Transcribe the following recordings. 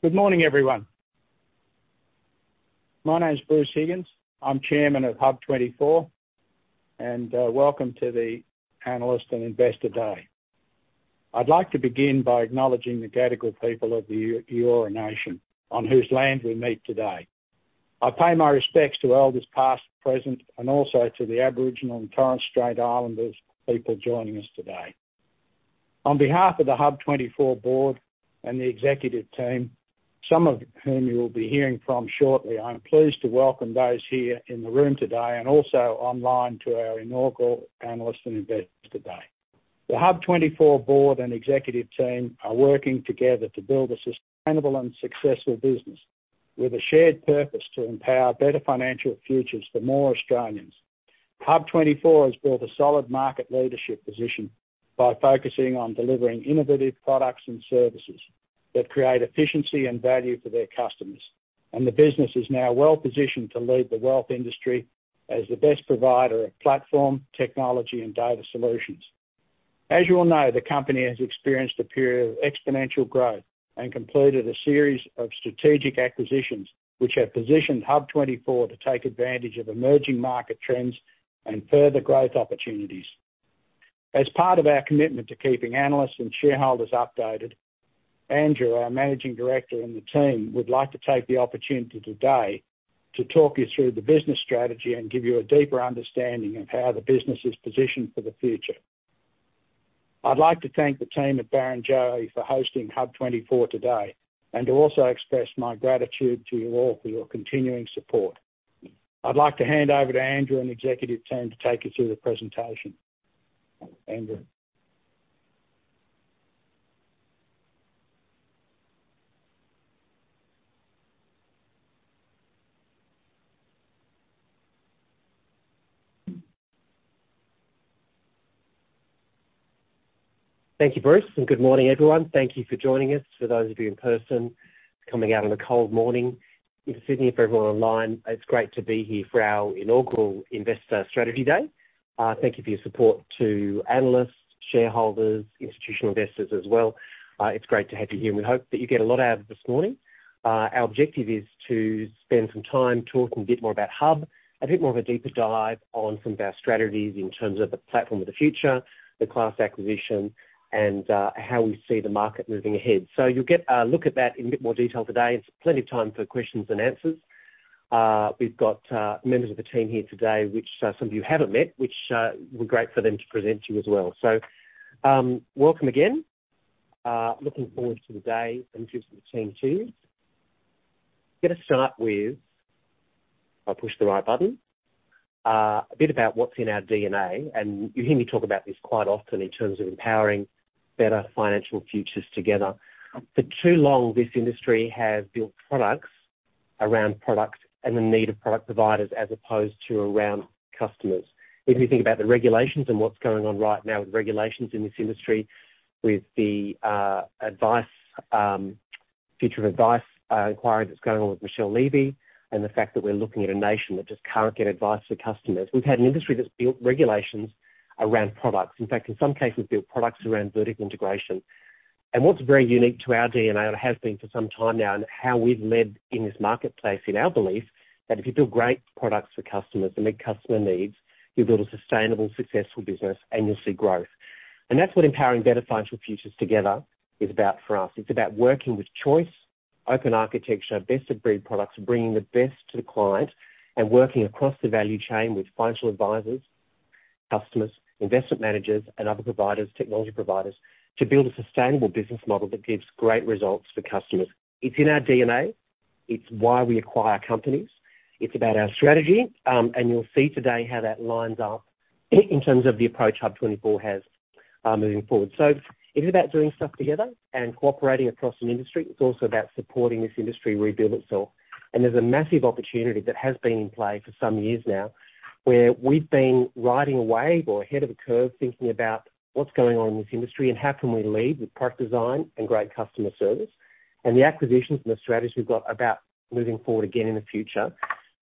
Good morning, everyone. My name is Bruce Higgins. I'm Chairman of HUB24, and welcome to the Analyst and Investor Day. I'd like to begin by acknowledging the Gadigal people of the Eora nation, on whose land we meet today. I pay my respects to elders past, present, and also to the Aboriginal and Torres Strait Islander people joining us today. On behalf of the HUB24 board and the executive team, some of whom you will be hearing from shortly, I'm pleased to welcome those here in the room today and also online to our inaugural Analyst and Investor Day. The HUB24 board and executive team are working together to build a sustainable and successful business with a shared purpose to empower better financial futures for more Australians. HUB24 has built a solid market leadership position by focusing on delivering innovative products and services that create efficiency and value for their customers. The business is now well-positioned to lead the wealth industry as the best provider of platform, technology, and data solutions. As you all know, the company has experienced a period of exponential growth and completed a series of strategic acquisitions, which have positioned HUB24 to take advantage of emerging market trends and further growth opportunities. As part of our commitment to keeping analysts and shareholders updated, Andrew, our managing director, and the team would like to take the opportunity today to talk you through the business strategy and give you a deeper understanding of how the business is positioned for the future. I'd like to thank the team at Barrenjoey for hosting HUB24 today and to also express my gratitude to you all for your continuing support. I'd like to hand over to Andrew and the executive team to take you through the presentation. Andrew. Thank you, Bruce, and good morning, everyone. Thank you for joining us. For those of you in person, coming out on a cold morning in Sydney. For everyone online, it's great to be here for our inaugural Investor Strategy Day. Thank you for your support to analysts, shareholders, institutional investors as well. It's great to have you here. We hope that you get a lot out of this morning. Our objective is to spend some time talking a bit more about HUB, a bit more of a deeper dive on some of our strategies in terms of the platform of the future, the Class acquisition, and how we see the market moving ahead. You'll get a look at that in a bit more detail today. There's plenty of time for questions and answers. We've got members of the team here today, which some of you haven't met, which will be great for them to present to you as well. Welcome again. Looking forward to the day and introducing the team, too. I'm gonna start with, if I push the right button, a bit about what's in our DNA. You hear me talk about this quite often in terms of empowering better financial futures together. For too long, this industry has built products around product and the need of product providers as opposed to around customers. If you think about the regulations and what's going on right now with regulations in this industry, with the Quality of Advice Review that's going on with Michelle Levy and the fact that we're looking at a nation that just can't get advice for customers. We've had an industry that's built regulations around products. In fact, in some cases, built products around vertical integration. What's very unique to our DNA, and has been for some time now and how we've led in this marketplace, in our belief, that if you build great products for customers that meet customer needs, you build a sustainable, successful business and you'll see growth. That's what empowering better financial futures together is about for us. It's about working with choice, open architecture, best-of-breed products, bringing the best to the client, and working across the value chain with financial advisors, customers, investment managers, and other providers, technology providers, to build a sustainable business model that gives great results for customers. It's in our DNA. It's why we acquire companies. It's about our strategy, and you'll see today how that lines up in terms of the approach HUB24 has, moving forward. It is about doing stuff together and cooperating across an industry. It's also about supporting this industry rebuild itself. There's a massive opportunity that has been in play for some years now, where we've been riding a wave or ahead of the curve, thinking about what's going on in this industry and how can we lead with product design and great customer service. The acquisitions and the strategies we've got about moving forward again in the future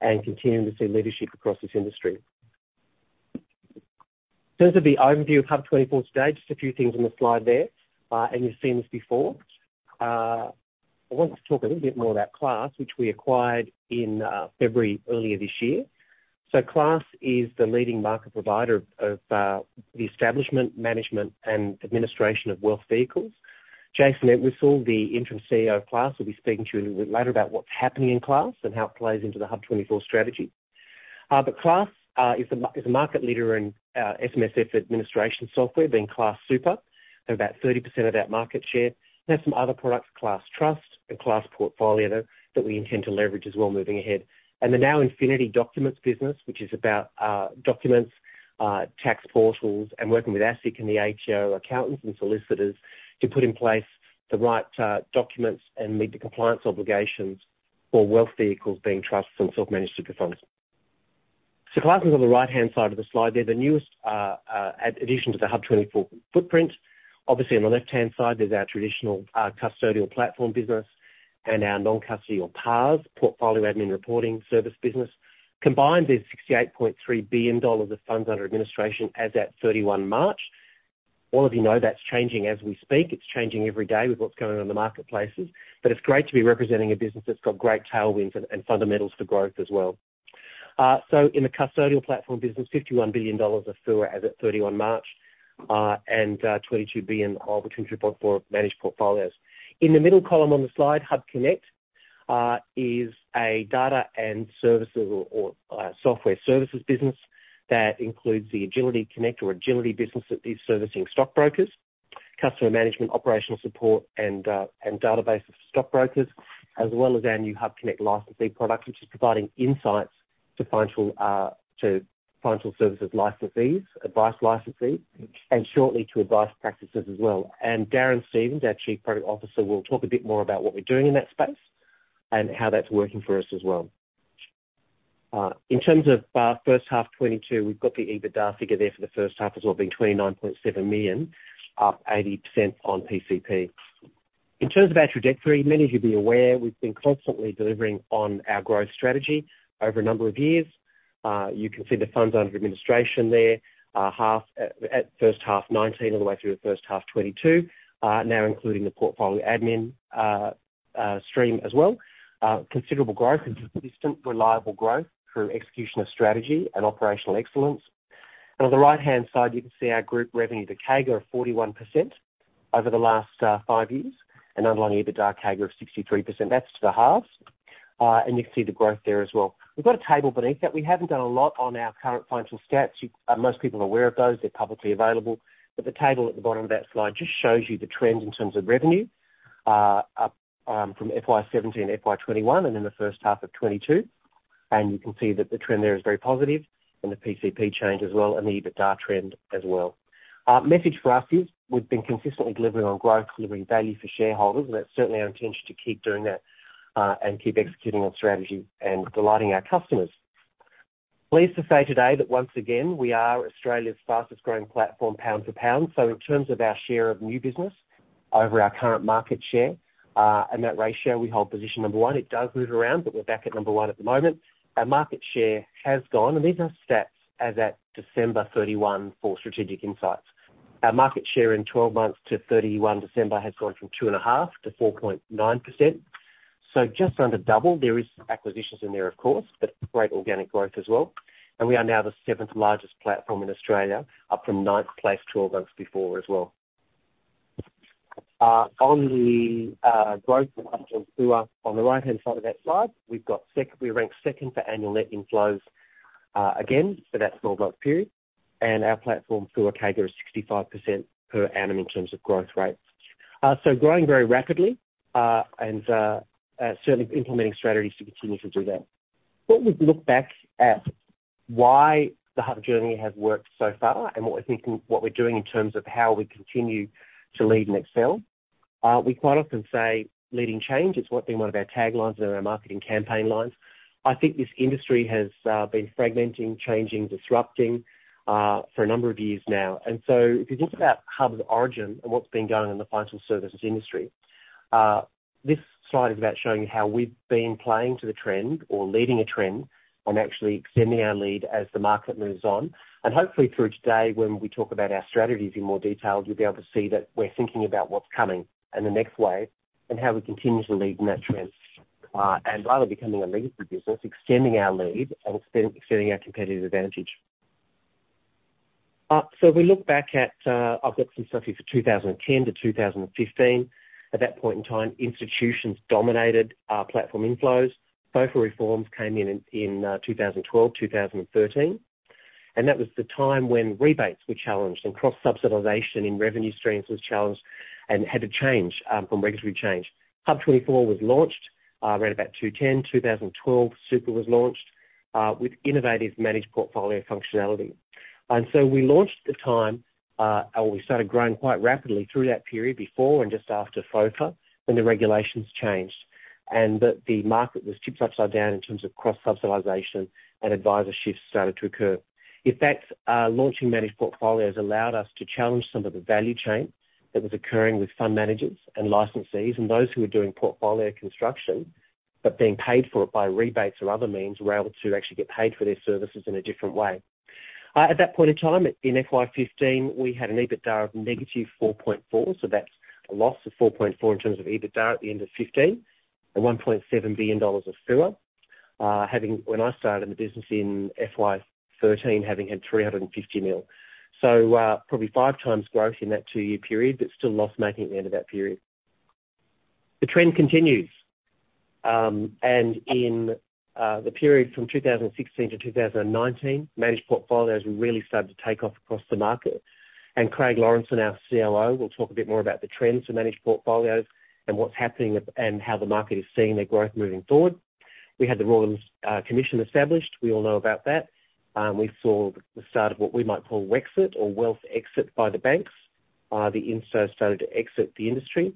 and continuing to see leadership across this industry. In terms of the overview of HUB24 today, just a few things on the slide there, and you've seen this before. I want to talk a little bit more about Class, which we acquired in February earlier this year. Class is the leading market provider of the establishment, management, and administration of wealth vehicles. Jason Entwistle, the interim CEO of Class, will be speaking to you a little bit later about what's happening in Class and how it plays into the HUB24 strategy. Class is a market leader in SMSF administration software, being Class Super. They have about 30% of that market share. They have some other products, Class Trust and Class Portfolio, that we intend to leverage as well moving ahead. The NowInfinity Documents business, which is about documents, tax portals, and working with ASIC and the ATO accountants and solicitors to put in place the right documents and meet the compliance obligations for wealth vehicles being trusts and self-managed super funds. Class is on the right-hand side of the slide. They're the newest addition to the HUB24 footprint. Obviously, on the left-hand side, there's our traditional custodial platform business and our non-custodial PARS, Portfolio Admin Reporting Service business. Combined, there's 68.3 billion dollars of funds under administration as at 31 March. All of you know that's changing as we speak. It's changing every day with what's going on in the marketplaces. It's great to be representing a business that's got great tailwinds and fundamentals for growth as well. In the custodial platform business, 51 billion dollars of FUA as at 31 March, and 22 billion of the contribution for managed portfolios. In the middle column on the slide, HUBconnect is a data and software services business that includes the Agility Connect or Agility business that is servicing stockbrokers, customer management, operational support, and database of stockbrokers, as well as our new HUBconnect licensee product, which is providing insights to financial services licensees, advice licensees, and shortly to advice practices as well. Darren Stevens, our Chief Product Officer, will talk a bit more about what we're doing in that space and how that's working for us as well. In terms of first half 2022, we've got the EBITDA figure there for the first half as well, being 29.7 million, up 80% on PCP. In terms of our trajectory, many of you'll be aware, we've been constantly delivering on our growth strategy over a number of years. You can see the funds under administration there, first half 2019 all the way through the first half 2022, now including the portfolio admin stream as well. Considerable growth and consistent reliable growth through execution of strategy and operational excellence. On the right-hand side, you can see our group revenue, the CAGR of 41% over the last five years, and underlying EBITDA CAGR of 63%. That's to the halves. You can see the growth there as well. We've got a table beneath that. We haven't done a lot on our current financial stats. Most people are aware of those. They're publicly available. The table at the bottom of that slide just shows you the trends in terms of revenue up from FY17 to FY21 and in the first half of 2022. You can see that the trend there is very positive and the PCP change as well and the EBITDA trend as well. Our message for us is we've been consistently delivering on growth, delivering value for shareholders, and that's certainly our intention to keep doing that and keep executing on strategy and delighting our customers. Pleased to say today that once again, we are Australia's fastest growing platform pound for pound. In terms of our share of new business over our current market share, and that ratio, we hold position number one. It does move around, but we're back at number one at the moment. Our market share has gone, and these are stats as at December 31 for Strategic Insights. Our market share in 12 months to 31 December has gone from 2.5% to 4.9%. Just under double. There is acquisitions in there, of course, but great organic growth as well. We are now the 7th largest platform in Australia, up from 9th place 12 months before as well. On the growth of HUB24 and FUA on the right-hand side of that slide, we rank second for annual net inflows, again for that 12-month period. Our platform FUA CAGR is 65% per annum in terms of growth rates. Growing very rapidly and certainly implementing strategies to continue to do that. Thought we'd look back at why the Hub journey has worked so far and what we're thinking, what we're doing in terms of how we continue to lead and excel. We quite often say leading change. It's what been one of our taglines and our marketing campaign lines. I think this industry has been fragmenting, changing, disrupting for a number of years now. If you think about Hub's origin and what's been going on in the financial services industry, this slide is about showing how we've been playing to the trend or leading a trend and actually extending our lead as the market moves on. Hopefully through today, when we talk about our strategies in more detail, you'll be able to see that we're thinking about what's coming and the next wave and how we continue to lead in that trend, and rather becoming a leader for business, extending our lead and extending our competitive advantage. So if we look back at, I've got some stuff here for 2010 to 2015. At that point in time, institutions dominated our platform inflows. FOFA reforms came in in 2012, 2013. That was the time when rebates were challenged and cross-subsidization in revenue streams was challenged and had to change from regulatory change. HUB24 was launched around about 2010. 2012, Super was launched with innovative managed portfolio functionality. We launched at the time and we started growing quite rapidly through that period before and just after FOFA, when the regulations changed and the market was tipped upside down in terms of cross-subsidization and adviser shifts started to occur. That is, launching managed portfolios allowed us to challenge some of the value chain that was occurring with fund managers and licensees and those who were doing portfolio construction, but being paid for it by rebates or other means, were able to actually get paid for their services in a different way. At that point in time, in FY 2015, we had an EBITDA of -4.4, so that's a loss of 4.4 in terms of EBITDA at the end of 2015 and 1.7 billion dollars of FUA. When I started in the business in FY 2013, having had 350 million. So, probably 5 times growth in that 2-year period, but still loss-making at the end of that period. The trend continues, in the period from 2016 to 2019, managed portfolios were really starting to take off across the market. Craig Lawrenson and our COO will talk a bit more about the trends for managed portfolios and what's happening with and how the market is seeing their growth moving forward. We had the Royal Commission established. We all know about that. We saw the start of what we might call Wexit or Wealth Exit by the banks. The incumbents started to exit the industry.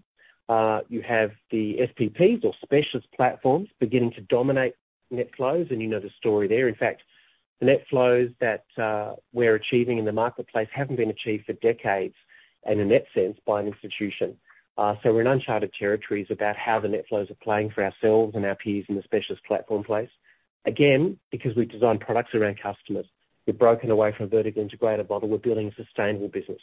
You have the SPPs or specialist platforms beginning to dominate net flows, and you know the story there. In fact, the net flows that we're achieving in the marketplace haven't been achieved for decades in a net sense by an institution. We're in uncharted territories about how the net flows are playing for ourselves and our peers in the specialist platform place. Again, because we design products around customers, we've broken away from a vertically integrated model. We're building a sustainable business.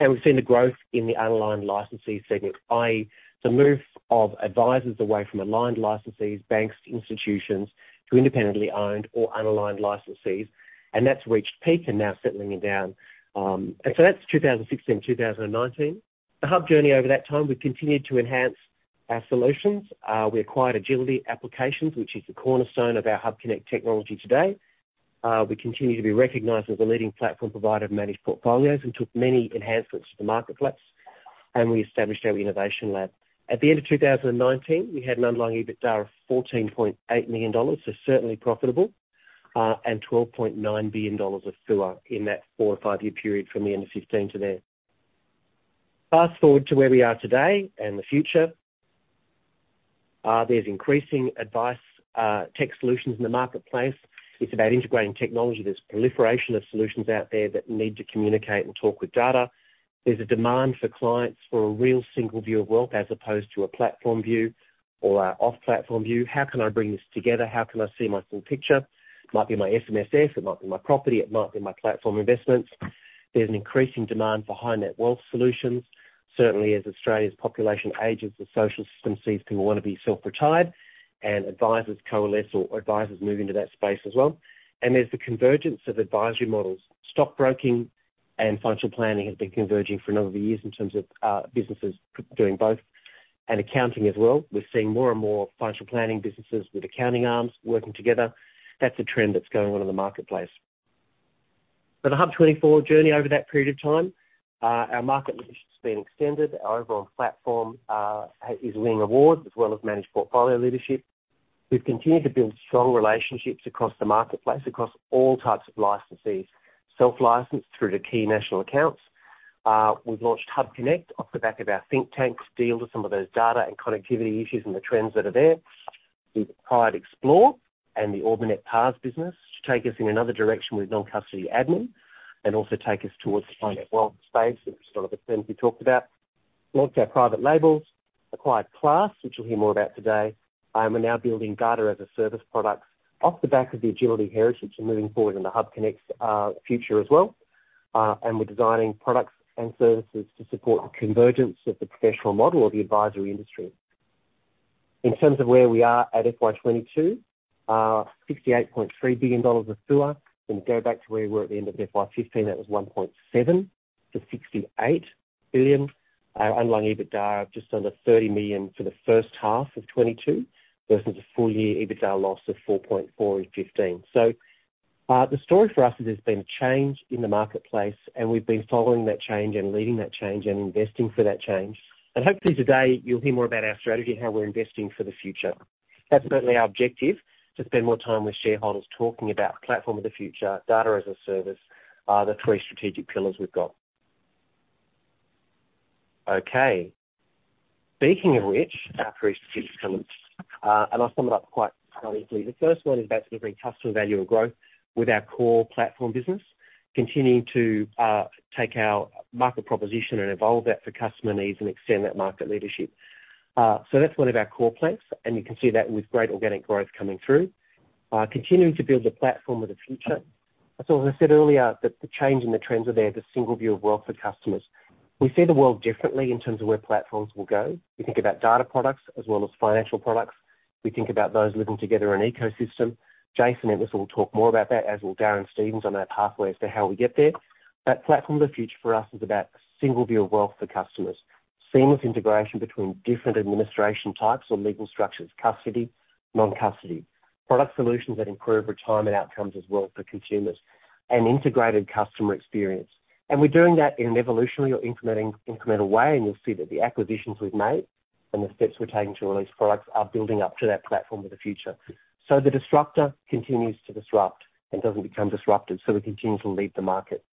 We've seen the growth in the unaligned licensee segment, i.e., the move of advisors away from aligned licensees, banks, institutions, to independently owned or unaligned licensees. That's reached peak and now settling down. That's 2016, 2019. The HUB journey over that time, we've continued to enhance our solutions. We acquired Agility Applications, which is the cornerstone of our HUBconnect technology today. We continue to be recognized as a leading platform provider of managed portfolios and took many enhancements to the marketplace, and we established our innovation lab. At the end of 2019, we had an underlying EBITDA of 14.8 million dollars, so certainly profitable, and 12.9 billion dollars of AUM in that 4 or 5-year period from the end of 2015 to there. Fast-forward to where we are today and the future. There's increasing advice tech solutions in the marketplace. It's about integrating technology. There's proliferation of solutions out there that need to communicate and talk with data. There's a demand for clients for a real single view of wealth as opposed to a platform view or a off-platform view. How can I bring this together? How can I see my full picture? It might be my SMSF, it might be my property, it might be my platform investments. There's an increasing demand for high-net-worth solutions. Certainly as Australia's population ages, the social system sees people wanna be self-retired and advisors coalesce or advisors move into that space as well. There's the convergence of advisory models. Stockbroking and financial planning have been converging for a number of years in terms of, businesses doing both, and accounting as well. We're seeing more and more financial planning businesses with accounting arms working together. That's a trend that's going on in the marketplace. The HUB24 journey over that period of time, our market leadership's been extended. Our overall platform is winning awards as well as managed portfolio leadership. We've continued to build strong relationships across the marketplace, across all types of licensees, self-licensed through to key national accounts. We've launched HUBconnect off the back of our think tanks to deal with some of those data and connectivity issues and the trends that are there. We've acquired Xplore and the Ord Minnett PARS business to take us in another direction with non-custody admin and also take us towards the high-net-worth space, which is one of the trends we talked about. Launched our private labels, acquired Class, which you'll hear more about today. We're now building data as a service product off the back of the Agility heritage and moving forward in the HUBconnect's future as well. We're designing products and services to support the convergence of the professional model or the advisory industry. In terms of where we are at FY 2022, $68.3 billion of AUM. Then go back to where we were at the end of FY 2015, that was 1.7 billion to 68 billion. Our underlying EBITDA of just under 30 million for the first half of 2022, versus a full-year EBITDA loss of 4.4 million in 2015. The story for us is there's been a change in the marketplace, and we've been following that change and leading that change and investing for that change. Hopefully today, you'll hear more about our strategy and how we're investing for the future. That's certainly our objective, to spend more time with shareholders talking about platform of the future, data as a service, the three strategic pillars we've got. Okay. Speaking of which, our three strategic pillars, and I'll sum it up quite easily. The first one is about delivering customer value and growth with our core platform business, continuing to take our market proposition and evolve that for customer needs and extend that market leadership. That's one of our core plans, and you can see that with great organic growth coming through. Continuing to build the platform of the future. As I said earlier, that the change in the trends are there, the single view of wealth for customers. We see the world differently in terms of where platforms will go. We think about data products as well as financial products. We think about those living together in an ecosystem. Jason Entwistle will talk more about that, as will Darren Stevens on our pathway as to how we get there. That platform of the future for us is about single view of wealth for customers, seamless integration between different administration types or legal structures, custody, non-custody, product solutions that improve retirement outcomes as well for consumers, an integrated customer experience. We're doing that in an evolutionary or incremental way, and you'll see that the acquisitions we've made and the steps we're taking to release products are building up to that platform of the future. The disruptor continues to disrupt and doesn't become disrupted, so we continue to lead the market.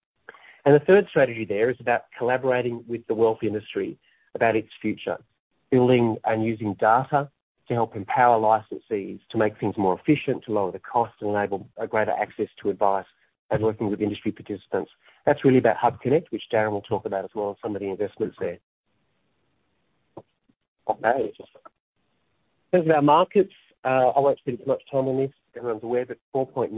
The third strategy there is about collaborating with the wealth industry about its future, building and using data to help empower licensees to make things more efficient, to lower the cost, enable a greater access to advice, and working with industry participants. That's really about HUBconnect, which Darren will talk about as well, and some of the investments there. Okay. In terms of our markets, I won't spend too much time on this. Everyone's aware that 4.9%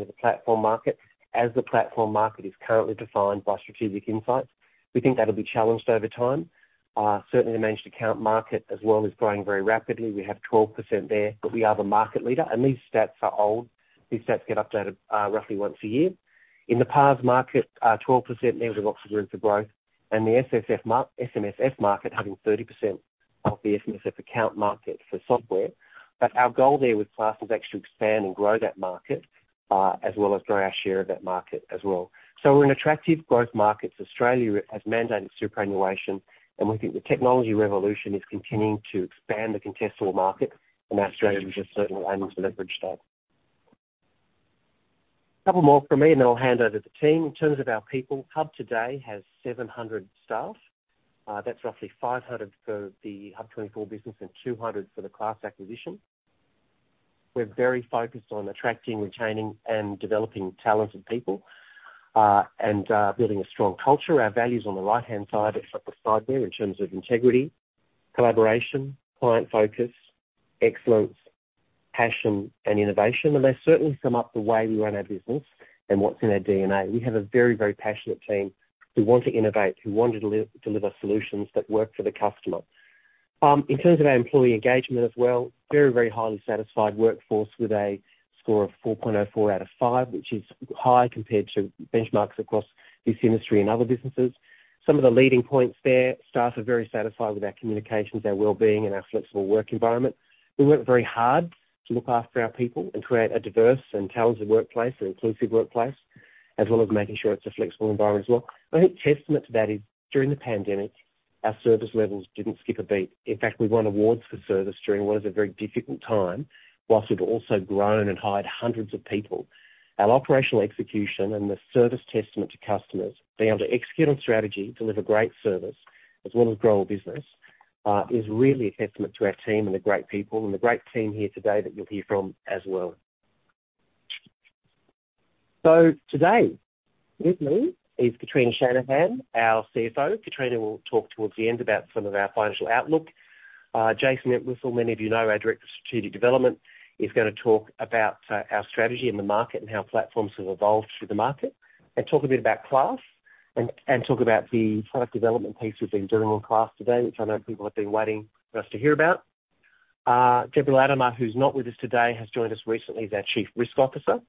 of the platform market as the platform market is currently defined by Strategic Insights. We think that'll be challenged over time. Certainly the managed account market as well is growing very rapidly. We have 12% there, but we are the market leader, and these stats are old. These stats get updated roughly once a year. In the PARS market, 12% means there's lots of room for growth. In the SMSF market, having 30% of the SMSF account market for software. Our goal there with Class is actually expand and grow that market, as well as grow our share of that market as well. We're in attractive growth markets. Australia has mandated superannuation, and we think the technology revolution is continuing to expand the contestable market, and Australia is just certainly aiming to leverage that. Couple more from me, and then I'll hand over to the team. In terms of our people, HUB24 today has 700 staff. That's roughly 500 for the HUB24 business and 200 for the Class acquisition. We're very focused on attracting, retaining, and developing talented people and building a strong culture. Our values on the right-hand side, if I stop there, in terms of integrity, collaboration, client focus, excellence, passion, and innovation. They certainly sum up the way we run our business and what's in our DNA. We have a very passionate team who want to innovate, who want to deliver solutions that work for the customer. In terms of our employee engagement as well, very highly satisfied workforce with a score of 4.04 out of 5, which is high compared to benchmarks across this industry and other businesses. Some of the leading points there, staff are very satisfied with our communications, our wellbeing, and our flexible work environment. We work very hard to look after our people and create a diverse and talented workplace, an inclusive workplace, as well as making sure it's a flexible environment as well. I think testament to that is during the pandemic, our service levels didn't skip a beat. In fact, we won awards for service during what is a very difficult time, whilst we've also grown and hired hundreds of people. Our operational execution and the service testament to customers, being able to execute on strategy, deliver great service as well as grow a business, is really a testament to our team and the great people and the great team here today that you'll hear from as well. Today with me is Kitrina Shanahan, our CFO. Kitrina will talk towards the end about some of our financial outlook. Jason Entwistle, many of you know, our Director of Strategic Development, is gonna talk about our strategy in the market and how platforms have evolved through the market, and talk a bit about Class, and talk about the product development piece we've been doing on Class today, which I know people have been waiting for us to hear about. Deborah Latimer, who's not with us today, has joined us recently as our Chief Risk Officer.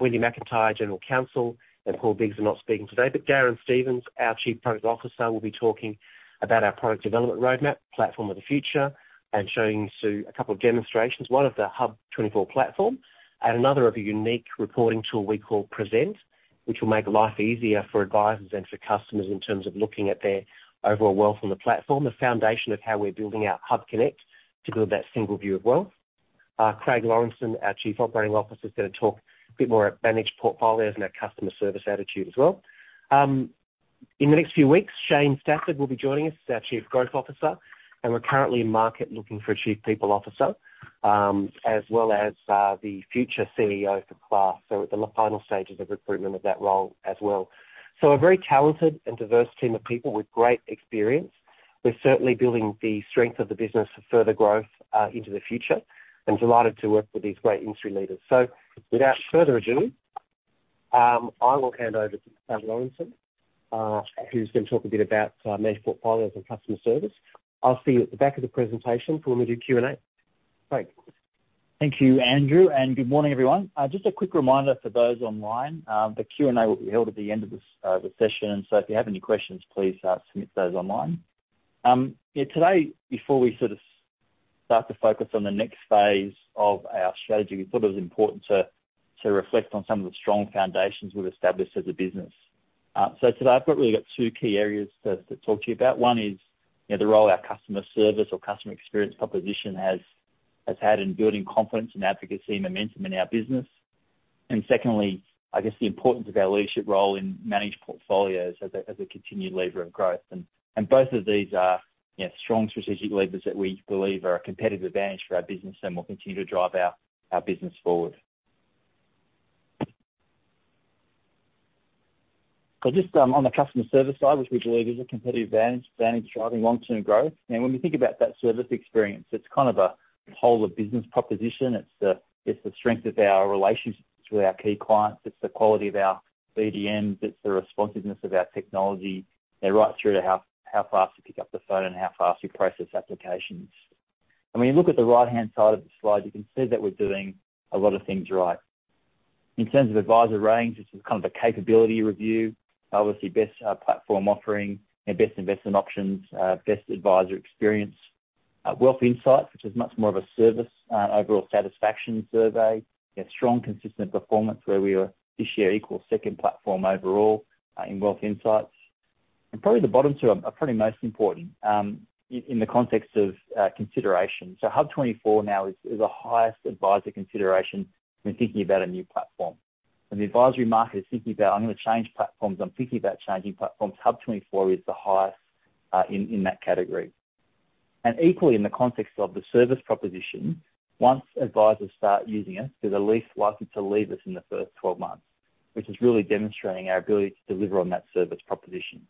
Wendy McIntyre, General Counsel, and Paul Biggs are not speaking today. Darren Stevens, our Chief Product Officer, will be talking about our product development roadmap, platform of the future, and showing you through a couple of demonstrations, one of the HUB24 platform and another of a unique reporting tool we call Present, which will make life easier for advisors and for customers in terms of looking at their overall wealth on the platform, the foundation of how we're building our HUBconnect to build that single view of wealth. Craig Lawrenson, our Chief Operating Officer, is gonna talk a bit more at managed portfolios and our customer service attitude as well. In the next few weeks, Chesne Stafford will be joining us as our Chief Growth Officer, and we're currently in market looking for a Chief People Officer, as well as the future CEO for Class. We're at the final stages of recruitment of that role as well. A very talented and diverse team of people with great experience. We're certainly building the strength of the business for further growth, into the future and delighted to work with these great industry leaders. Without further ado, I will hand over to Craig Lawrenson, who's gonna talk a bit about managed portfolios and customer service. I'll see you at the back of the presentation for when we do Q&A. Craig. Thank you, Andrew, and good morning, everyone. Just a quick reminder for those online, the Q&A will be held at the end of this session. If you have any questions, please submit those online. Yeah, today, before we sort of start to focus on the next phase of our strategy, we thought it was important to reflect on some of the strong foundations we've established as a business. Today I've really got two key areas to talk to you about. One is, you know, the role our customer service or customer experience proposition has had in building confidence and advocacy and momentum in our business. Secondly, I guess, the importance of our leadership role in managed portfolios as a continued lever of growth. Both of these are, you know, strong strategic levers that we believe are a competitive advantage for our business and will continue to drive our business forward. Just on the customer service side, which we believe is a competitive advantage driving long-term growth. Now, when we think about that service experience, it's kind of a whole of business proposition. It's the strength of our relationships with our key clients. It's the quality of our BDMs. It's the responsiveness of our technology. They're right through to how fast we pick up the phone and how fast we process applications. When you look at the right-hand side of the slide, you can see that we're doing a lot of things right. In terms of advisor range, this is kind of a capability review. Obviously best platform offering and best investment options, best advisor experience. Wealth Insights, which is much more of a service, overall satisfaction survey. We have strong, consistent performance where we are this year equal second platform overall, in Wealth Insights. Probably the bottom two are probably most important, in the context of consideration. HUB24 now is the highest advisor consideration when thinking about a new platform. When the advisory market is thinking about, "I'm gonna change platforms. I'm thinking about changing platforms," HUB24 is the highest, in that category. Equally, in the context of the service proposition, once advisors start using us, they're the least likely to leave us in the first 12 months, which is really demonstrating our ability to deliver on that service proposition.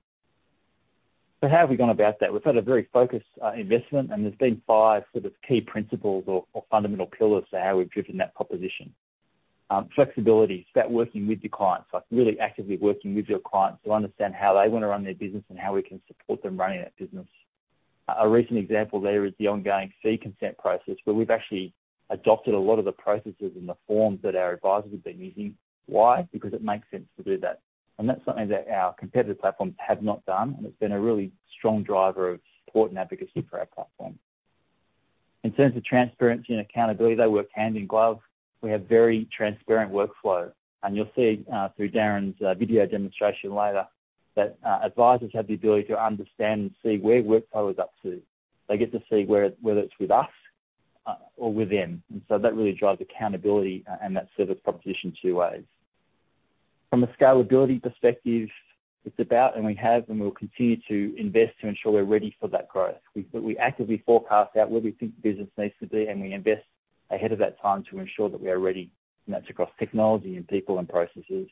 How have we gone about that? We've had a very focused investment, and there's been five sort of key principles or fundamental pillars to how we've driven that proposition. Flexibility. It's about working with your clients, like really actively working with your clients to understand how they wanna run their business and how we can support them running that business. A recent example there is the ongoing fee consent process, where we've actually adopted a lot of the processes and the forms that our advisors have been using. Why? Because it makes sense to do that. That's something that our competitor platforms have not done, and it's been a really strong driver of support and advocacy for our platform. In terms of transparency and accountability, they work hand in glove. We have very transparent workflow, and you'll see through Darren's video demonstration later that advisors have the ability to understand and see where workflow is up to. They get to see where whether it's with us or with them. That really drives accountability and that service proposition two ways. From a scalability perspective, it's about and we have and we'll continue to invest to ensure we're ready for that growth. We actively forecast out where we think the business needs to be, and we invest ahead of that time to ensure that we are ready, and that's across technology and people and processes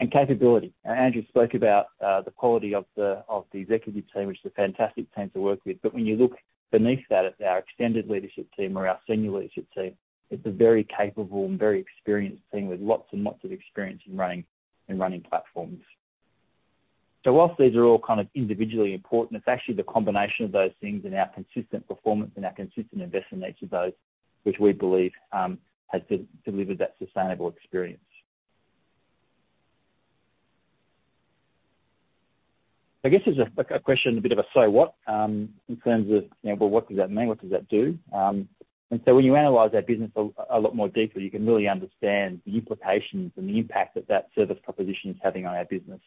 and capability. Andrew spoke about the quality of the executive team, which is a fantastic team to work with. When you look beneath that at our extended leadership team or our senior leadership team, it's a very capable and very experienced team with lots and lots of experience in running platforms. While these are all kind of individually important, it's actually the combination of those things and our consistent performance and our consistent investment in each of those which we believe has delivered that sustainable experience. I guess there's a like a question, a bit of a so what in terms of, you know, well, what does that mean? What does that do? When you analyze our business a lot more deeply, you can really understand the implications and the impact that that service proposition is having on our business.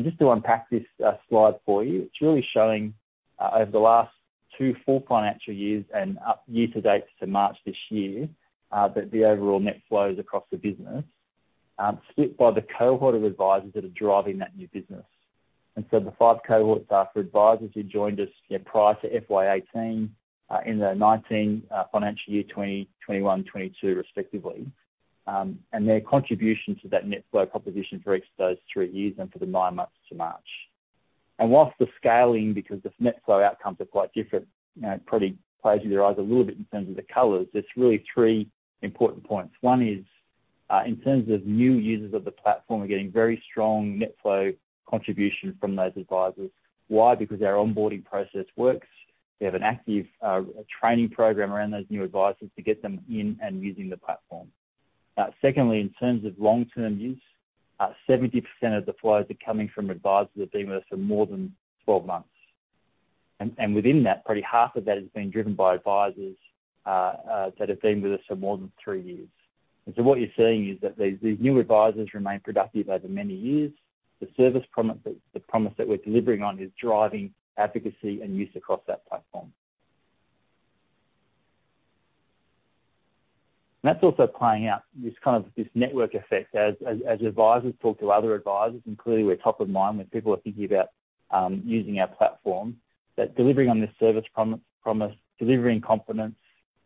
Just to unpack this slide for you, it's really showing over the last two full financial years and year to date to March this year that the overall net flows across the business split by the cohort of advisors that are driving that new business. The five cohorts are for advisors who joined us, you know, prior to FY 2018, in the 2019, financial year 2020, 2021, 2022 respectively, and their contribution to that net flow proposition for each of those three years and for the nine months to March. While the scaling, because the net flow outcomes are quite different, you know, it probably plays with your eyes a little bit in terms of the colors, it's really three important points. One is in terms of new users of the platform, we're getting very strong net flow contribution from those advisors. Why? Because our onboarding process works. We have an active training program around those new advisors to get them in and using the platform. Secondly, in terms of long-term use, 70% of the flows are coming from advisors that have been with us for more than 12 months. And within that, probably half of that has been driven by advisors that have been with us for more than 3 years. What you're seeing is that these new advisors remain productive over many years. The service promise that we're delivering on is driving advocacy and use across that platform. That's also playing out this kind of this network effect as advisors talk to other advisors, and clearly we're top of mind when people are thinking about using our platform, that delivering on this service promise, delivering confidence,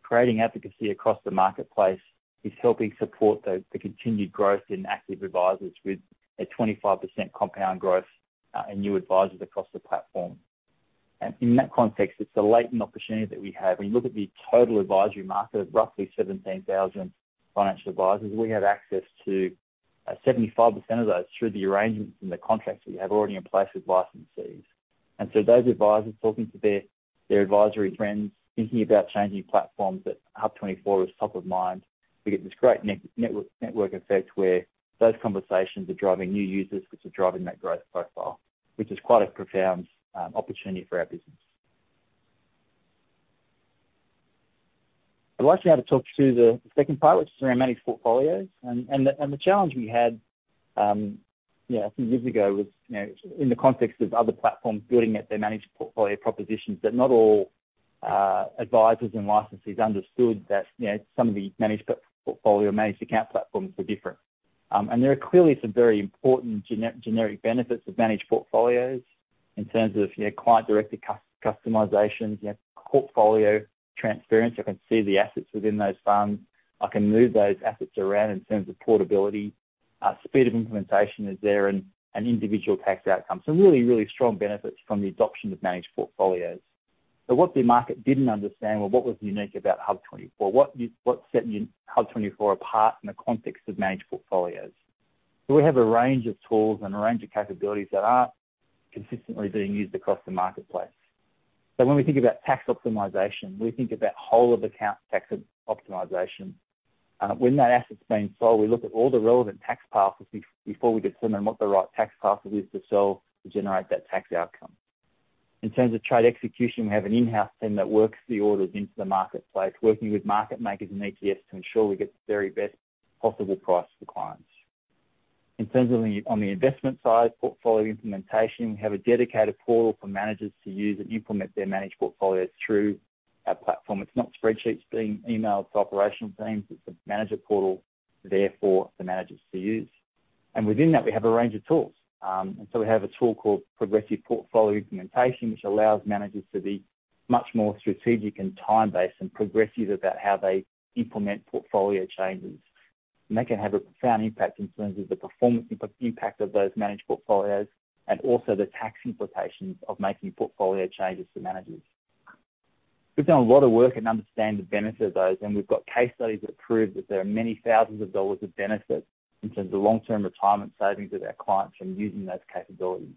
creating advocacy across the marketplace is helping support the continued growth in active advisors with a 25% compound growth in new advisors across the platform. In that context, it's the latent opportunity that we have. When you look at the total advisory market of roughly 17,000 financial advisors, we have access to 75% of those through the arrangements and the contracts we have already in place with licensees. Those advisors talking to their advisory friends, thinking about changing platforms that HUB24 was top of mind. We get this great network effect where those conversations are driving new users, which are driving that growth profile, which is quite a profound opportunity for our business. I'd like now to talk through the second part, which is around managed portfolios. The challenge we had, you know, a few years ago was, you know, in the context of other platforms building out their managed portfolio propositions, that not all advisors and licensees understood that, you know, some of the managed portfolio, managed account platforms were different. There are clearly some very important generic benefits of managed portfolios in terms of, you know, client-directed customizations, you know, portfolio transparency. I can see the assets within those funds. I can move those assets around in terms of portability. Speed of implementation is there and individual tax outcomes. Really strong benefits from the adoption of managed portfolios. What the market didn't understand was what was unique about HUB24. What set HUB24 apart in the context of managed portfolios. We have a range of tools and a range of capabilities that are consistently being used across the marketplace. When we think about tax optimization, we think about whole of account tax optimization. When that asset's being sold, we look at all the relevant tax paths before we determine what the right tax path is to sell to generate that tax outcome. In terms of trade execution, we have an in-house team that works the orders into the marketplace, working with market makers and ETFs to ensure we get the very best possible price for clients. In terms of on the investment side, portfolio implementation, we have a dedicated portal for managers to use and implement their managed portfolios through our platform. It's not spreadsheets being emailed to operational teams. It's a manager portal there for the managers to use. Within that, we have a range of tools. We have a tool called Progressive Portfolio Implementation, which allows managers to be much more strategic and time-based and progressive about how they implement portfolio changes. That can have a profound impact in terms of the performance impact of those managed portfolios, and also the tax implications of making portfolio changes for managers. We've done a lot of work and understand the benefit of those, and we've got case studies that prove that there are many thousands of dollars of benefit in terms of long-term retirement savings of our clients from using those capabilities.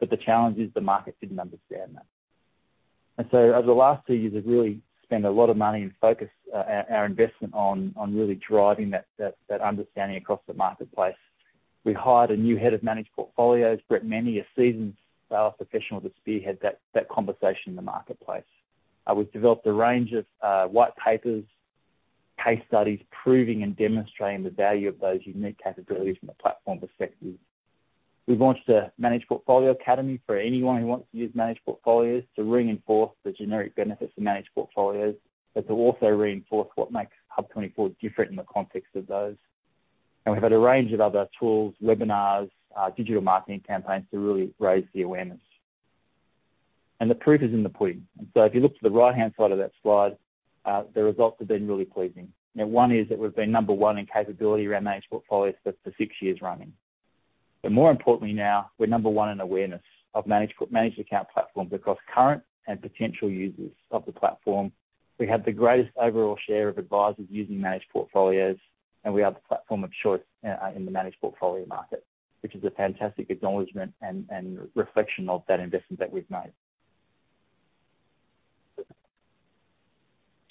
The challenge is the market didn't understand that. Over the last two years, we've really spent a lot of money and focus our investment on really driving that understanding across the marketplace. We hired a new head of managed portfolios, Brett Mennie, a seasoned sales professional to spearhead that conversation in the marketplace. We've developed a range of white papers, case studies proving and demonstrating the value of those unique capabilities from the platform perspective. We've launched a managed portfolio academy for anyone who wants to use managed portfolios to reinforce the generic benefits of managed portfolios, but to also reinforce what makes HUB24 different in the context of those. We've had a range of other tools, webinars, digital marketing campaigns to really raise the awareness. The proof is in the pudding. If you look to the right hand side of that slide, the results have been really pleasing. Now, one is that we've been number one in capability around managed portfolios for six years running. But more importantly now, we're number one in awareness of managed account platforms across current and potential users of the platform. We have the greatest overall share of advisors using managed portfolios, and we are the platform of choice in the managed portfolio market, which is a fantastic acknowledgement and reflection of that investment that we've made.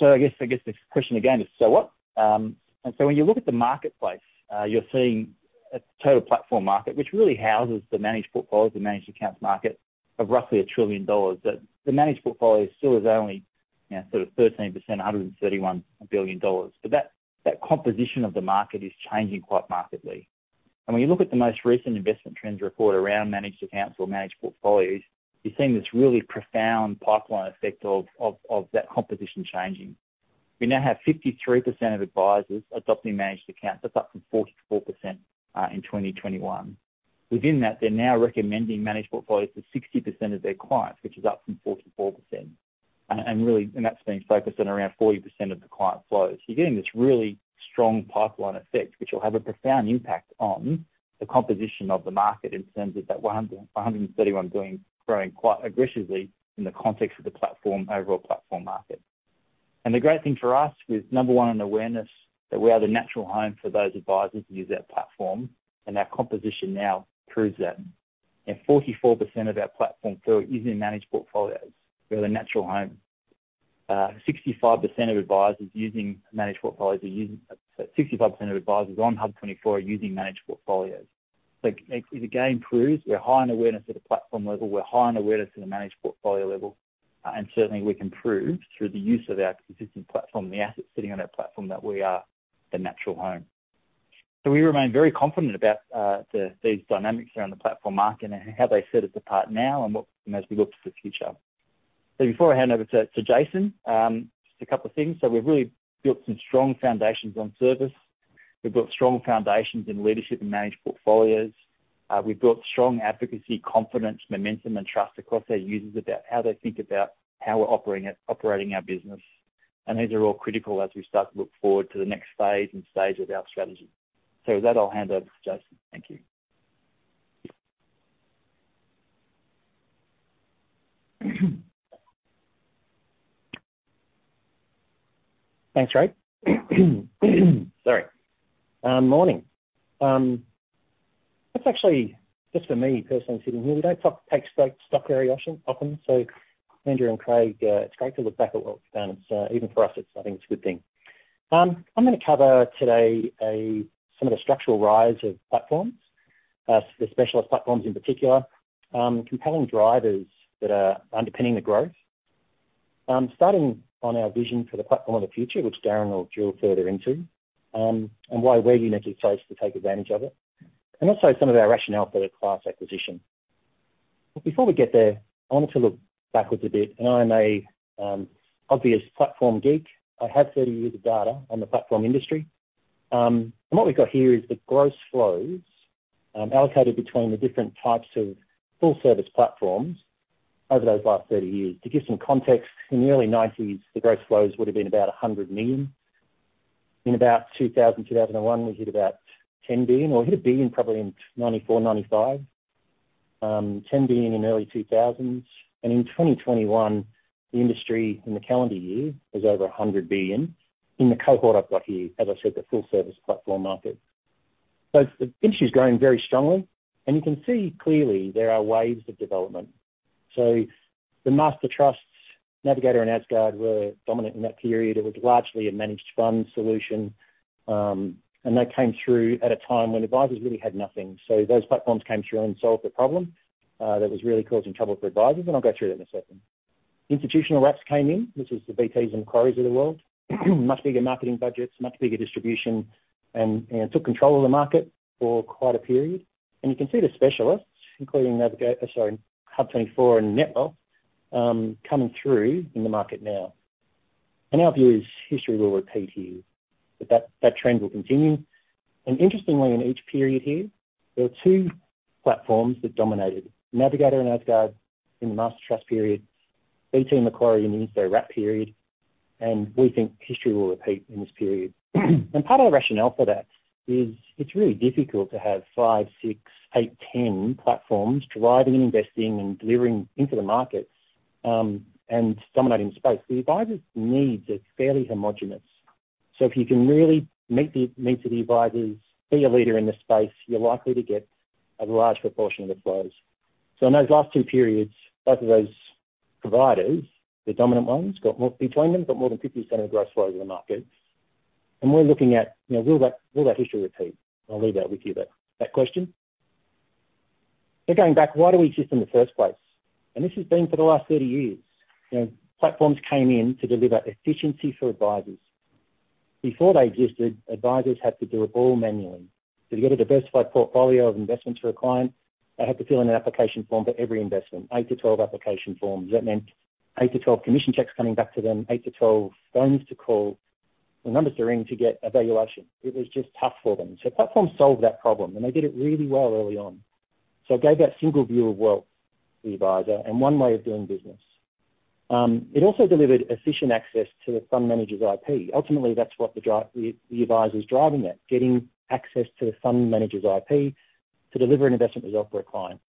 I guess the question again is, so what? When you look at the marketplace, you're seeing a total platform market, which really houses the managed portfolios and managed accounts market of roughly 1 trillion dollars. That the managed portfolio still is only, you know, sort of 13%, 131 billion dollars. That composition of the market is changing quite markedly. When you look at the most recent Investment Trends report around managed accounts or managed portfolios, you're seeing this really profound pipeline effect of that composition changing. We now have 53% of advisors adopting managed accounts. That's up from 44% in 2021. Within that, they're now recommending managed portfolios to 60% of their clients, which is up from 44%. Really, that's being focused on around 40% of the client flows. You're getting this really strong pipeline effect, which will have a profound impact on the composition of the market in terms of that 131 billion growing quite aggressively in the context of the platform, overall platform market. The great thing for us with number one in awareness that we are the natural home for those advisors to use our platform, and our composition now proves that. 44% of our platform flow is in managed portfolios. We are the natural home. 65% of advisors using managed portfolios are us—65% of advisors on HUB24 are using managed portfolios. It again proves we're high in awareness at a platform level, we're high in awareness at a managed portfolio level, and certainly we can prove through the use of our existing platform, the assets sitting on our platform that we are the natural home. We remain very confident about these dynamics around the platform market and how they set us apart now and what as we look to the future. Before I hand over to Jason, just a couple of things. We've really built some strong foundations on service. We've built strong foundations in leadership and managed portfolios. We've built strong advocacy, confidence, momentum and trust across our users about how they think about how we're operating it, operating our business. These are all critical as we start to look forward to the next phase and stage of our strategy. With that, I'll hand over to Jason. Thank you. Thanks, Craig. Sorry. Morning. That's actually just for me personally sitting here. We don't take stock very often. Andrew and Craig, it's great to look back at what we've done. It's even for us. I think it's a good thing. I'm gonna cover today some of the structural rise of platforms, the specialist platforms in particular, compelling drivers that are underpinning the growth. Starting on our vision for the platform of the future, which Darren will drill further into, and why we're uniquely placed to take advantage of it, and also some of our rationale for the Class acquisition. Before we get there, I wanted to look backwards a bit, and I am a obvious platform geek. I have 30 years of data on the platform industry. What we've got here is the gross flows, allocated between the different types of full service platforms over those last 30 years. To give some context, in the early nineties, the gross flows would have been about 100 million. In about 2000, 2001, we hit about 10 billion, or hit 1 billion probably in 1994, 1995. 10 billion in early 2000s. In 2021, the industry in the calendar year was over 100 billion in the cohort I've got here, as I said, the full service platform market. The industry is growing very strongly, and you can see clearly there are waves of development. The master trusts, Navigator and Asgard, were dominant in that period. It was largely a managed fund solution, and that came through at a time when advisors really had nothing. Those platforms came through and solved the problem that was really causing trouble for advisors, and I'll go through that in a second. Institutional wraps came in, which was the BTs and Macquarie of the world. Much bigger marketing budgets, much bigger distribution, and took control of the market for quite a period. You can see the specialists, including HUB24 and Netwealth, coming through in the market now. Our view is history will repeat here, but that trend will continue. Interestingly, in each period here, there are two platforms that dominated. Navigator and Asgard in the master trust period, BT and Macquarie in the institutional wrap period, and we think history will repeat in this period. Part of our rationale for that is it's really difficult to have 5, 6, 8, 10 platforms driving and investing and delivering into the markets, and dominating space. The advisors' needs are fairly homogenous. If you can really meet the advisors, be a leader in the space, you're likely to get a large proportion of the flows. In those last two periods, both of those providers, the dominant ones, got more, between them, got more than 50% of gross flows in the market. We're looking at, you know, will that history repeat? I'll leave that with you, that question. Going back, why do we exist in the first place? This has been for the last 30 years. You know, platforms came in to deliver efficiency for advisors. Before they existed, advisors had to do it all manually. To get a diversified portfolio of investments for a client, they had to fill in an application form for every investment, 8-12 application forms. That meant 8-12 commission checks coming back to them, 8-12 phone calls to get the numbers in to get a valuation. It was just tough for them. Platforms solved that problem, and they did it really well early on. It gave that single view of wealth, the advisor, and one way of doing business. It also delivered efficient access to the fund manager's IP. Ultimately, that's what the advisor is driving at, getting access to the fund manager's IP to deliver an investment result for a client.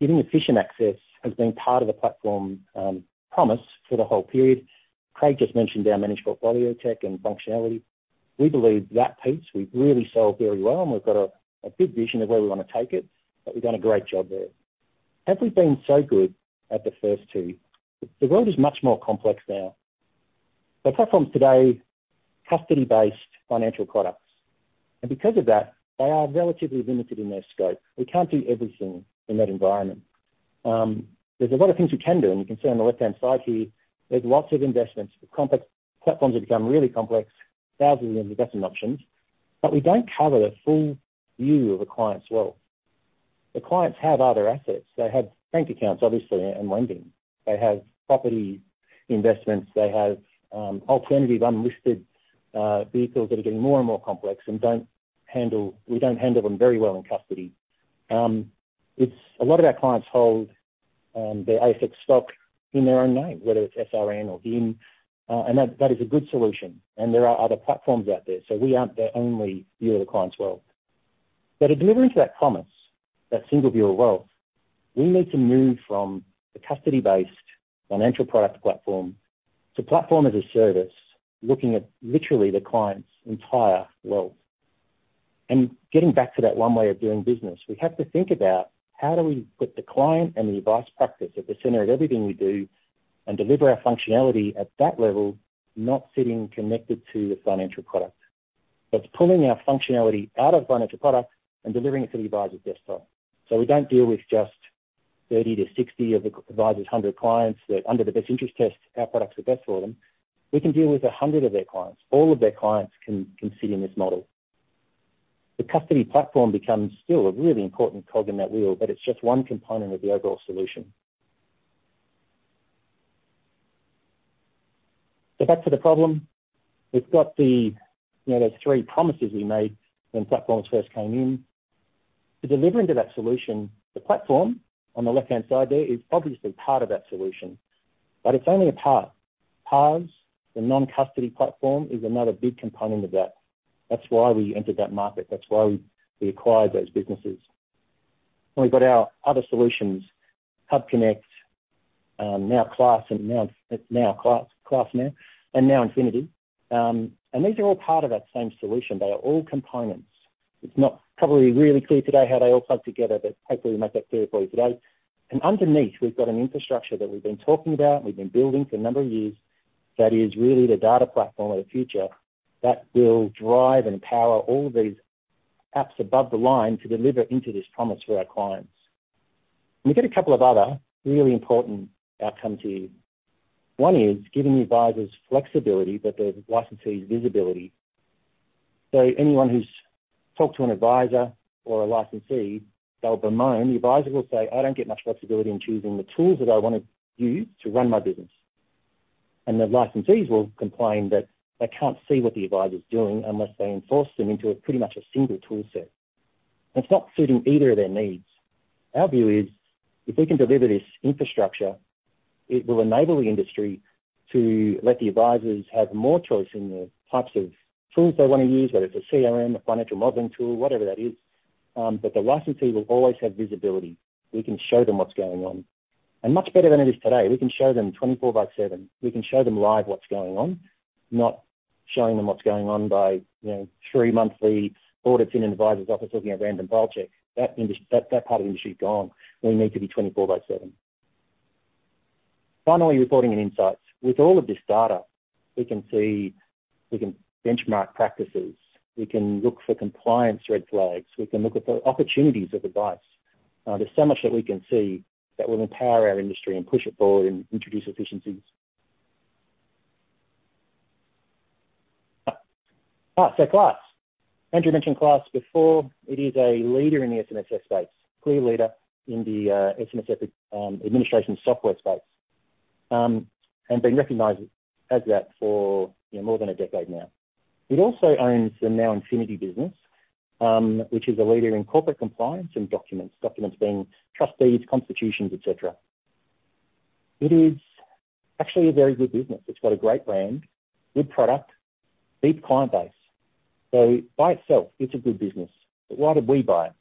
Giving efficient access has been part of the platform promise for the whole period. Craig just mentioned our managed portfolio tech and functionality. We believe that piece we've really sold very well, and we've got a good vision of where we wanna take it, but we've done a great job there. Have we been so good at the first two? The world is much more complex now. The platforms today, custody-based financial products. Because of that, they are relatively limited in their scope. We can't do everything in that environment. There's a lot of things we can do, and you can see on the left-hand side here, there's lots of investments. The complex platforms have become really complex, thousands of investment options. We don't cover the full view of a client's wealth. The clients have other assets. They have bank accounts, obviously, and lending. They have property investments. They have alternative unlisted vehicles that are getting more and more complex and don't handle. We don't handle them very well in custody. A lot of our clients hold their ASX stock in their own name, whether it's SRN or HIN, and that is a good solution. There are other platforms out there, so we aren't their only view of the client's wealth. In delivering to that promise, that single view of wealth, we need to move from the custody-based financial product platform to platform as a service, looking at literally the client's entire wealth. Getting back to that one way of doing business, we have to think about how do we put the client and the advice practice at the center of everything we do and deliver our functionality at that level, not sitting connected to the financial product. That's pulling our functionality out of financial products and delivering it to the advisor's desktop. We don't deal with just 30-60 of the advisor's 100 clients that under the best interest test, our products are best for them. We can deal with 100 of their clients. All of their clients can sit in this model. The custody platform becomes still a really important cog in that wheel, but it's just one component of the overall solution. Back to the problem. We've got the, you know, those three promises we made when platforms first came in. The delivery to that solution, the platform on the left-hand side there is obviously part of that solution, but it's only a part. PAS, the non-custody platform, is another big component of that. That's why we entered that market. That's why we acquired those businesses. We've got our other solutions, HUBconnect, now Class, and NowInfinity. These are all part of that same solution. They are all components. It's probably not really clear today how they all plug together, but hopefully, we make that clear for you today. Underneath, we've got an infrastructure that we've been talking about, we've been building for a number of years that is really the data platform of the future that will drive and power all of these apps above the line to deliver on this promise for our clients. We've got a couple of other really important outcomes for you. One is giving the advisors flexibility, but the licensee visibility. Anyone who's talked to an advisor or a licensee, they'll bemoan. The advisor will say, "I don't get much flexibility in choosing the tools that I wanna use to run my business." The licensees will complain that they can't see what the advisor is doing unless they force them into pretty much a single tool set. That's not suiting either of their needs. Our view is if we can deliver this infrastructure, it will enable the industry to let the advisors have more choice in the types of tools they wanna use, whether it's a CRM, a financial modeling tool, whatever that is. The licensee will always have visibility. We can show them what's going on. Much better than it is today, we can show them 24/7. We can show them live what's going on, not showing them what's going on by, you know, 3-monthly audits in an adviser's office looking at random file check. That part of the industry is gone. We need to be 24/7. Finally, reporting and insights. With all of this data, we can see, we can benchmark practices, we can look for compliance red flags, we can look at the opportunities of advice. There's so much that we can see that will empower our industry and push it forward and introduce efficiencies. All right. Class. Andrew mentioned Class before. It is a leader in the SMSF space. Clear leader in the SMSF administration software space, and been recognized as that for, you know, more than a decade now. It also owns the NowInfinity business, which is a leader in corporate compliance and documents. Documents being trustees, constitutions, et cetera. It is actually a very good business. It's got a great brand, good product, deep client base. By itself, it's a good business. Why did we buy it?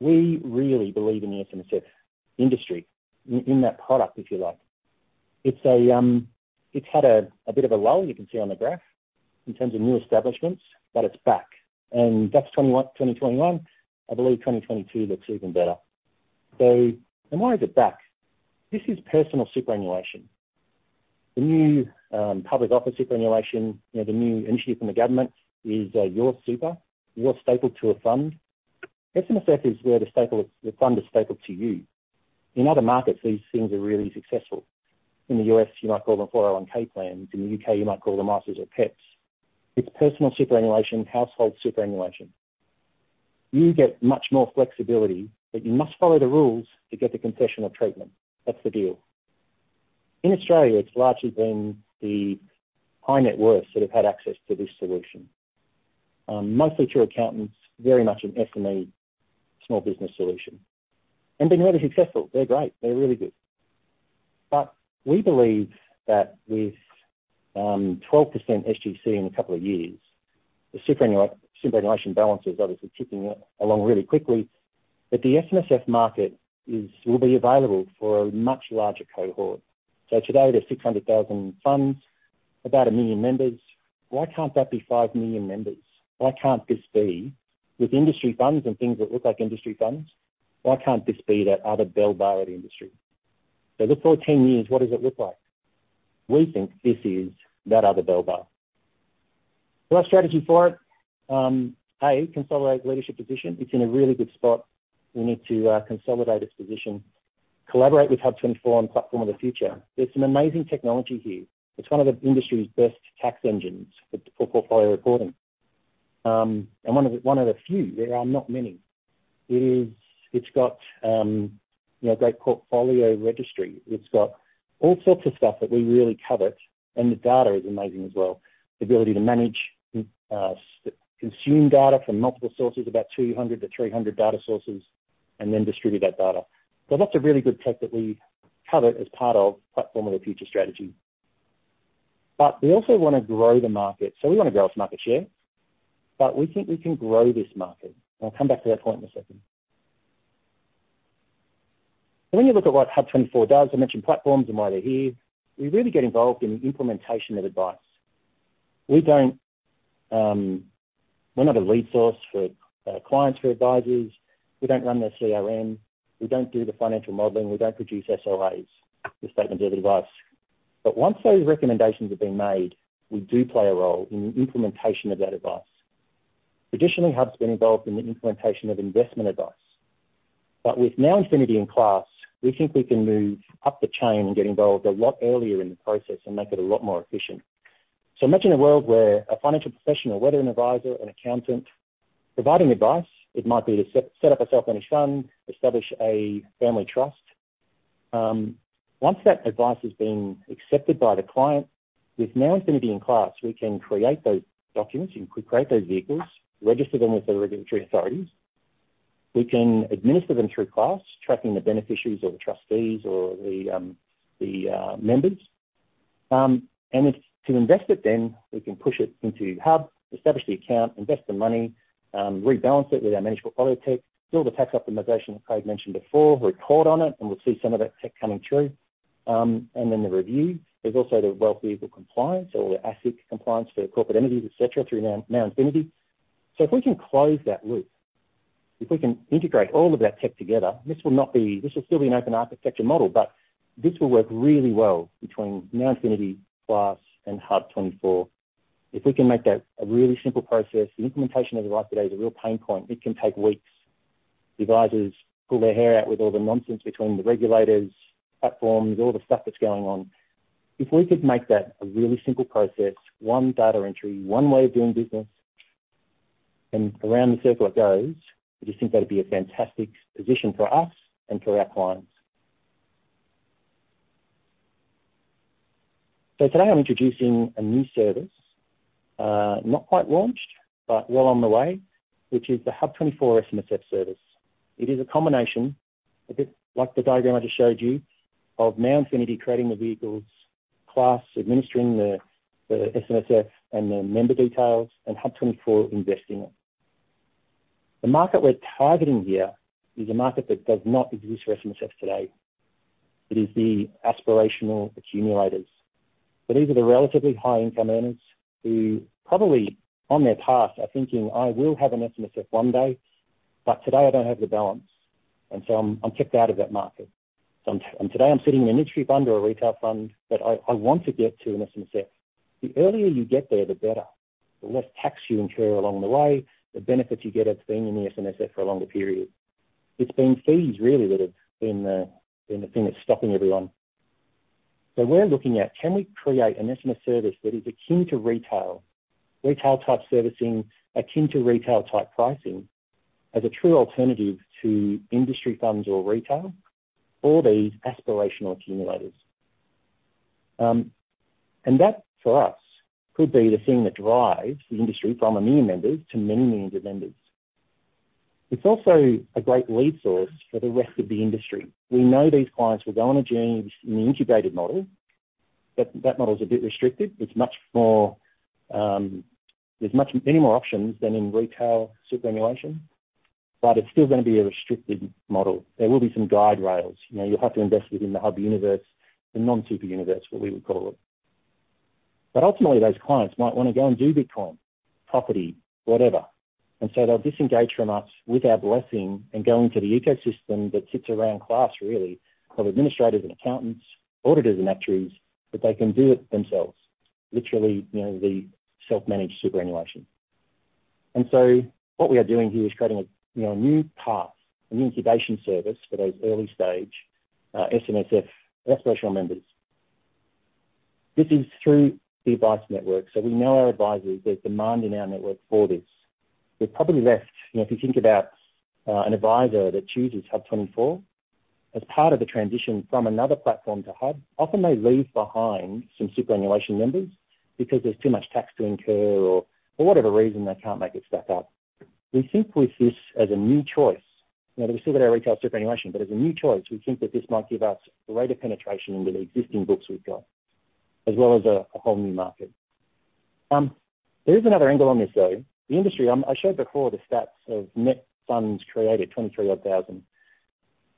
We really believe in the SMSF industry, in that product, if you like. It's a it's had a bit of a lull, you can see on the graph, in terms of new establishments, but it's back. That's 2021. I believe 2022 looks even better. Why is it back? This is personal superannuation. The new public offer superannuation, you know, the new initiative from the government is your super, you're stapled to a fund. SMSF is where the fund is stapled to you. In other markets, these things are really successful. In the US, you might call them 401(k) plans. In the UK, you might call them ISAs or PEPs. It's personal superannuation, household superannuation. You get much more flexibility, but you must follow the rules to get the concessional treatment. That's the deal. In Australia, it's largely been the high net worth that have had access to this solution. Mostly through accountants, very much an SME small business solution, and been really successful. They're great. They're really good. But we believe that with 12% SGC in a couple of years, the superannuation balance is obviously ticking along really quickly, that the SMSF market will be available for a much larger cohort. Today, there's 600,000 funds, about 1 million members. Why can't that be 5 million members? Why can't this be with industry funds and things that look like industry funds, why can't this be that other bellwether of the industry? Look forward 10 years, what does it look like? We think this is that other bellwether. Our strategy for it, A, consolidate leadership position. It's in a really good spot. We need to consolidate its position, collaborate with HUB24 on platform of the future. There's some amazing technology here. It's one of the industry's best tax engines for portfolio reporting. And one of the few, there are not many. It's got a great portfolio registry. It's got all sorts of stuff that we really covet, and the data is amazing as well. The ability to manage, consume data from multiple sources, about 200-300 data sources, and then distribute that data. That's a really good tech that we cover as part of platform of the future strategy. We also wanna grow the market. We wanna grow its market share, but we think we can grow this market. I'll come back to that point in a second. When you look at what HUB24 does, I mentioned platforms and why they're here. We really get involved in the implementation of advice. We're not a lead source for clients for advisors. We don't run their CRM, we don't do the financial modeling, we don't produce SOAs, the statement of advice. But once those recommendations have been made, we do play a role in the implementation of that advice. Traditionally, HUB's been involved in the implementation of investment advice. With NowInfinity and Class, we think we can move up the chain and get involved a lot earlier in the process and make it a lot more efficient. Imagine a world where a financial professional, whether an advisor, an accountant, providing advice, it might be to set up a self-managed fund, establish a family trust. Once that advice has been accepted by the client, with NowInfinity and Class, we can create those documents and create those vehicles, register them with the regulatory authorities. We can administer them through Class, tracking the beneficiaries or the trustees or the members. If we want to invest it then, we can push it into HUB, establish the account, invest the money, rebalance it with our managed portfolio tech, build the tax optimization that Craig mentioned before, report on it, and we'll see some of that tech coming through, then the review. There's also the wealth vehicle compliance or the asset compliance for corporate entities, et cetera, through NowInfinity. If we can close that loop, if we can integrate all of that tech together, this will still be an open architecture model, but this will work really well between NowInfinity, Class and HUB24. If we can make that a really simple process, the implementation right today is a real pain point. It can take weeks. Advisers pull their hair out with all the nonsense between the regulators, platforms, all the stuff that's going on. If we could make that a really simple process, one data entry, one way of doing business, and around the circle it goes, we just think that'd be a fantastic position for us and for our clients. Today I'm introducing a new service, not quite launched, but well on the way, which is the HUB24 SMSF service. It is a combination, a bit like the diagram I just showed you, of NowInfinity creating the vehicles, Class administering the SMSF and the member details, and HUB24 investing it. The market we're targeting here is a market that does not exist for SMSF today. It is the aspirational accumulators. These are the relatively high income earners who probably on their path are thinking, "I will have an SMSF one day, but today I don't have the balance, and so I'm kicked out of that market, and today I'm sitting in an industry fund or a retail fund, but I want to get to an SMSF." The earlier you get there, the better. The less tax you incur along the way, the benefits you get of being in the SMSF for a longer period. It's been fees really that have been the thing that's stopping everyone. We're looking at can we create an SMSF service that is akin to retail-type servicing, akin to retail-type pricing as a true alternative to industry funds or retail for these aspirational accumulators. That, for us, could be the thing that drives the industry from a million members to many millions of members. It's also a great lead source for the rest of the industry. We know these clients will go on a journey in the integrated model, but that model is a bit restrictive. It's much more, many more options than in retail superannuation, but it's still gonna be a restricted model. There will be some guide rails. You know, you'll have to invest within the HUB universe, the non-super universe, what we would call it. Ultimately, those clients might wanna go and do Bitcoin, property, whatever. They'll disengage from us with our blessing and go into the ecosystem that sits around Class really, of administrators and accountants, auditors and actuaries, but they can do it themselves, literally, you know, the self-managed superannuation. What we are doing here is creating a, you know, a new path, an incubation service for those early stage SMSF aspirational members. This is through the advice network. We know our advisors, there's demand in our network for this. We're probably left, you know, if you think about an advisor that chooses HUB24 as part of the transition from another platform to HUB24, often they leave behind some superannuation members because there's too much tax to incur or for whatever reason, they can't make it stack up. We think with this as a new choice, you know, we see that our retail superannuation, but as a new choice, we think that this might give us greater penetration into the existing books we've got, as well as a whole new market. There is another angle on this, though. The industry. I showed before the stats of net funds created, 23,000.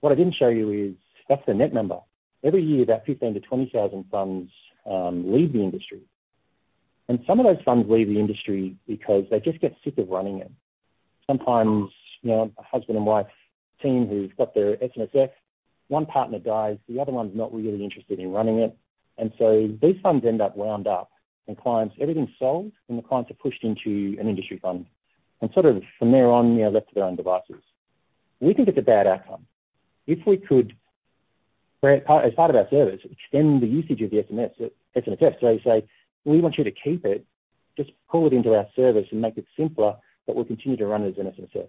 What I didn't show you is that's the net number. Every year, about 15,000-20,000 funds leave the industry. Some of those funds leave the industry because they just get sick of running it. Sometimes, you know, a husband and wife team who's got their SMSF, one partner dies, the other one's not really interested in running it. These funds end up wound up and clients. Everything's sold, and the clients are pushed into an industry fund and sort of from there on, they are left to their own devices. We think it's a bad outcome. If we could, as part of our service, extend the usage of the SMSF. We say, "We want you to keep it, just pull it into our service and make it simpler, but we'll continue to run it as an SMSF."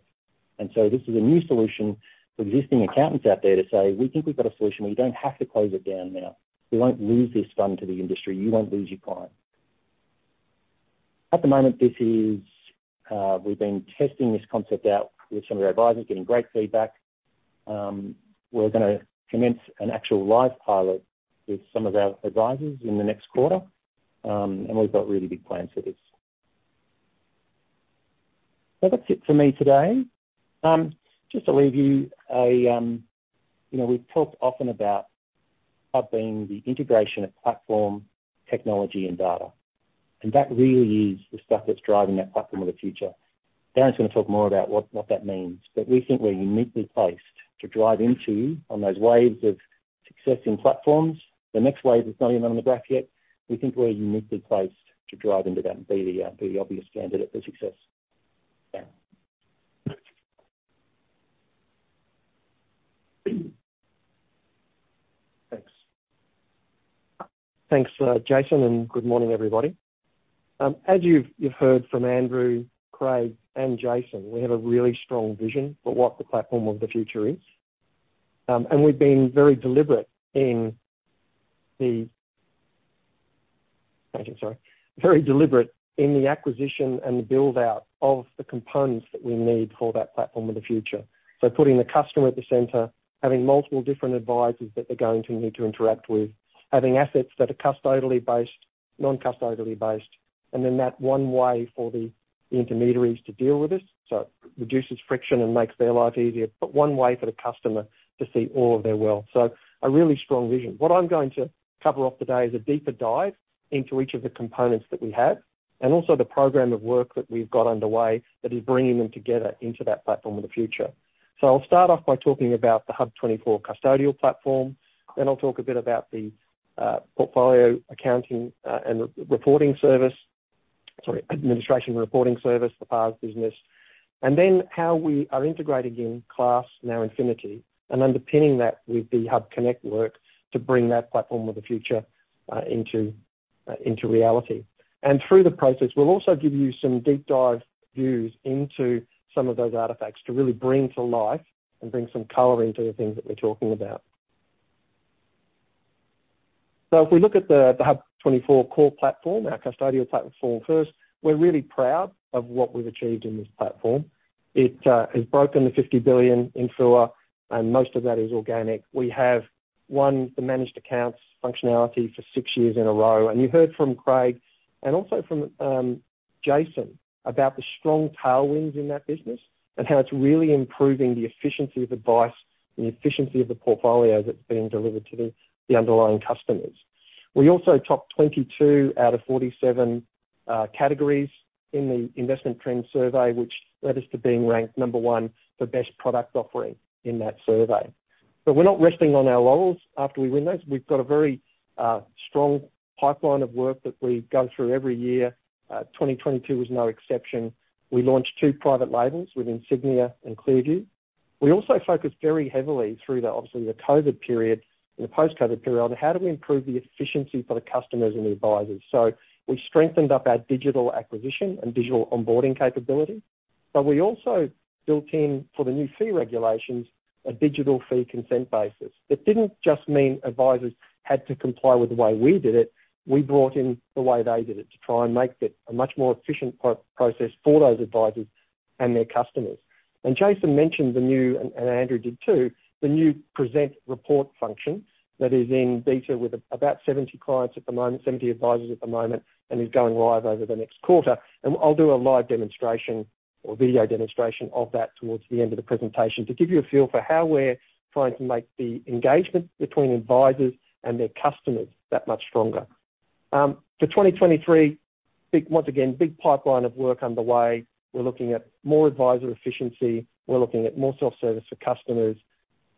This is a new solution for existing accountants out there to say, "We think we've got a solution where you don't have to close it down now. We won't lose this fund to the industry. You won't lose your client." At the moment this is. We've been testing this concept out with some of our advisors, getting great feedback. We're gonna commence an actual live pilot with some of our advisors in the next quarter, and we've got really big plans for this. That's it for me today. Just to leave you a. You know, we've talked often about Hub being the integration of platform, technology, and data. That really is the stuff that's driving that platform of the future. Darren's gonna talk more about what that means, but we think we're uniquely placed to drive in on those waves of success in platforms. The next wave is not even on the graph yet. We think we're uniquely placed to drive into that and be the obvious candidate for success. Darren. Thanks. Thanks, Jason, and good morning, everybody. As you've heard from Andrew, Craig, and Jason, we have a really strong vision for what the platform of the future is. We've been very deliberate in the acquisition and the build-out of the components that we need for that platform of the future. Putting the customer at the center, having multiple different advisors that they're going to need to interact with, having assets that are custodially based, non-custodially based, and then that one way for the intermediaries to deal with us. Reduces friction and makes their life easier, but one way for the customer to see all of their wealth. A really strong vision. What I'm going to cover off today is a deeper dive into each of the components that we have and also the program of work that we've got underway that is bringing them together into that platform of the future. I'll start off by talking about the HUB24 custodial platform. Then I'll talk a bit about the portfolio accounting, and administration and reporting service, the PAS business. Then how we are integrating Class and NowInfinity, and underpinning that with the HUBconnect work to bring that platform of the future into reality. Through the process, we'll also give you some deep dive views into some of those artifacts to really bring to life and bring some color into the things that we're talking about. If we look at the HUB24 core platform, our custodial platform first, we're really proud of what we've achieved in this platform. It has broken the 50 billion in FUA, and most of that is organic. We have won the managed accounts functionality for six years in a row. You heard from Craig, and also from Jason, about the strong tailwinds in that business and how it's really improving the efficiency of advice and the efficiency of the portfolio that's being delivered to the underlying customers. We also topped 22 out of 47 categories in the Investment Trends survey, which led us to being ranked number 1 for best product offering in that survey. We're not resting on our laurels after we win those. We've got a very strong pipeline of work that we go through every year. 2022 was no exception. We launched two private labels with Insignia and ClearView. We also focused very heavily through the obviously the COVID period and the post-COVID period, on how do we improve the efficiency for the customers and the advisors. We strengthened up our digital acquisition and digital onboarding capability, but we also built in, for the new fee regulations, a digital fee consent basis. That didn't just mean advisors had to comply with the way we did it. We brought in the way they did it to try and make it a much more efficient process for those advisors and their customers. Jason mentioned the new, Andrew did too, the new Present report function that is in beta with about 70 clients at the moment, 70 advisors at the moment, and is going live over the next quarter. I'll do a live demonstration or video demonstration of that towards the end of the presentation to give you a feel for how we're trying to make the engagement between advisors and their customers that much stronger. For 2023, once again, big pipeline of work underway. We're looking at more advisor efficiency. We're looking at more self-service for customers,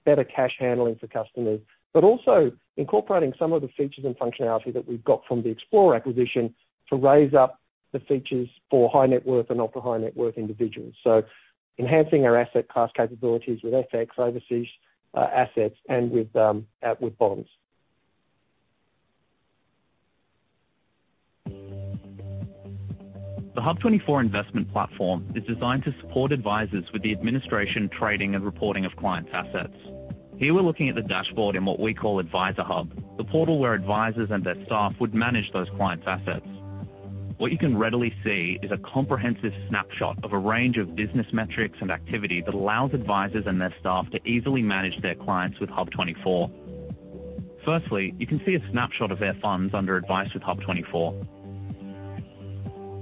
better cash handling for customers, but also incorporating some of the features and functionality that we've got from the Xplore acquisition to raise up the features for high net worth and not for high net worth individuals. Enhancing our asset class capabilities with FX overseas assets and with bonds. The HUB24 investment platform is designed to support advisers with the administration, trading, and reporting of clients' assets. Here we're looking at the dashboard in what we call AdviserHUB, the portal where advisers and their staff would manage those clients' assets. What you can readily see is a comprehensive snapshot of a range of business metrics and activity that allows advisers and their staff to easily manage their clients with HUB24. First, you can see a snapshot of their funds under administration with HUB24.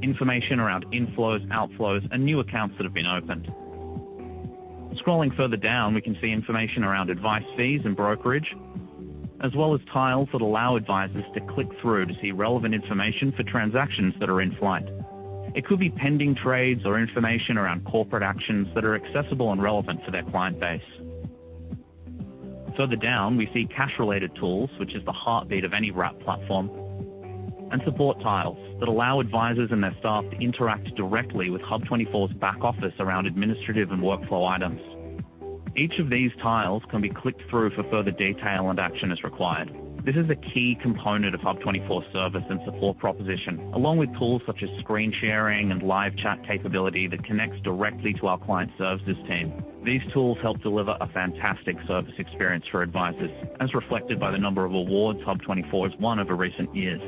Information around inflows, outflows, and new accounts that have been opened. Scrolling further down, we can see information around advice fees and brokerage, as well as tiles that allow advisers to click through to see relevant information for transactions that are in flight. It could be pending trades or information around corporate actions that are accessible and relevant to their client base. Further down, we see cash related tools, which is the heartbeat of any wrap platform, and support tiles that allow advisors and their staff to interact directly with HUB24's back office around administrative and workflow items. Each of these tiles can be clicked through for further detail and action as required. This is a key component of HUB24's service and support proposition, along with tools such as screen sharing and live chat capability that connects directly to our client services team. These tools help deliver a fantastic service experience for advisors, as reflected by the number of awards HUB24 has won over recent years.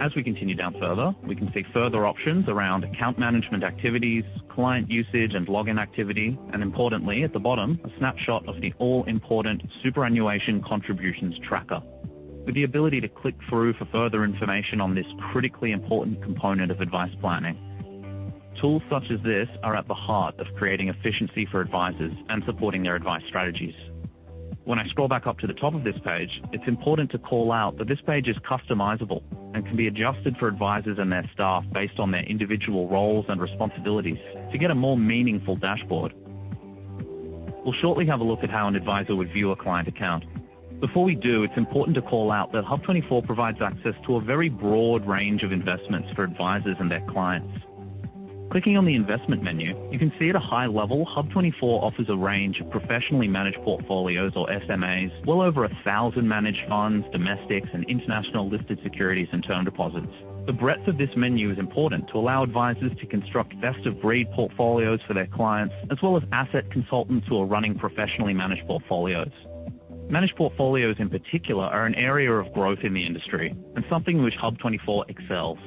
As we continue down further, we can see further options around account management activities, client usage and login activity, and importantly, at the bottom, a snapshot of the all important superannuation contributions tracker, with the ability to click through for further information on this critically important component of advice planning. Tools such as this are at the heart of creating efficiency for advisors and supporting their advice strategies. When I scroll back up to the top of this page, it's important to call out that this page is customizable and can be adjusted for advisors and their staff based on their individual roles and responsibilities to get a more meaningful dashboard. We'll shortly have a look at how an advisor would view a client account. Before we do, it's important to call out that HUB24 provides access to a very broad range of investments for advisors and their clients. Clicking on the investment menu, you can see at a high level, HUB24 offers a range of professionally managed portfolios or SMAs, well over a thousand managed funds, domestics, and international listed securities and term deposits. The breadth of this menu is important to allow advisors to construct best of breed portfolios for their clients, as well as asset consultants who are running professionally managed portfolios. Managed portfolios in particular are an area of growth in the industry and something which HUB24 excels.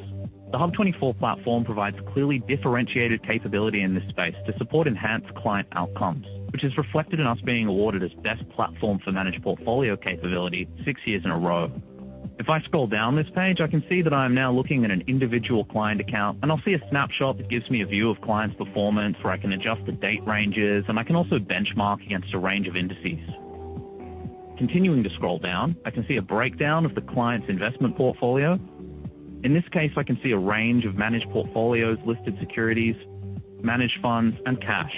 The HUB24 platform provides clearly differentiated capability in this space to support enhanced client outcomes, which is reflected in us being awarded as best platform for managed portfolio capability six years in a row. If I scroll down this page, I can see that I am now looking at an individual client account, and I'll see a snapshot that gives me a view of client's performance, where I can adjust the date ranges, and I can also benchmark against a range of indices. Continuing to scroll down, I can see a breakdown of the client's investment portfolio. In this case, I can see a range of managed portfolios, listed securities, managed funds, and cash.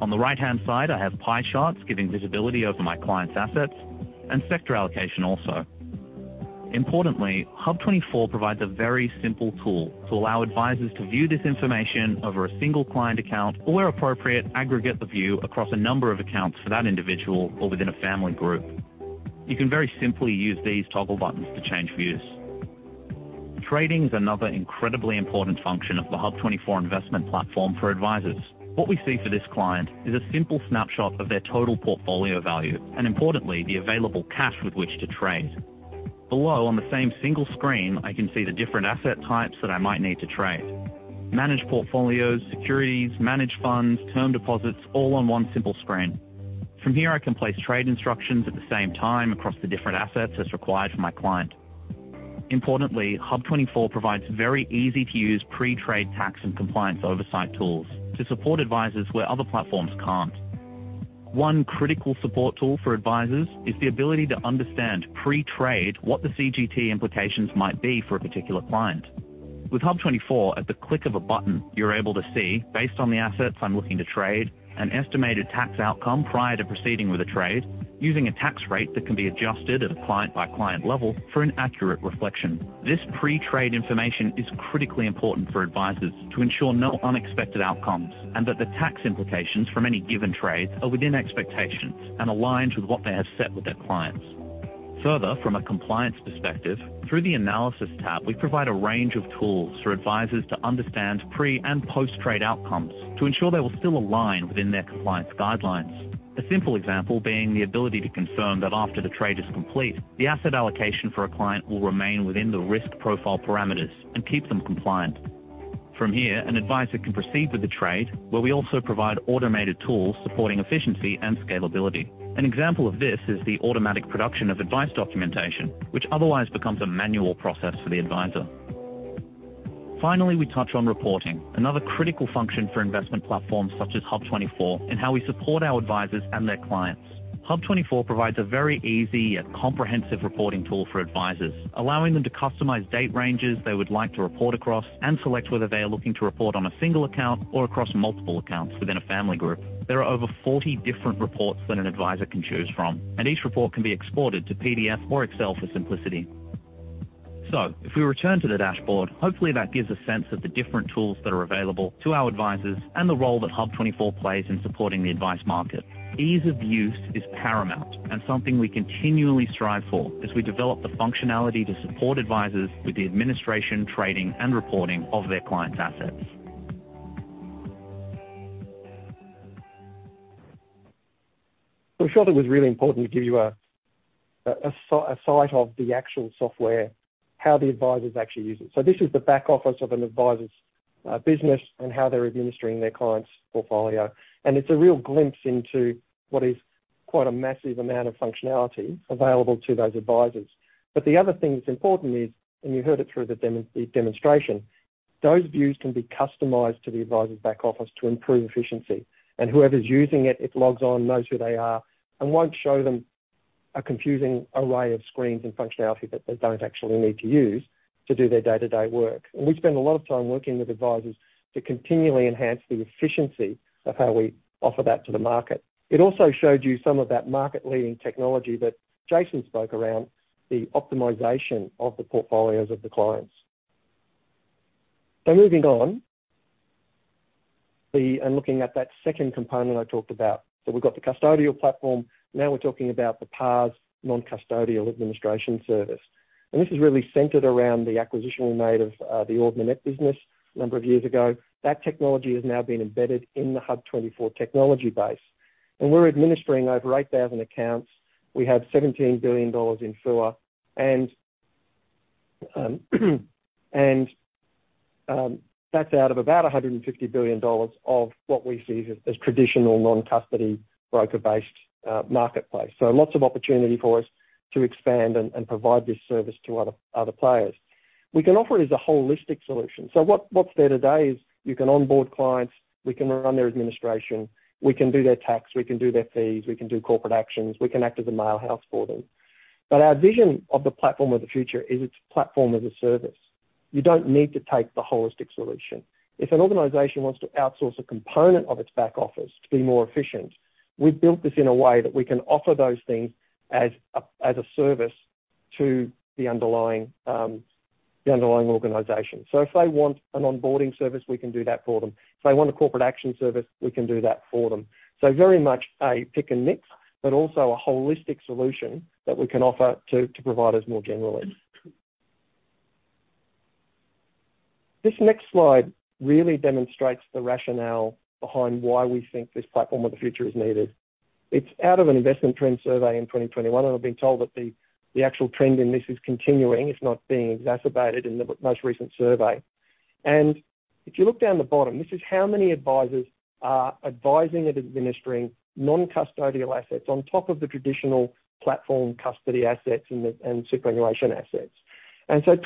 On the right-hand side, I have pie charts giving visibility over my client's assets and sector allocation also. Importantly, HUB24 provides a very simple tool to allow advisors to view this information over a single client account or where appropriate, aggregate the view across a number of accounts for that individual or within a family group. You can very simply use these toggle buttons to change views. Trading is another incredibly important function of the HUB24 investment platform for advisors. What we see for this client is a simple snapshot of their total portfolio value, and importantly, the available cash with which to trade. Below, on the same single screen, I can see the different asset types that I might need to trade. Managed portfolios, securities, managed funds, term deposits, all on one simple screen. From here, I can place trade instructions at the same time across the different assets as required for my client. Importantly, HUB24 provides very easy to use pre-trade tax and compliance oversight tools to support advisors where other platforms can't. One critical support tool for advisors is the ability to understand pre-trade what the CGT implications might be for a particular client. With HUB24, at the click of a button, you're able to see, based on the assets I'm looking to trade, an estimated tax outcome prior to proceeding with a trade using a tax rate that can be adjusted at a client-by-client level for an accurate reflection. This pre-trade information is critically important for advisors to ensure no unexpected outcomes, and that the tax implications from any given trade are within expectations and aligned with what they have set with their clients. Further, from a compliance perspective, through the analysis tab, we provide a range of tools for advisors to understand pre and post-trade outcomes to ensure they will still align within their compliance guidelines. A simple example being the ability to confirm that after the trade is complete, the asset allocation for a client will remain within the risk profile parameters and keep them compliant. From here, an advisor can proceed with the trade, where we also provide automated tools supporting efficiency and scalability. An example of this is the automatic production of advice documentation, which otherwise becomes a manual process for the advisor. Finally, we touch on reporting, another critical function for investment platforms such as HUB24, and how we support our advisors and their clients. HUB24 provides a very easy yet comprehensive reporting tool for advisors, allowing them to customize date ranges they would like to report across and select whether they are looking to report on a single account or across multiple accounts within a family group. There are over 40 different reports that an advisor can choose from, and each report can be exported to PDF or Excel for simplicity. If we return to the dashboard, hopefully that gives a sense of the different tools that are available to our advisors and the role that HUB24 plays in supporting the advice market. Ease of use is paramount and something we continually strive for as we develop the functionality to support advisors with the administration, trading, and reporting of their clients' assets. I'm sure that was really important to give you a sight of the actual software, how the advisors actually use it. This is the back-office of an advisor's business and how they're administering their client's portfolio. It's a real glimpse into what is quite a massive amount of functionality available to those advisors. The other thing that's important is, and you heard it through the demo, the demonstration, those views can be customized to the advisor's back office to improve efficiency. Whoever's using it logs on, knows who they are, and won't show them a confusing array of screens and functionality that they don't actually need to use to do their day-to-day work. We spend a lot of time working with advisors to continually enhance the efficiency of how we offer that to the market. It also showed you some of that market-leading technology that Jason spoke around, the optimization of the portfolios of the clients. Moving on, looking at that second component I talked about. We've got the custodial platform, now we're talking about the PARS non-custodial administration service. This is really centered around the acquisition we made of the Ord Minnett business a number of years ago. That technology has now been embedded in the HUB24 technology base, and we're administering over 8,000 accounts. We have 17 billion dollars in FUA and that's out of about 150 billion dollars of what we see as traditional non-custodial broker-based marketplace. Lots of opportunity for us to expand and provide this service to other players. We can offer it as a holistic solution. What's there today is you can onboard clients, we can run their administration, we can do their tax, we can do their fees, we can do corporate actions, we can act as a mail house for them. Our vision of the platform of the future is it's platform as a service. You don't need to take the holistic solution. If an organization wants to outsource a component of its back office to be more efficient, we've built this in a way that we can offer those things as a service to the underlying organization. If they want an onboarding service, we can do that for them. If they want a corporate action service, we can do that for them. Very much a pick and mix, but also a holistic solution that we can offer to providers more generally. This next slide really demonstrates the rationale behind why we think this platform of the future is needed. It's out of an Investment Trends survey in 2021, and I've been told that the actual trend in this is continuing. It's not being exacerbated in the most recent survey. If you look down the bottom, this is how many advisors are advising and administering non-custodial assets on top of the traditional platform custody assets and the superannuation assets.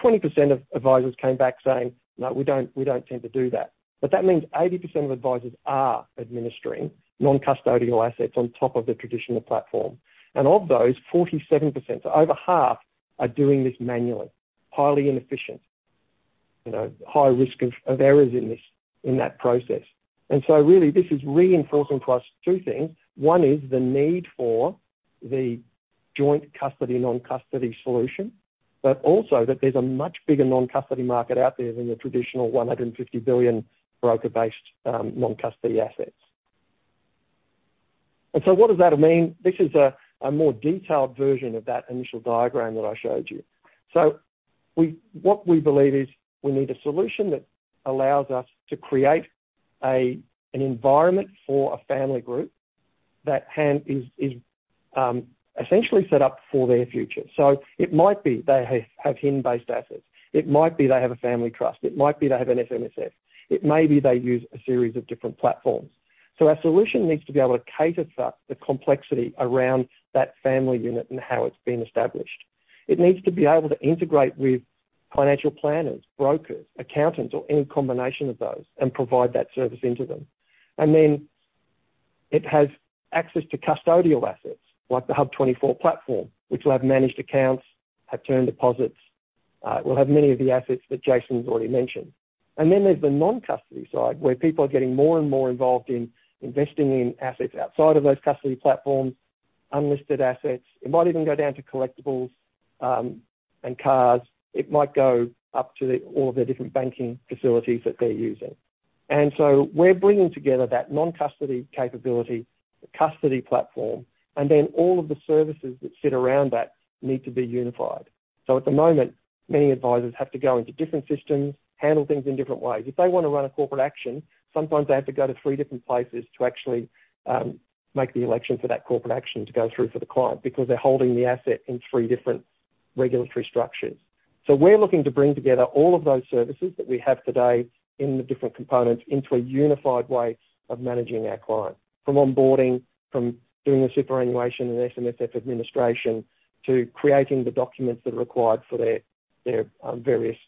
Twenty percent of advisors came back saying, "No, we don't tend to do that." That means 80% of advisors are administering non-custodial assets on top of the traditional platform. Of those, 47%, so over half are doing this manually. Highly inefficient, you know, high risk of errors in this, in that process. Really, this is reinforcing to us two things. One is the need for the joint custody, non-custody solution, but also that there's a much bigger non-custody market out there than the traditional 150 billion broker-based non-custody assets. What does that mean? This is a more detailed version of that initial diagram that I showed you. What we believe is we need a solution that allows us to create an environment for a family group that is essentially set up for their future. It might be they have HIN-based assets. It might be they have a family trust, it might be they have an SMSF. It may be they use a series of different platforms. Our solution needs to be able to cater to the complexity around that family unit and how it's been established. It needs to be able to integrate with financial planners, brokers, accountants, or any combination of those and provide that service into them. It has access to custodial assets like the HUB24 platform, which will have managed accounts, have term deposits, will have many of the assets that Jason's already mentioned. There's the non-custody side, where people are getting more and more involved in investing in assets outside of those custody platforms, unlisted assets. It might even go down to collectibles, and cars. It might go up to all of their different banking facilities that they're using. We're bringing together that non-custody capability, the custody platform, and then all of the services that sit around that need to be unified. At the moment, many advisors have to go into different systems, handle things in different ways. If they wanna run a corporate action, sometimes they have to go to three different places to actually make the election for that corporate action to go through for the client because they're holding the asset in three different regulatory structures. We're looking to bring together all of those services that we have today in the different components into a unified way of managing our client. From onboarding, from doing the superannuation and SMSF administration, to creating the documents that are required for their various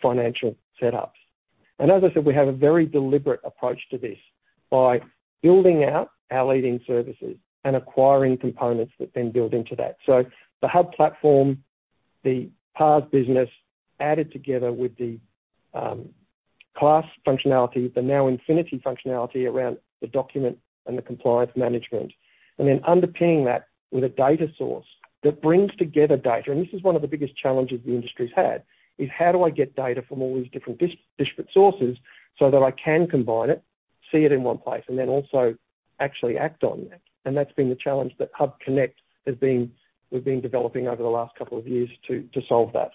financial setups. As I said, we have a very deliberate approach to this by building out our leading services and acquiring components that then build into that. The HUB24 platform, the PARS business, added together with the Class functionality, the NowInfinity functionality around the document and the compliance management, and then underpinning that with a data source that brings together data. This is one of the biggest challenges the industry's had, is how do I get data from all these different distributed sources so that I can combine it, see it in one place, and then also actually act on that. That's been the challenge that HUBconnect has been. We've been developing over the last couple of years to solve that.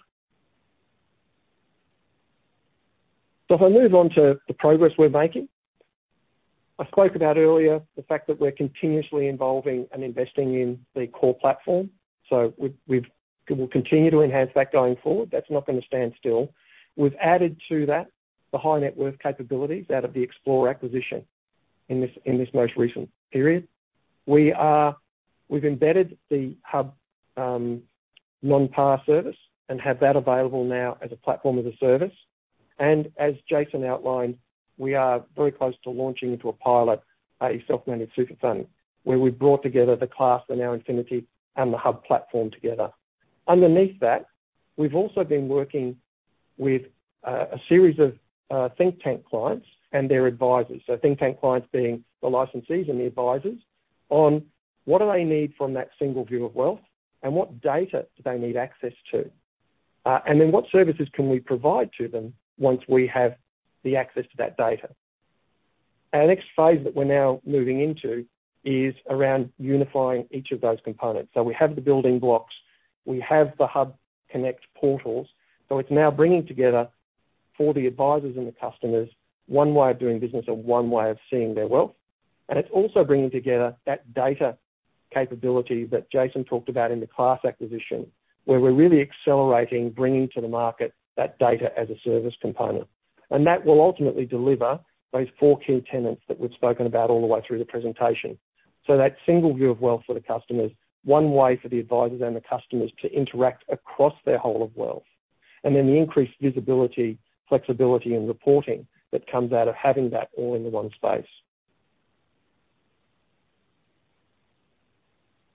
If I move on to the progress we're making. I spoke about earlier the fact that we're continuously evolving and investing in the core platform. We will continue to enhance that going forward. That's not gonna stand still. We've added to that the high net worth capabilities out of the Xplore acquisition in this most recent period. We've embedded the HUB non-PAR service and have that available now as a platform as a service. As Jason outlined, we are very close to launching into a pilot a self-managed super fund, where we've brought together the Class and NowInfinity and the HUB platform together. Underneath that, we've also been working with a series of think tank clients and their advisors. Think tank clients being the licensees and the advisors, on what do they need from that single view of wealth and what data do they need access to. What services can we provide to them once we have the access to that data. Our next phase that we're now moving into is around unifying each of those components. We have the building blocks, we have the HUBconnect portals, it's now bringing together for the advisors and the customers one way of doing business and one way of seeing their wealth. It's also bringing together that data capability that Jason talked about in the Class acquisition, where we're really accelerating, bringing to the market that data as a service component. That will ultimately deliver those four key tenets that we've spoken about all the way through the presentation. That single view of wealth for the customers, one way for the advisors and the customers to interact across their whole of wealth, and then the increased visibility, flexibility, and reporting that comes out of having that all into one space.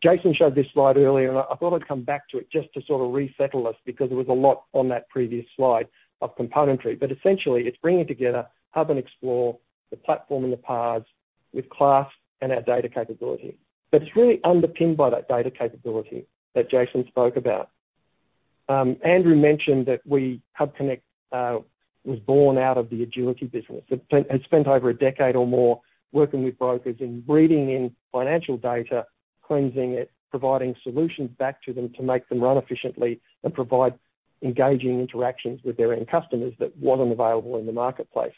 Jason showed this slide earlier, and I thought I'd come back to it just to sort of resettle us because there was a lot on that previous slide of componentry. Essentially, it's bringing together HUB24 and Xplore, the platform and the PARS with Class and our data capability. It's really underpinned by that data capability that Jason spoke about. Andrew mentioned that HUBconnect was born out of the Agility business. It spent over a decade or more working with brokers in reading in financial data, cleansing it, providing solutions back to them to make them run efficiently and provide engaging interactions with their end customers that wasn't available in the marketplace.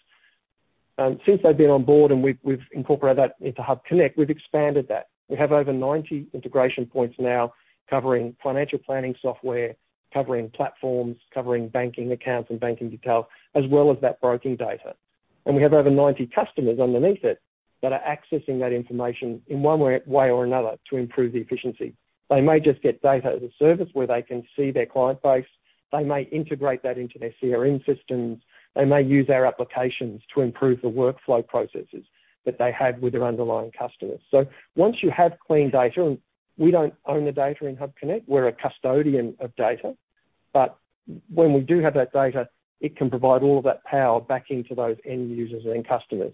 Since they've been on board and we've incorporated that into HUBconnect, we've expanded that. We have over 90 integration points now covering financial planning software, covering platforms, covering banking accounts and banking detail, as well as that broking data. We have over 90 customers underneath it that are accessing that information in one way or another to improve the efficiency. They may just get data as a service where they can see their client base. They may integrate that into their CRM systems. They may use our applications to improve the workflow processes that they have with their underlying customers. Once you have clean data, and we don't own the data in HUBconnect, we're a custodian of data. When we do have that data, it can provide all of that power back into those end users and customers.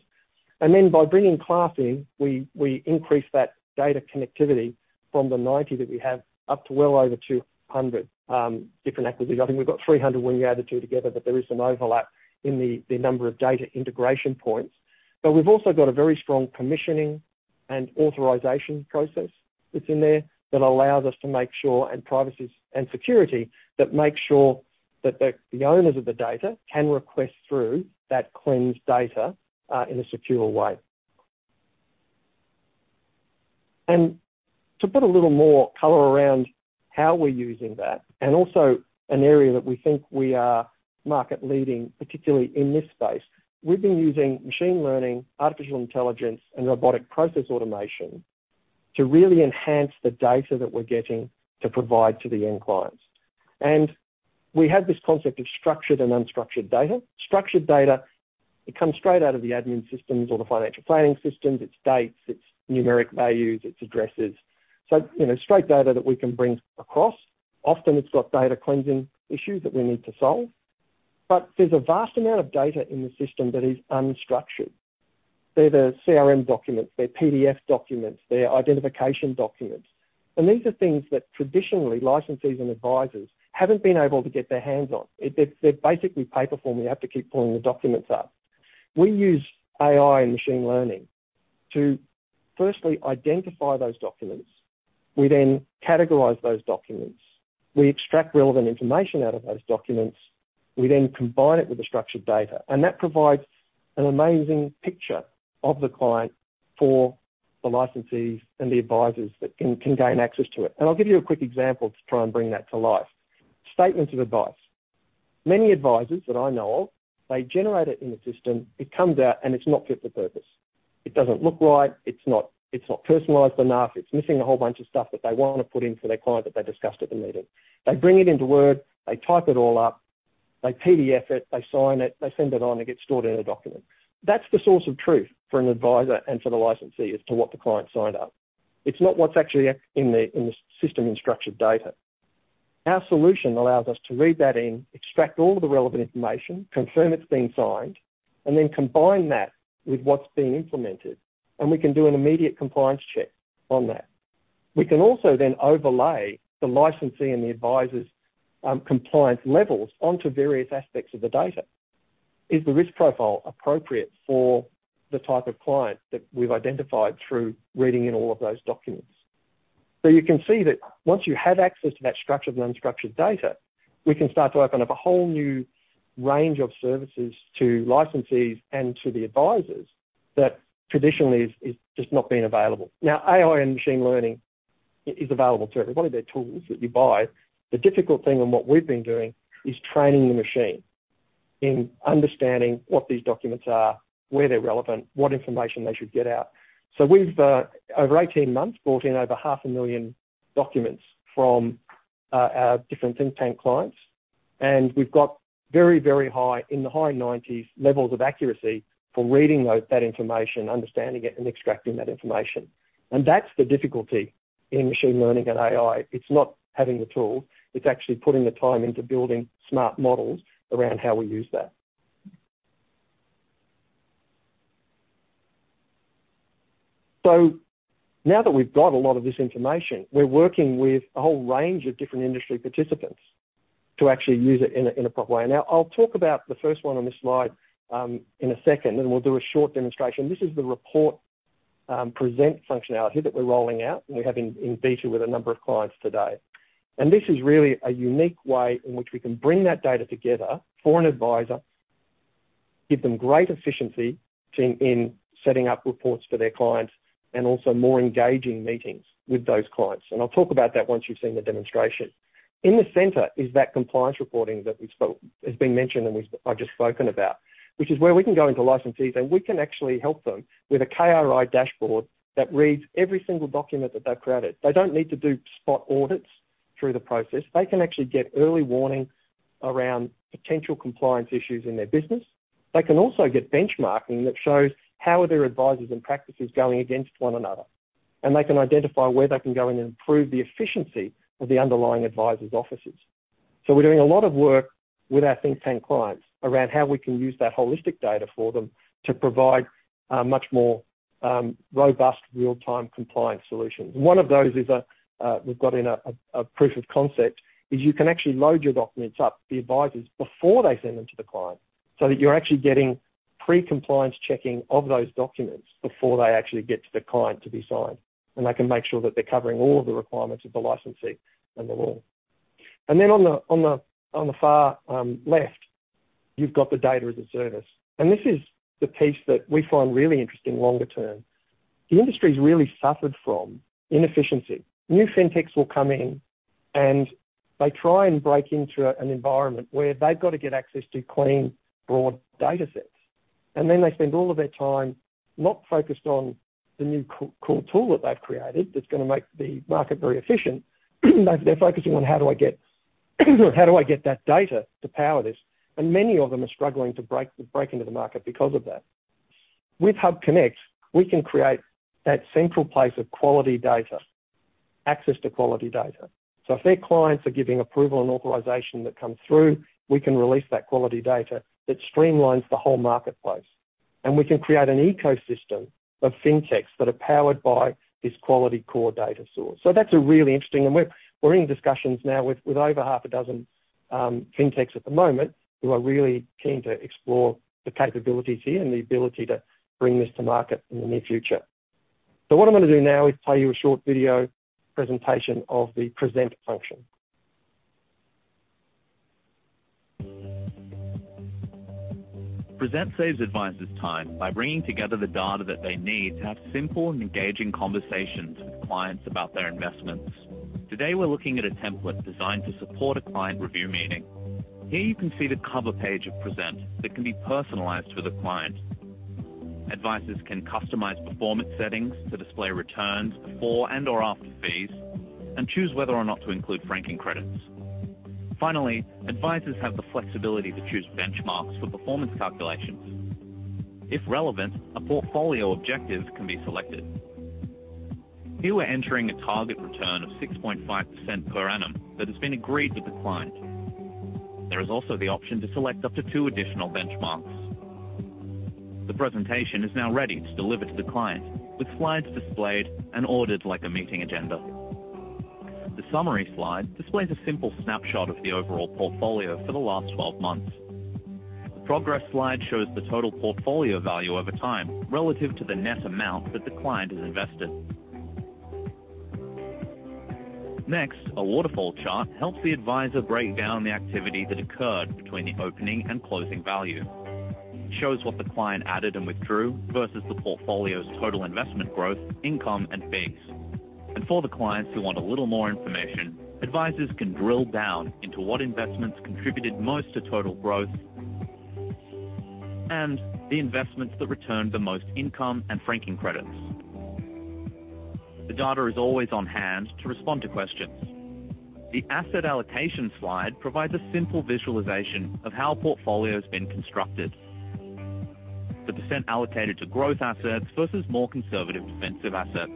By bringing Class in, we increase that data connectivity from the 90 that we have up to well over 200 different acquisitions. I think we've got 300 when you add the two together, but there is some overlap in the number of data integration points. We've also got a very strong commissioning and authorization process that's in there that allows us to make sure, and privacy and security, that makes sure that the owners of the data can request through that cleansed data in a secure way. To put a little more color around how we're using that, and also an area that we think we are market-leading, particularly in this space, we've been using machine learning, artificial intelligence, and robotic process automation to really enhance the data that we're getting to provide to the end clients. We have this concept of structured and unstructured data. Structured data, it comes straight out of the admin systems or the financial planning systems. It's dates, it's numeric values, it's addresses. So, you know, straight data that we can bring across. Often it's got data cleansing issues that we need to solve. But there's a vast amount of data in the system that is unstructured. They're the CRM documents, they're PDF documents, they're identification documents. These are things that traditionally licensees and advisors haven't been able to get their hands on. They're basically paper form. You have to keep pulling the documents up. We use AI and machine learning to firstly identify those documents. We then categorize those documents. We extract relevant information out of those documents. We then combine it with the structured data, and that provides an amazing picture of the client for the licensees and the advisors that can gain access to it. I'll give you a quick example to try and bring that to life. Statements of advice. Many advisors that I know of, they generate it in the system, it comes out, and it's not fit for purpose. It doesn't look right. It's not personalized enough. It's missing a whole bunch of stuff that they wanna put in for their client that they discussed at the meeting. They bring it into Word, they type it all up, they PDF it, they sign it, they send it on, it gets stored in a document. That's the source of truth for an advisor and for the licensee as to what the client signed up. It's not what's actually in the system in structured data. Our solution allows us to read that in, extract all of the relevant information, confirm it's been signed, and then combine that with what's been implemented, and we can do an immediate compliance check on that. We can also then overlay the licensee and the advisor's compliance levels onto various aspects of the data. Is the risk profile appropriate for the type of client that we've identified through reading in all of those documents? You can see that once you have access to that structured and unstructured data, we can start to open up a whole new range of services to licensees and to the advisors that traditionally has just not been available. Now, AI and machine learning is available to everybody. They're tools that you buy. The difficult thing and what we've been doing is training the machine in understanding what these documents are, where they're relevant, what information they should get out. We've, over 18 months, brought in over 500,000 documents from our different think tank clients, and we've got very, very high, in the high 90s% levels of accuracy for reading that information, understanding it and extracting that information. That's the difficulty in machine learning and AI. It's not having the tool, it's actually putting the time into building smart models around how we use that. Now that we've got a lot of this information, we're working with a whole range of different industry participants to actually use it in a proper way. Now, I'll talk about the first one on this slide, in a second, and we'll do a short demonstration. This is the report, Present functionality that we're rolling out and we have in beta with a number of clients today. This is really a unique way in which we can bring that data together for an advisor, give them great efficiency in setting up reports for their clients, and also more engaging meetings with those clients. I'll talk about that once you've seen the demonstration. In the center is that compliance reporting that we've has been mentioned and I've just spoken about, which is where we can go into licensees, and we can actually help them with a KRI dashboard that reads every single document that they've created. They don't need to do spot audits through the process. They can actually get early warning around potential compliance issues in their business. They can also get benchmarking that shows how are their advisors and practices going against one another. They can identify where they can go in and improve the efficiency of the underlying advisor's offices. We're doing a lot of work with our Think Tank clients around how we can use that holistic data for them to provide much more robust real-time compliance solutions. One of those is a proof of concept. You can actually load your documents up to the advisers before they send them to the client, so that you're actually getting pre-compliance checking of those documents before they actually get to the client to be signed, and they can make sure that they're covering all of the requirements of the licensee and the law. Then on the far left, you've got the data as a service. This is the piece that we find really interesting longer term. The industry's really suffered from inefficiency. New FinTechs will come in, and they try and break into an environment where they've got to get access to clean broad data sets. They spend all of their time not focused on the new cool tool that they've created that's gonna make the market very efficient. They're focusing on how do I get that data to power this? Many of them are struggling to break into the market because of that. With HUBconnect, we can create that central place of quality data, access to quality data. If their clients are giving approval and authorization that comes through, we can release that quality data that streamlines the whole marketplace. We can create an ecosystem of FinTechs that are powered by this quality core data source. That's a really interesting. We're in discussions now with over half a dozen FinTechs at the moment who are really keen to explore the capabilities here and the ability to bring this to market in the near future. What I'm gonna do now is play you a short video presentation of the Present function. Present saves advisors time by bringing together the data that they need to have simple and engaging conversations with clients about their investments. Today, we're looking at a template designed to support a client review meeting. Here you can see the cover page of Present that can be personalized for the client. Advisors can customize performance settings to display returns before and/or after fees, and choose whether or not to include franking credits. Finally, advisors have the flexibility to choose benchmarks for performance calculations. If relevant, a portfolio objective can be selected. Here we're entering a target return of 6.5% per annum that has been agreed with the client. There is also the option to select up to two additional benchmarks. The presentation is now ready to deliver to the client, with slides displayed and ordered like a meeting agenda. The summary slide displays a simple snapshot of the overall portfolio for the last 12 months. The progress slide shows the total portfolio value over time relative to the net amount that the client has invested. Next, a waterfall chart helps the advisor break down the activity that occurred between the opening and closing value. It shows what the client added and withdrew versus the portfolio's total investment growth, income, and fees. For the clients who want a little more information, advisors can drill down into what investments contributed most to total growth and the investments that returned the most income and franking credits. The data is always on hand to respond to questions. The asset allocation slide provides a simple visualization of how a portfolio has been constructed. The percent allocated to growth assets versus more conservative defensive assets.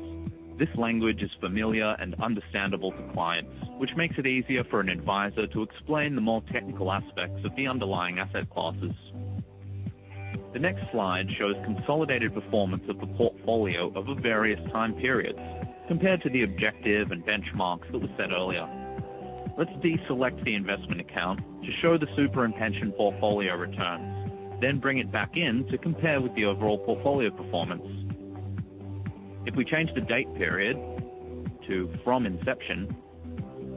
This language is familiar and understandable to clients, which makes it easier for an advisor to explain the more technical aspects of the underlying asset classes. The next slide shows consolidated performance of the portfolio over various time periods compared to the objective and benchmarks that were set earlier. Let's deselect the investment account to show the super and pension portfolio returns. Then bring it back in to compare with the overall portfolio performance. If we change the date period to from inception,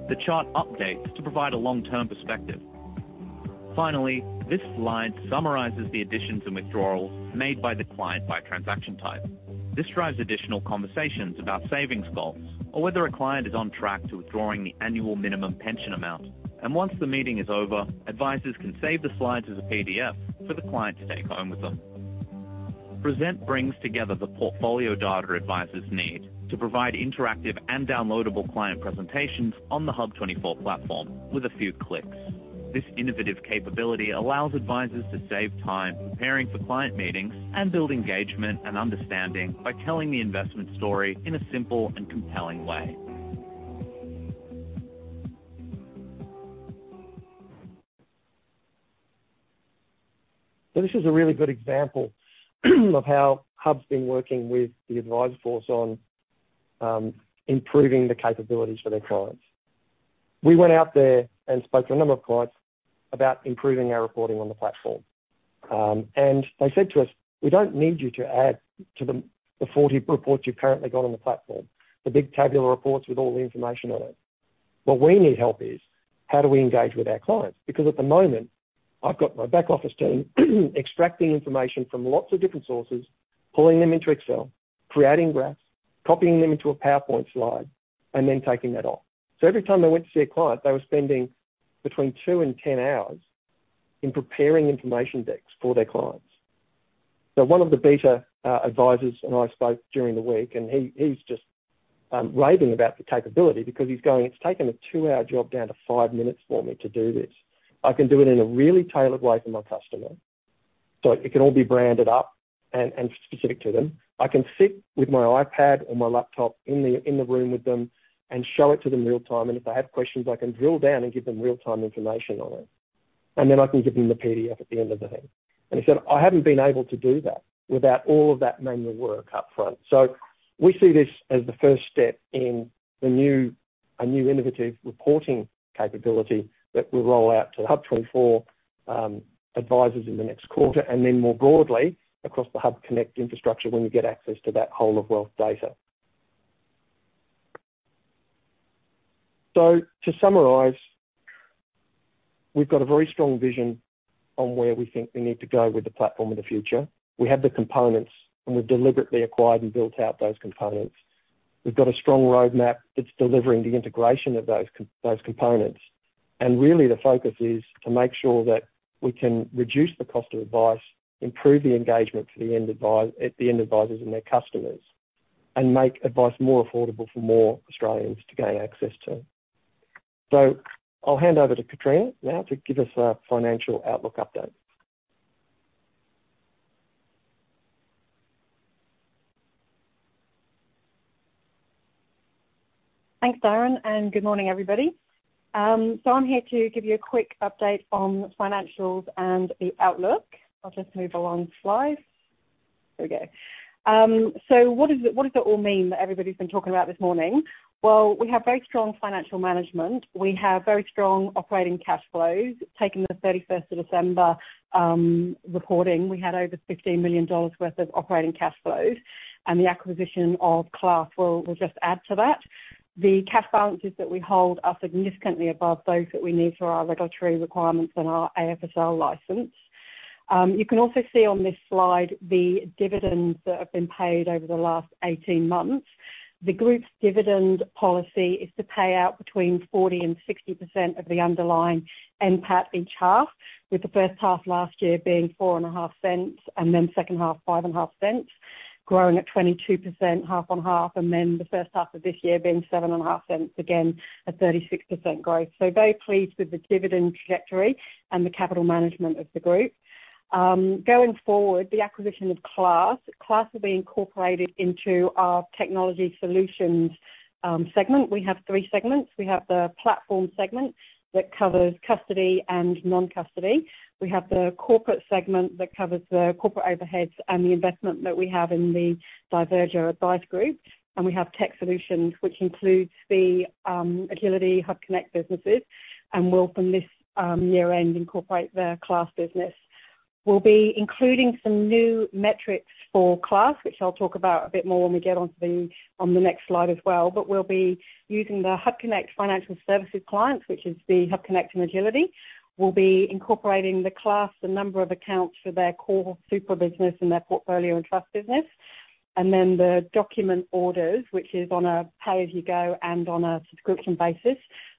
the chart updates to provide a long-term perspective. Finally, this slide summarizes the additions and withdrawals made by the client by transaction type. This drives additional conversations about savings goals or whether a client is on track to withdrawing the annual minimum pension amount. Once the meeting is over, advisors can save the slides as a PDF for the client to take home with them. Present brings together the portfolio data advisors need to provide interactive and downloadable client presentations on the HUB24 platform with a few clicks. This innovative capability allows advisors to save time preparing for client meetings and build engagement and understanding by telling the investment story in a simple and compelling way. This is a really good example of how Hub's been working with the advisor force on improving the capabilities for their clients. We went out there and spoke to a number of clients about improving our reporting on the platform. They said to us, "We don't need you to add to the 40 reports you currently got on the platform, the big tabular reports with all the information on it. What we need help is, how do we engage with our clients? Because at the moment, I've got my back office team extracting information from lots of different sources, pulling them into Excel, creating graphs, copying them into a PowerPoint slide, and then taking that off." Every time they went to see a client, they were spending between 2 and 10 hours in preparing information decks for their clients. One of the beta advisors and I spoke during the week, and he's just raving about the capability because he's going, "It's taken a two-hour job down to five minutes for me to do this. I can do it in a really tailored way for my customer, so it can all be branded up and specific to them. I can sit with my iPad or my laptop in the room with them and show it to them real-time, and if they have questions, I can drill down and give them real-time information on it. Then I can give them the PDF at the end of the day." He said, "I haven't been able to do that without all of that manual work up front." We see this as the first step in a new innovative reporting capability that we'll roll out to HUB24 advisors in the next quarter, and then more broadly across the HUBconnect infrastructure, when we get access to that whole of wealth data. To summarize, we've got a very strong vision on where we think we need to go with the platform in the future. We have the components, and we've deliberately acquired and built out those components. We've got a strong roadmap that's delivering the integration of those components. Really the focus is to make sure that we can reduce the cost of advice, improve the engagement to the end advisors and their customers, and make advice more affordable for more Australians to gain access to. I'll hand over to Kitrina now to give us a financial outlook update. Thanks, Darren, and good morning, everybody. I'm here to give you a quick update on financials and the outlook. I'll just move along the slide. There we go. What does it all mean that everybody's been talking about this morning? Well, we have very strong financial management. We have very strong operating cash flows. Taking the thirty-first of December reporting, we had over 15 million dollars worth of operating cash flows, and the acquisition of Class will just add to that. The cash balances that we hold are significantly above those that we need for our regulatory requirements and our AFSL license. You can also see on this slide the dividends that have been paid over the last 18 months. The group's dividend policy is to pay out between 40%-60% of the underlying NPAT each half, with the first half last year being 0.045, and then second half, 0.055, growing at 22% half on half. The first half of this year being 0.075, again a 36% growth. Very pleased with the dividend trajectory and the capital management of the group. Going forward, the acquisition of Class. Class will be incorporated into our technology solutions segment. We have three segments. We have the platform segment that covers custody and non-custody. We have the corporate segment that covers the corporate overheads and the investment that we have in the Diverger Advice Group. We have tech solutions, which includes the Agility, HUBconnect businesses. We'll, from this year-end, incorporate the Class business. We'll be including some new metrics for Class, which I'll talk about a bit more when we get on to the next slide as well. We'll be using the HUBconnect financial services clients, which is the HUBconnect and Agility. We'll be incorporating the Class, the number of accounts for their core super business and their portfolio and trust business. Then the document orders, which is on a pay-as-you-go and on a subscription basis,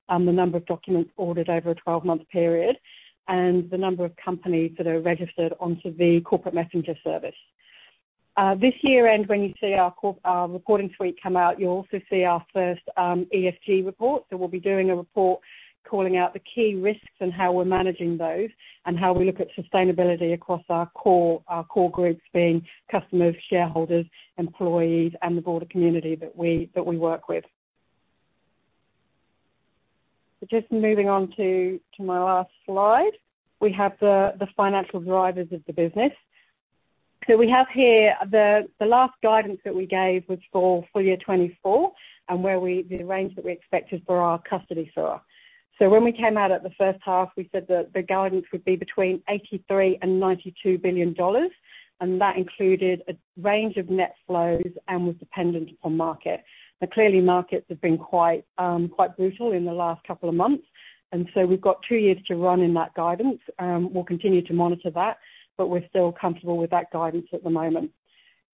the number of documents ordered over a 12-month period, and the number of companies that are registered onto the Corporate Messenger service. This year-end, when you see our reporting suite come out, you'll also see our first ESG report. We'll be doing a report calling out the key risks and how we're managing those, and how we look at sustainability across our core groups being customers, shareholders, employees, and the broader community that we work with. Just moving on to my last slide. We have the financial drivers of the business. We have here the last guidance that we gave was for full year 2024 and the range that we expected for our custody fee. When we came out at the first half, we said that the guidance would be between 83 billion and 92 billion dollars, and that included a range of net flows and was dependent upon market. Now, clearly, markets have been quite brutal in the last couple of months, and we've got 2 years to run in that guidance. We'll continue to monitor that, but we're still comfortable with that guidance at the moment.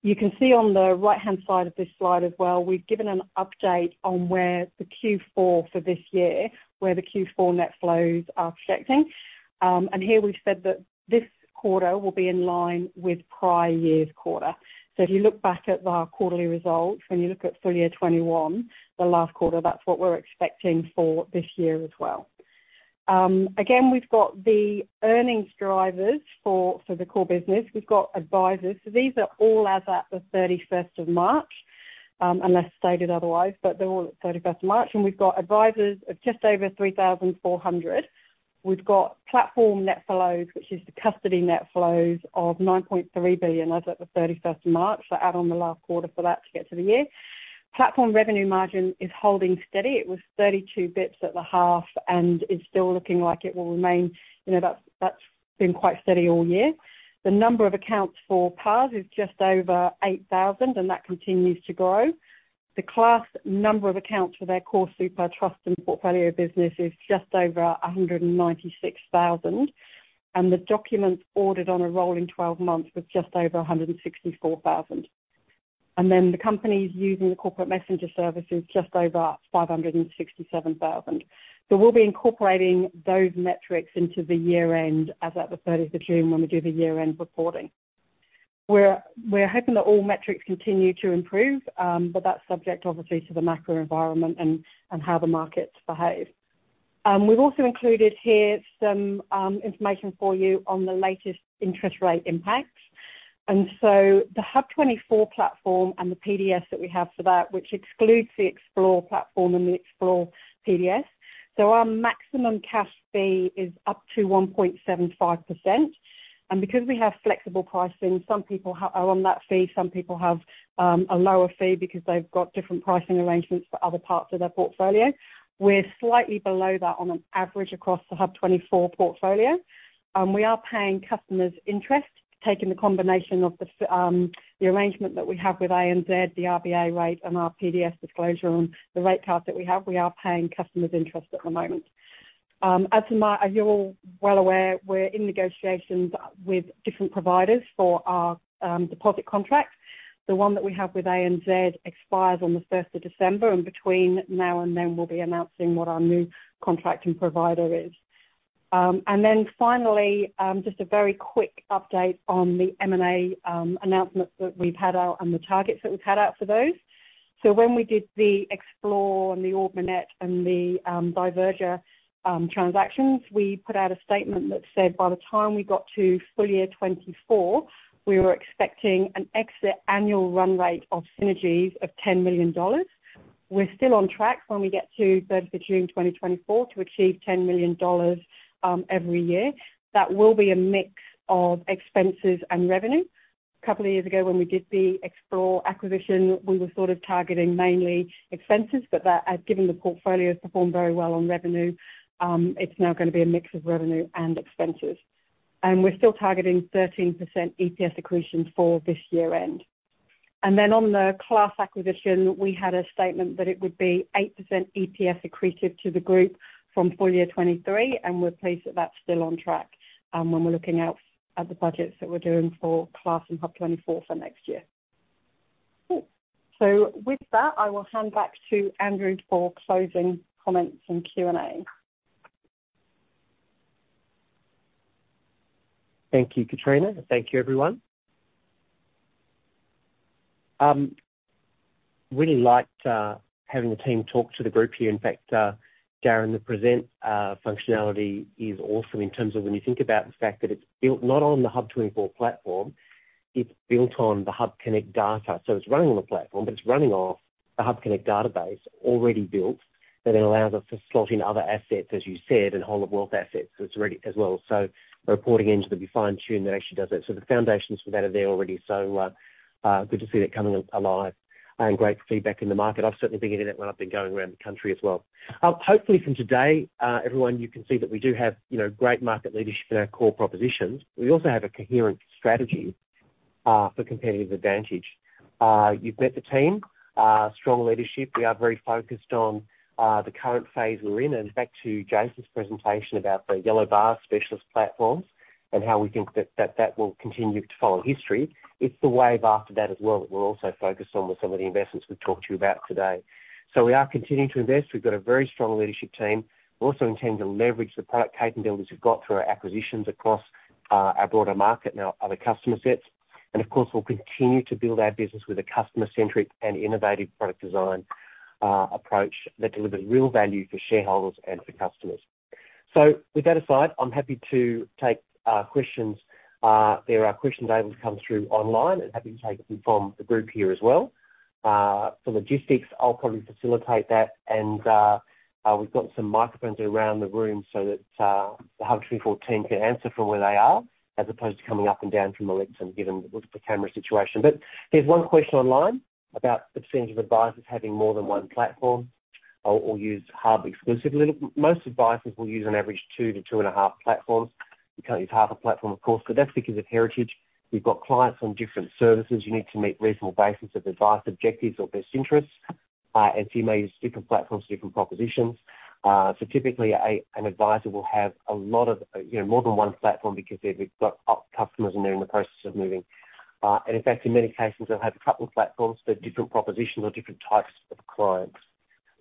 You can see on the right-hand side of this slide as well, we've given an update on where the Q4 for this year, where the Q4 net flows are projecting. Here we've said that this quarter will be in line with prior year's quarter. If you look back at our quarterly results, when you look at full year 2021, the last quarter, that's what we're expecting for this year as well. Again, we've got the earnings drivers for the core business. We've got advisors. These are all as at the thirty-first of March, unless stated otherwise, but they're all at thirty-first of March. We've got advisors of just over 3,400. We've got platform net flows, which is the custody net flows of 9.3 billion as at the thirty-first of March. Add on the last quarter for that to get to the year. Platform revenue margin is holding steady. It was 32 bps at the half, and it's still looking like it will remain. You know, that's been quite steady all year. The number of accounts for PAS is just over 8,000, and that continues to grow. The Class number of accounts for their core super trust and portfolio business is just over 196,000. The documents ordered on a rolling twelve months was just over 164,000. The companies using the Corporate Messenger service is just over 567,000. We'll be incorporating those metrics into the year-end as at the thirtieth of June when we do the year-end reporting. We're hoping that all metrics continue to improve, but that's subject obviously to the macro environment and how the markets behave. We've also included here some information for you on the latest interest rate impacts. The HUB24 platform and the PDS that we have for that, which excludes the Xplore platform and the Xplore PDS. Our maximum cash fee is up to 1.75%. Because we have flexible pricing, some people are on that fee, some people have a lower fee because they've got different pricing arrangements for other parts of their portfolio. We're slightly below that on an average across the HUB24 portfolio. We are paying customers interest, taking the combination of the arrangement that we have with ANZ, the RBA rate, and our PDS disclosure on the rate cards that we have, we are paying customers interest at the moment. As you're all well aware, we're in negotiations with different providers for our deposit contracts. The one that we have with ANZ expires on the first of December, and between now and then we'll be announcing what our new contracting provider is. Finally, just a very quick update on the M&A announcements that we've had out and the targets that we've had out for those. When we did the Xplore and the Class and the Diverger transactions, we put out a statement that said by the time we got to full year 2024, we were expecting an exit annual run rate of synergies of 10 million dollars. We're still on track when we get to 30th of June 2024 to achieve 10 million dollars every year. That will be a mix of expenses and revenue. A couple of years ago when we did the Xplore acquisition, we were sort of targeting mainly expenses, but, given the portfolio has performed very well on revenue, it's now gonna be a mix of revenue and expenses. We're still targeting 13% EPS accretion for this year-end. Then on the Class acquisition, we had a statement that it would be 8% EPS accretive to the group from full year 2023, and we're pleased that that's still on track, when we're looking out at the budgets that we're doing for Class and HUB24 for next year. Cool. With that, I will hand back to Andrew for closing comments and Q&A. Thank you, Kitrina. Thank you, everyone. Really liked having the team talk to the group here. In fact, Darren, the Present functionality is awesome in terms of when you think about the fact that it's built not on the HUB24 platform, it's built on the HUBconnect data. It's running on the platform, but it's running off the HUBconnect database already built, that it allows us to slot in other assets, as you said, and whole of wealth assets, so it's ready as well. The reporting engine will be fine-tuned. That actually does that. The foundations for that are there already. Good to see that coming alive and great feedback in the market. I've certainly been getting that when I've been going around the country as well. Hopefully from today, everyone, you can see that we do have, you know, great market leadership in our core propositions. We also have a coherent strategy for competitive advantage. You've met the team, strong leadership. We are very focused on the current phase we're in. Back to Jason's presentation about the yellow bar specialist platforms and how we think that will continue to follow history. It's the wave after that as well that we're also focused on with some of the investments we've talked to you about today. We are continuing to invest. We've got a very strong leadership team. We also intend to leverage the product capability we've got through our acquisitions across our broader market and our other customer sets. Of course, we'll continue to build our business with a customer-centric and innovative product design approach that delivers real value for shareholders and for customers. With that aside, I'm happy to take questions. There are questions able to come through online and happy to take them from the group here as well. For logistics, I'll probably facilitate that. We've got some microphones around the room so that the HUB24 team can answer from where they are, as opposed to coming up and down from the lifts and given the camera situation. There's one question online about the percentage of advisors having more than one platform or use HUB24 exclusively. Most advisors will use on average 2-2.5 platforms. You can't use half a platform, of course, but that's because of heritage. We've got clients on different services. You need to meet reasonable basis of advice, objectives or best interests, and so you may use different platforms, different propositions. Typically an advisor will have a lot of, you know, more than 1 platform because they've got customers and they're in the process of moving. In fact, in many cases, they'll have a couple of platforms for different propositions or different types of clients.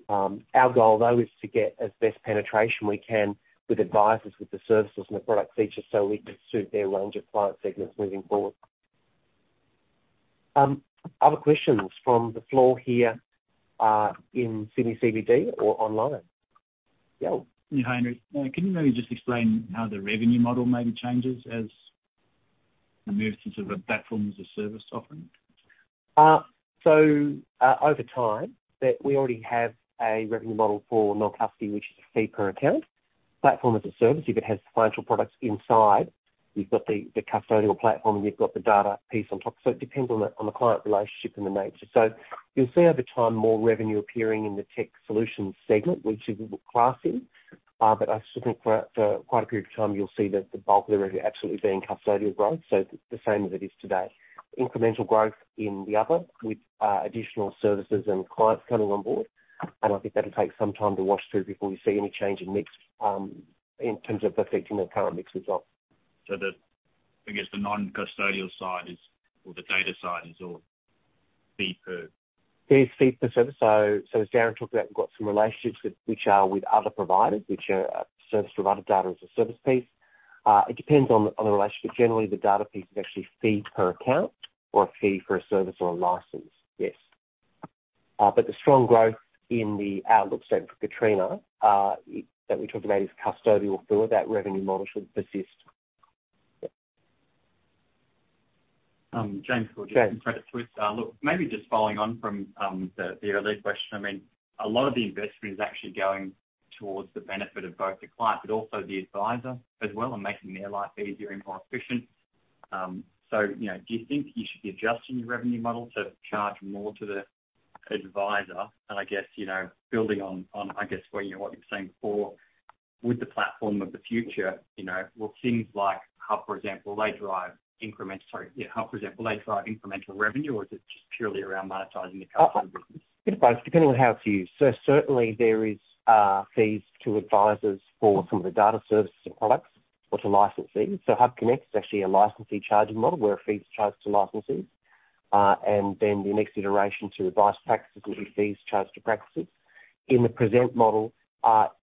Our goal, though, is to get as best penetration we can with advisors, with the services and the product features, so we can suit their range of client segments moving forward. Other questions from the floor here, in Sydney CBD or online? Yeah. Yeah, hi, Henry. Can you maybe just explain how the revenue model maybe changes as we move to sort of a platform as a service offering? Over time, that we already have a revenue model for non-custody, which is a fee per account. Platform as a service, if it has financial products inside, you've got the custodial platform, and you've got the data piece on top. It depends on the client relationship and the nature. You'll see over time more revenue appearing in the tech solutions segment, which is what we're classing. But I still think for quite a period of time, you'll see that the bulk of the revenue absolutely being custodial growth, so the same as it is today. Incremental growth in the other with additional services and clients coming on board. I think that'll take some time to wash through before we see any change in mix, in terms of affecting the current mix result. I guess the non-custodial side is, or the data side is all fee per- It is fee per service. As Darren talked about, we've got some relationships with other providers, service provider data as a service piece. It depends on the relationship. Generally, the data piece is actually fee per account or a fee for a service or a license. Yes. The strong growth in the outlook statement for Catriona that we talked about is custodial, so that revenue model should persist. Yeah. James Bisinella from Credit Suisse. James. Look, maybe just following on from the earlier question. I mean, a lot of the investment is actually going towards the benefit of both the client but also the advisor as well and making their life easier and more efficient. You know, do you think you should be adjusting your revenue model to charge more to the advisor? I guess, you know, building on, I guess, where, you know, what you're saying before, with the platform of the future, you know, will things like Hub, for example, drive incremental revenue, or is it just purely around monetizing the customer business? A bit of both, depending on how it's used. Certainly there is fees to advisors for some of the data services and products or to licensees. HUBconnect is actually a licensee charging model where a fee is charged to licensees. Then the next iteration to advice practices will be fees charged to practices. In the present model,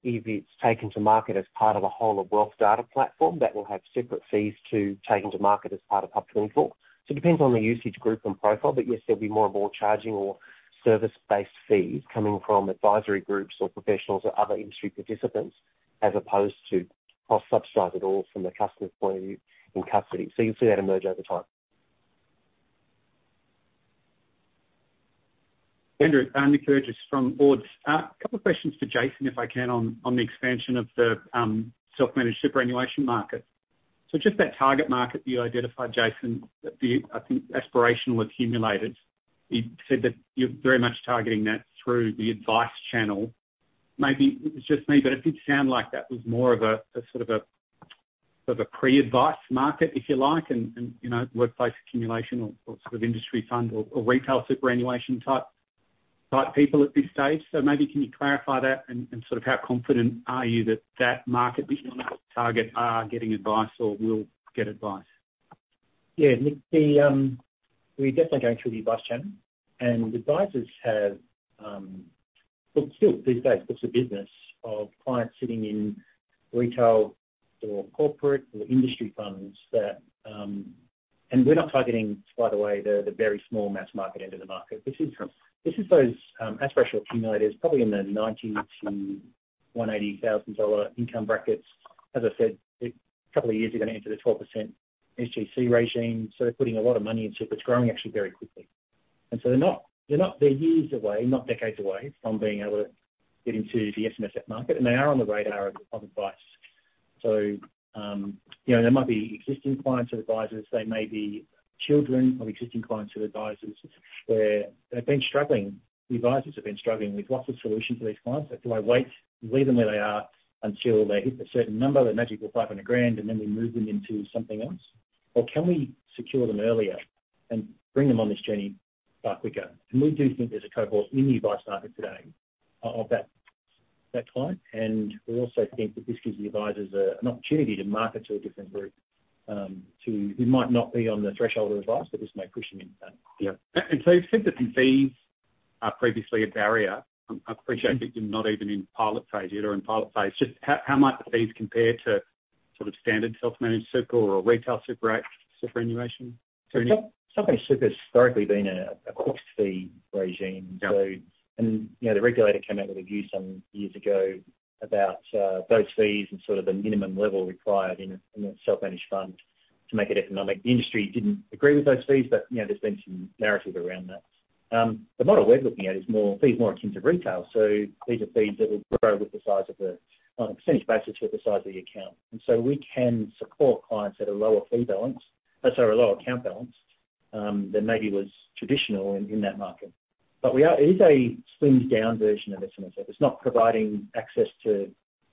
if it's taken to market as part of a whole of wealth data platform, that will have separate fees to taking to market as part of HUB24. It depends on the usage group and profile, but yes, there'll be more and more charging or service-based fees coming from advisory groups or professionals or other industry participants, as opposed to cost subsidized at all from the customer point of view in custody. You'll see that emerge over time. Andrew, Nick Curtis from Bord. A couple of questions for Jason, if I can, on the expansion of the self-managed superannuation market. Just that target market you identified, Jason, the, I think, aspirational accumulators, you said that you're very much targeting that through the advice channel. Maybe it's just me, but it did sound like that was more of a sort of a pre-advice market, if you like, and you know, workplace accumulation or sort of industry fund or retail superannuation type people at this stage. Maybe can you clarify that and sort of how confident are you that that market that you're gonna target are getting advice or will get advice? Yeah. Nick, we're definitely going through the advice channel. Advisors have. Look, still these days, it's a business of clients sitting in retail or corporate or industry funds that we're not targeting, by the way, the very small mass market end of the market. This is those aspirational accumulators, probably in the 90,000-180,000 dollar income brackets. As I said, a couple of years ago, they entered a 12% SGC regime, so they're putting a lot of money in super. It's growing actually very quickly. They're not years away, not decades away from being able to get into the SMSF market, and they are on the radar of advice. You know, they might be existing clients of advisors. They may be children of existing clients of advisors, where they've been struggling, the advisors have been struggling with lots of solutions for these clients. Do I wait, leave them where they are until they hit the certain number, the magical AUD 500,000, and then we move them into something else? Or can we secure them earlier and bring them on this journey far quicker? We do think there's a cohort in the advice market today of that client. We also think that this gives the advisors an opportunity to market to a different group to who might not be on the threshold of advice, but this may push them into that. Yeah. You've said that the fees- Were previously a barrier. I appreciate that you're not even in pilot phase, yet or in pilot phase. Just how might the fees compare to sort of standard self-managed super or a retail superannuation? Self-managed super has historically been a cost-free regime. Yeah. You know, the regulator came out with a view some years ago about those fees and sort of the minimum level required in a self-managed fund to make it economic. The industry didn't agree with those fees, but you know, there's been some narrative around that. The model we're looking at is fees more akin to retail. These are fees that will grow with the size of the account on a percentage basis. We can support clients at a lower account balance. That's our lower account balance than maybe was traditional in that market. It is a slimmed down version of SMSF. It's not providing access to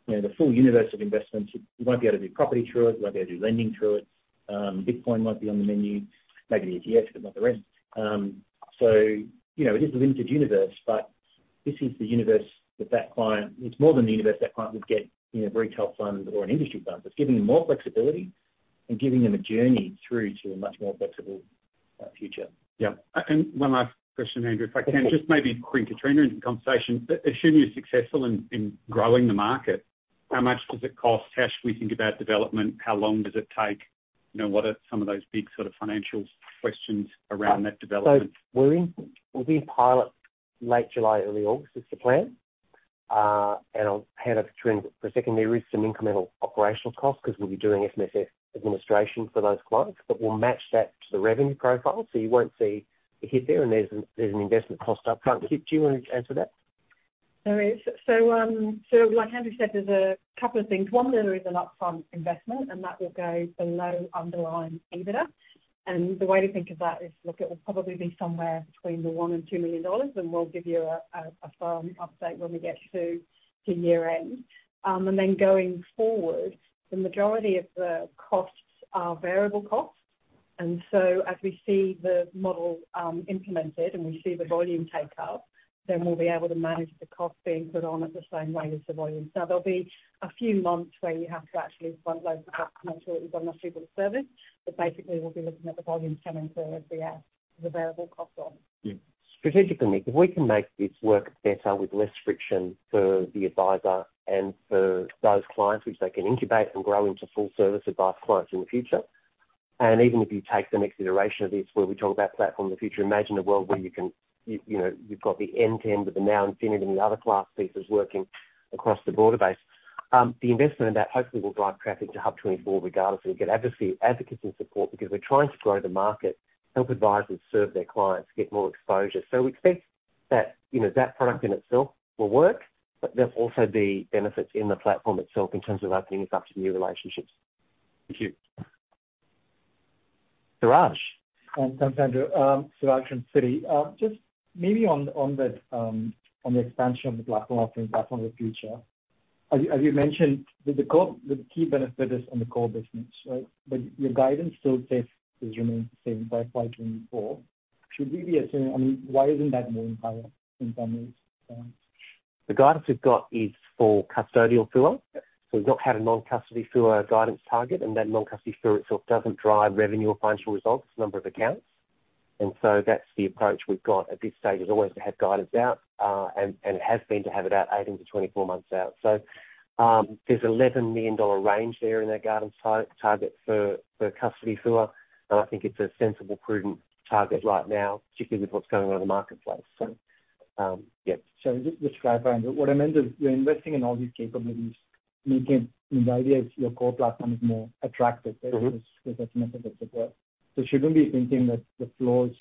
you know, the full universe of investments. You won't be able to do property through it. You won't be able to do lending through it. Bitcoin won't be on the menu, maybe the ETF, but not the rest. You know, it is a limited universe, but this is the universe that client. It's more than the universe that client would get in a retail fund or an industry fund. It's giving them more flexibility and giving them a journey through to a much more flexible future. Yeah. One last question, Andrew, if I can. Just maybe bring Kitrina into the conversation. Assuming you're successful in growing the market, how much does it cost? How should we think about development? How long does it take? You know, what are some of those big sort of financials questions around that development? We'll be in pilot late July, early August is the plan. I'll hand over to Kitrina for a second. There is some incremental operational costs because we'll be doing SMSF administration for those clients, but we'll match that to the revenue profile. You won't see a hit there. There's an investment cost up front. Do you want to answer that? Like Andrew said, there's a couple of things. One, there is an upfront investment and that will go below underlying EBITDA. The way to think of that is, look, it will probably be somewhere between 1 million and 2 million dollars, and we'll give you a firm update when we get to year-end. Then going forward, the majority of the costs are variable costs. As we see the model implemented and we see the volume take up, then we'll be able to manage the cost being put on at the same rate as the volume. Now, there'll be a few months where you have to actually front load the cost and make sure that you've got enough people to service. Basically, we'll be looking at the volumes coming through as we add the variable cost on. Yeah. Strategically, if we can make this work better with less friction for the advisor and for those clients which they can incubate and grow into full service advice clients in the future, and even if you take the next iteration of this where we talk about platform of the future, imagine a world where you can, you know, you've got the end-to-end of the NowInfinity and the other Class pieces working across the broader base. The investment in that hopefully will drive traffic to HUB24 regardless, and we get advocacy support because we're trying to grow the market, help advisors serve their clients, get more exposure. We expect that, you know, that product in itself will work, but there'll be benefits in the platform itself in terms of opening us up to new relationships. Thank you, Siraj. Thanks, Andrew. Siraj from Citi. Just maybe on the expansion of the platform, offering platform of the future. As you mentioned, the core, the key benefit is on the core business, right? But your guidance still says it remains the same by FY 2024. Should we be assuming? I mean, why isn't that more higher in some ways? The guidance we've got is for custodial FUA. Yeah. We've not had a non-custody FUA guidance target, and that non-custody FUA itself doesn't drive revenue or financial results, number of accounts. That's the approach we've got at this stage, as always, to have guidance out, and it has been to have it out 18-24 months out. There's 11 million dollar range there in that guidance target for custody FUA. I think it's a sensible, prudent target right now, particularly with what's going on in the marketplace. Sorry, just to clarify. What I meant is we're investing in all these capabilities, making the idea is your core platform is more attractive, right? Mm-hmm. With SMSF as support. Shouldn't we be thinking that the flows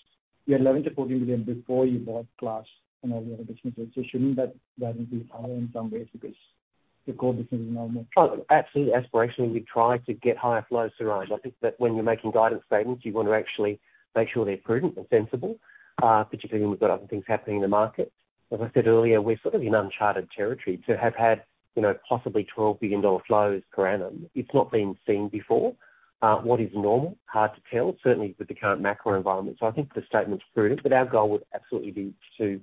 you had 11 billion-14 billion before you bought Class and all the other businesses. Shouldn't that revenue be higher in some ways because the core business is now more Oh, absolutely. Aspirationally, we try to get higher flows, Siraj. I think that when you're making guidance statements, you want to actually make sure they're prudent and sensible, particularly when we've got other things happening in the market. As I said earlier, we're sort of in uncharted territory to have had, you know, possibly 12 billion dollar flows per annum. It's not been seen before. What is normal? Hard to tell, certainly with the current macro environment. I think the statement's prudent, but our goal would absolutely be to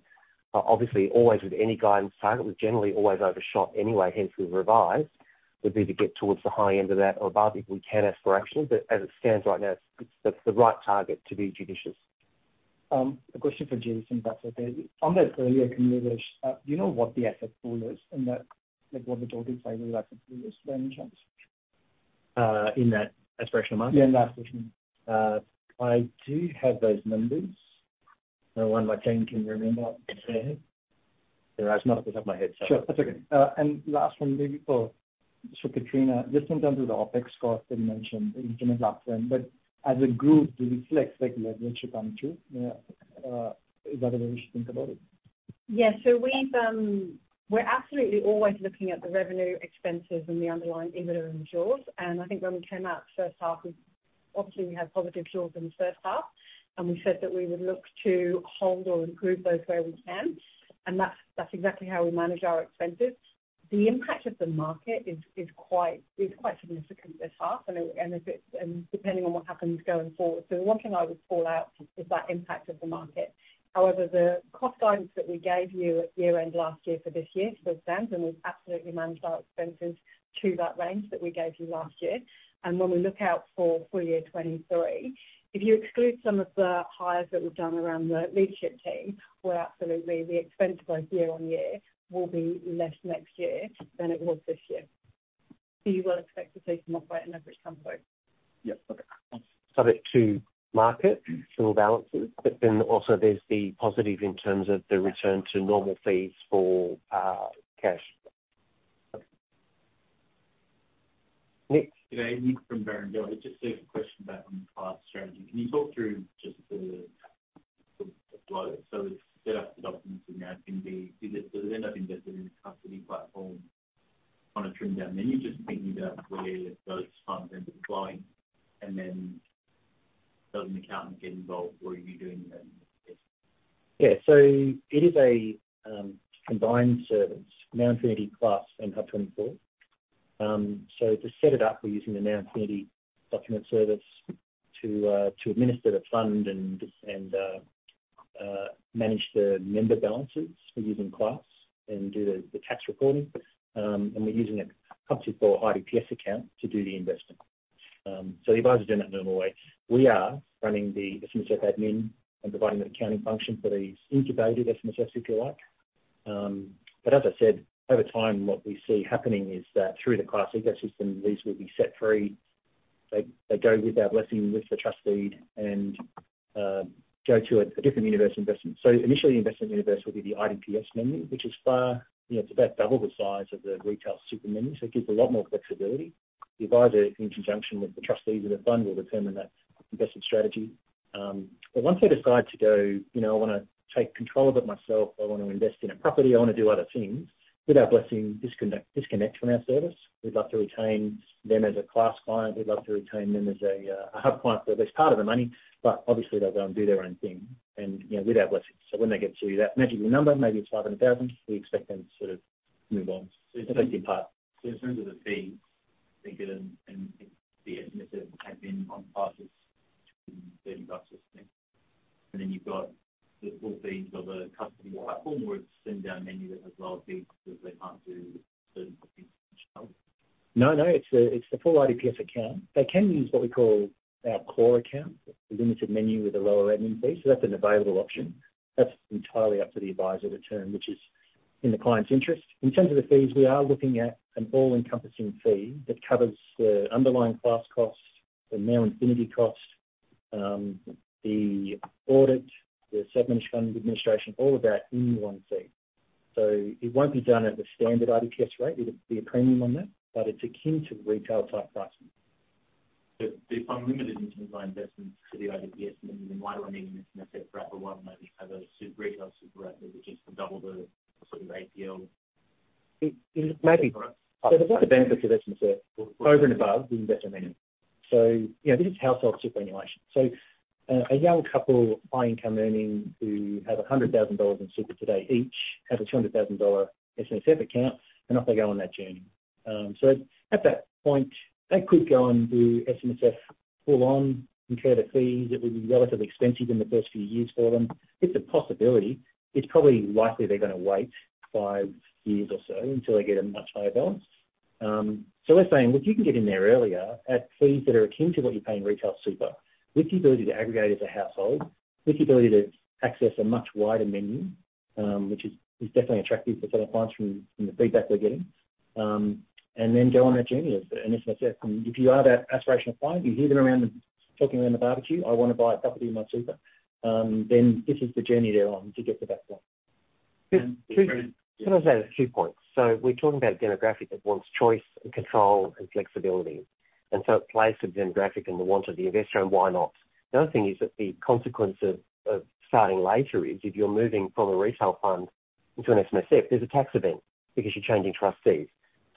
obviously always with any guidance target, we generally always overshot anyway, hence we revise, would be to get towards the high end of that or above if we can aspirationally. As it stands right now, it's the right target to be judicious. A question for Jason. On that earlier conversation, do you know what the asset pool is in that? Like, what the total savings asset pool is there in terms? In that aspirational market? Yeah, in that aspirational. I do have those numbers. One more time, can you remind what you said? Siraj, it's not off the top of my head, sorry. Sure. That's okay. Last one maybe so Kitrina, just in terms of the OpEx costs that you mentioned, the incremental upfront, but as a group, do we expect revenue to come through? Is that the way we should think about it? Yeah. We're absolutely always looking at the revenue expenses and the underlying EBITDA and jaws. I think when we came out first half, obviously we had positive jaws in the first half, and we said that we would look to hold or improve those where we can. That's exactly how we manage our expenses. The impact of the market is quite significant this half and depending on what happens going forward. The one thing I would call out is that impact of the market. However, the cost guidance that we gave you at year-end last year for this year still stands, and we've absolutely managed our expenses to that range that we gave you last year. When we look out for full year 2023, if you exclude some of the hires that were done around the leadership team, we're absolutely, the expense growth year-on-year will be less next year than it was this year. You will expect to see some uplift in average FUA? Yep. Okay, cool. Subject to market flow balances, but then also there's the positive in terms of the return to normal fees for cash. Nick. Good day. Nick from Barrenjoey. Just a question about the Class strategy. Can you talk through just the flow? The setup, the documents, you know, can be. They end up investing in a custody platform on a trim down. Then you're just thinking about where those funds end up flowing, and then does an accountant get involved, or are you doing that yourself? It is a combined service, NowInfinity Class and HUB24. To set it up, we're using the NowInfinity document service to administer the fund and manage the member balances. We're using Class and do the tax reporting. We're using a HUB24 IDPS account to do the investing. The advisor is doing it normal way. We are running the SMSF admin and providing the accounting function for these incubated SMSF, if you like. As I said, over time, what we see happening is that through the Class ecosystem, these will be set free. They go with our blessing, with the trust deed, and go to a different universe investment. Initially, investment universe will be the IDPS menu, which is far, you know, it's about double the size of the retail super menu, so it gives a lot more flexibility. The advisor, in conjunction with the trustees of the fund, will determine that investment strategy. Once they decide to go, you know, I wanna take control of it myself, I wanna invest in a property, I wanna do other things, with our blessing, disconnect from our service. We'd love to retain them as a Class client. We'd love to retain them as a HUB client for at least part of the money, but obviously they'll go and do their own thing and, you know, with our blessing. When they get to that magical number, maybe it's 500,000, we expect them to sort of move on. In terms of the fees they get and the admin on Class's between AUD 30 or something. Then you've got the full fees of a custody platform, or a slimmed down menu that has lower fees because they can't do certain things. No, no. It's the full IDPS account. They can use what we call our core account, the limited menu with a lower admin fee. That's an available option. That's entirely up to the advisor to choose, which is in the client's interest. In terms of the fees, we are looking at an all-encompassing fee that covers the underlying Class costs, the NowInfinity cost, the audit, the sub-management administration, all of that in one fee. It won't be done at the standard IDPS rate. It'll be a premium on that, but it's akin to retail type pricing. If I'm limited in terms of my investments for the IDPS menu, then why do I need an SMSF? Perhaps I might as well maybe have a retail super, which is double the sort of APO. It may be. There's other benefits of SMSF over and above the investment menu. You know, this is household superannuation. A young couple, high income earning, who have 100,000 dollars in super today each, have a AUD 200,000 SMSF account, and off they go on that journey. At that point, they could go and do SMSF full on, incur the fees. It would be relatively expensive in the first few years for them. It's a possibility. It's probably likely they're gonna wait five years or so until they get a much higher balance. We're saying, "Well, if you can get in there earlier at fees that are akin to what you pay in retail super, with the ability to aggregate as a household, with the ability to access a much wider menu," which is definitely attractive to fellow clients from the feedback we're getting. Go on that journey of an SMSF. If you are that aspirational client, you hear them talking around the barbecue, "I wanna buy a property in my super," then this is the journey they're on to get to that point. Can I just add a few points? We're talking about a demographic that wants choice and control and flexibility, and so it plays the demographic and the want of the investor, and why not? The other thing is that the consequence of starting later is if you're moving from a retail fund into an SMSF, there's a tax event because you're changing trustees.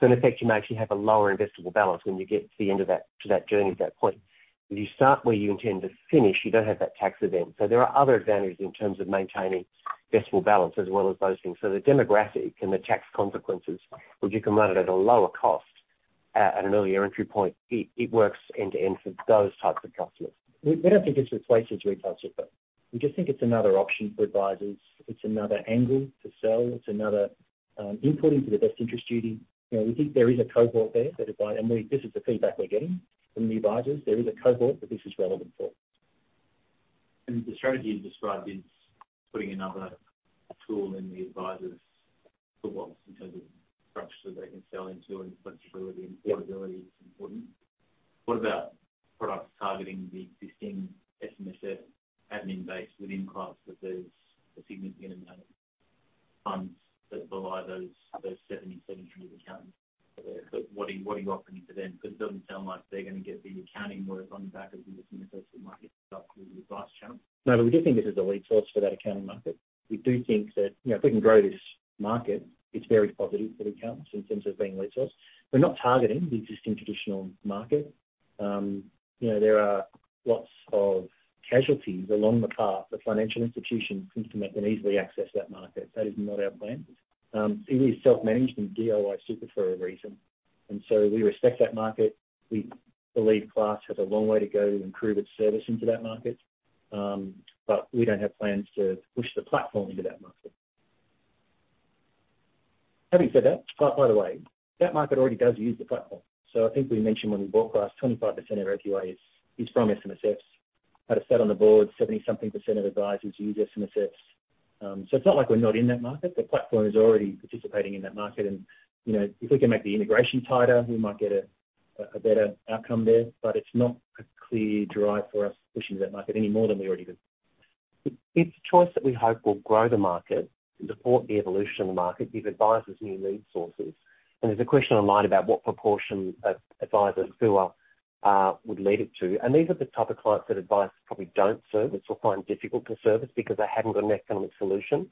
In effect, you actually have a lower investable balance when you get to the end of that, to that journey, to that point. If you start where you intend to finish, you don't have that tax event. There are other advantages in terms of maintaining investable balance as well as those things. The demographic and the tax consequences, would you combine it at a lower cost at an earlier entry point? It works end to end for those types of customers. We don't think it's replaced retail super. We just think it's another option for advisors. It's another angle to sell. It's another input into the best interest duty. You know, we think there is a cohort there. This is the feedback we're getting from the advisors. There is a cohort that this is relevant for. The strategy you described is putting another tool in the advisor's toolbox in terms of structure that they can sell into and flexibility and affordability is important. What about products targeting the existing SMSF admin base within Class that there's a significant amount of funds that are below those 70 million accounts. What are you offering to them? Because it doesn't sound like they're gonna get the accounting work on the back of the SMSF market. No, we do think this is a lead source for that accounting market. We do think that, you know, if we can grow this market, it's very positive for the accountants in terms of being lead source. We're not targeting the existing traditional market. You know, there are lots of casualties along the path. The financial institutions can come out and easily access that market. That is not our plan. It is self-management DIY super for a reason. We respect that market. We believe Class has a long way to go to improve its service into that market. We don't have plans to push the platform into that market. Having said that, by the way, that market already does use the platform. I think we mentioned when we bought Class, 25% of FUA is from SMSFs. Had a seat on the board, 70-something% of advisors use SMSF. It's not like we're not in that market. The platform is already participating in that market. You know, if we can make the integration tighter, we might get a better outcome there. It's not a clear drive for us pushing into that market any more than we already did. It's a choice that we hope will grow the market and support the evolution of the market, give advisors new lead sources. There's a question online about what proportion of advisors who would lead it to. These are the type of clients that advisors probably don't service or find difficult to service because they haven't got an economic solution.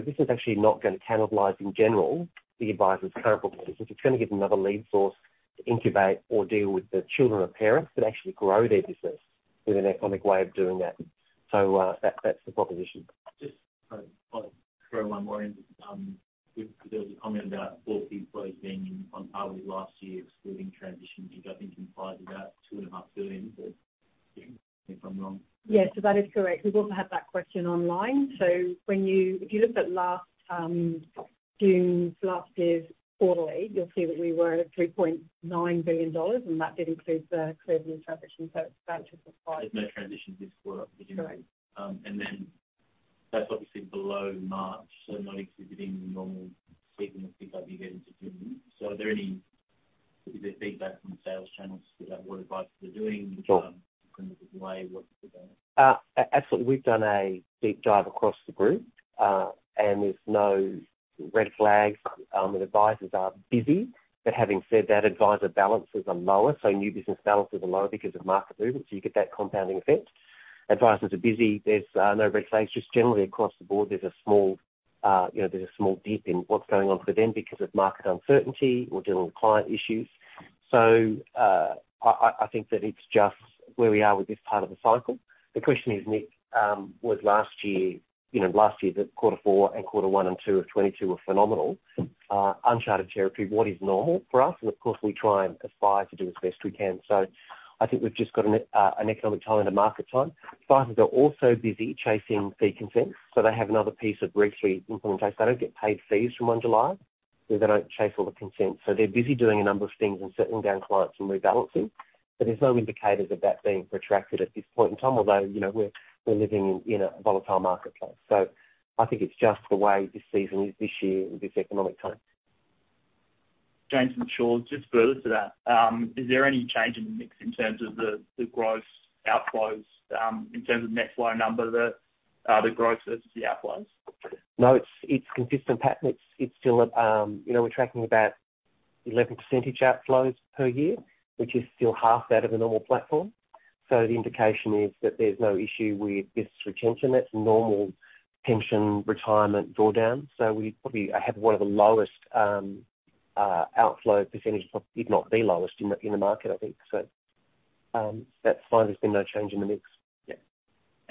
This is actually not gonna cannibalize in general the advisor's current book, which is gonna give them another lead source to incubate or deal with the children or parents that actually grow their business with an economic way of doing that. That's the proposition. Just kind of like throw one more in. There was a comment about full fee flows being on target last year, excluding transition, which I think implies about 2.5 billion, but correct me if I'm wrong. Yes. That is correct. We've also had that question online. If you looked at last June, last year's quarterly, you'll see that we were at 3.9 billion dollars, and that did include the ClearView transition. It's about AUD 2.5 billion. There's no transition this quarter. Correct. That's obviously below March, not exhibiting the normal seasonal pick up you get into June. Is there feedback from the sales channels about what advisors are doing which kind of delay what we're doing? Absolutely. We've done a deep dive across the group, and there's no red flags, and advisors are busy. Having said that, advisor balances are lower, so new business balances are lower because of market movements, so you get that compounding effect. Advisors are busy. There's no red flags. Just generally across the board, there's a small, you know, there's a small dip in what's going on for them because of market uncertainty. We're dealing with client issues. I think that it's just where we are with this part of the cycle. The question is, Nick, was last year, you know, last year the quarter 4 and quarter 1 and 2 of 2022 were phenomenal. Uncharted territory, what is normal for us? Of course, we try and aspire to do as best we can. I think we've just got an economic time and a market time. Advisors are also busy chasing fee consents, so they have another piece of regulatory implementation. They don't get paid fees from 1 July if they don't chase all the consents. They're busy doing a number of things and settling down clients and rebalancing. There's no indicators of that being protracted at this point in time, although, you know, we're living in a volatile marketplace. I think it's just the way this season is this year with this economic time. James from Shaw. Just further to that, is there any change in the mix in terms of the gross outflows, in terms of net flow number, the gross versus the outflows? No, it's consistent pattern. It's still at, you know, we're tracking about 11% outflows per year, which is still half that of a normal platform. The indication is that there's no issue with business retention. That's normal pension retirement drawdown. We probably have one of the lowest outflow percentages, if not the lowest in the market, I think. That's fine. There's been no change in the mix. Yeah.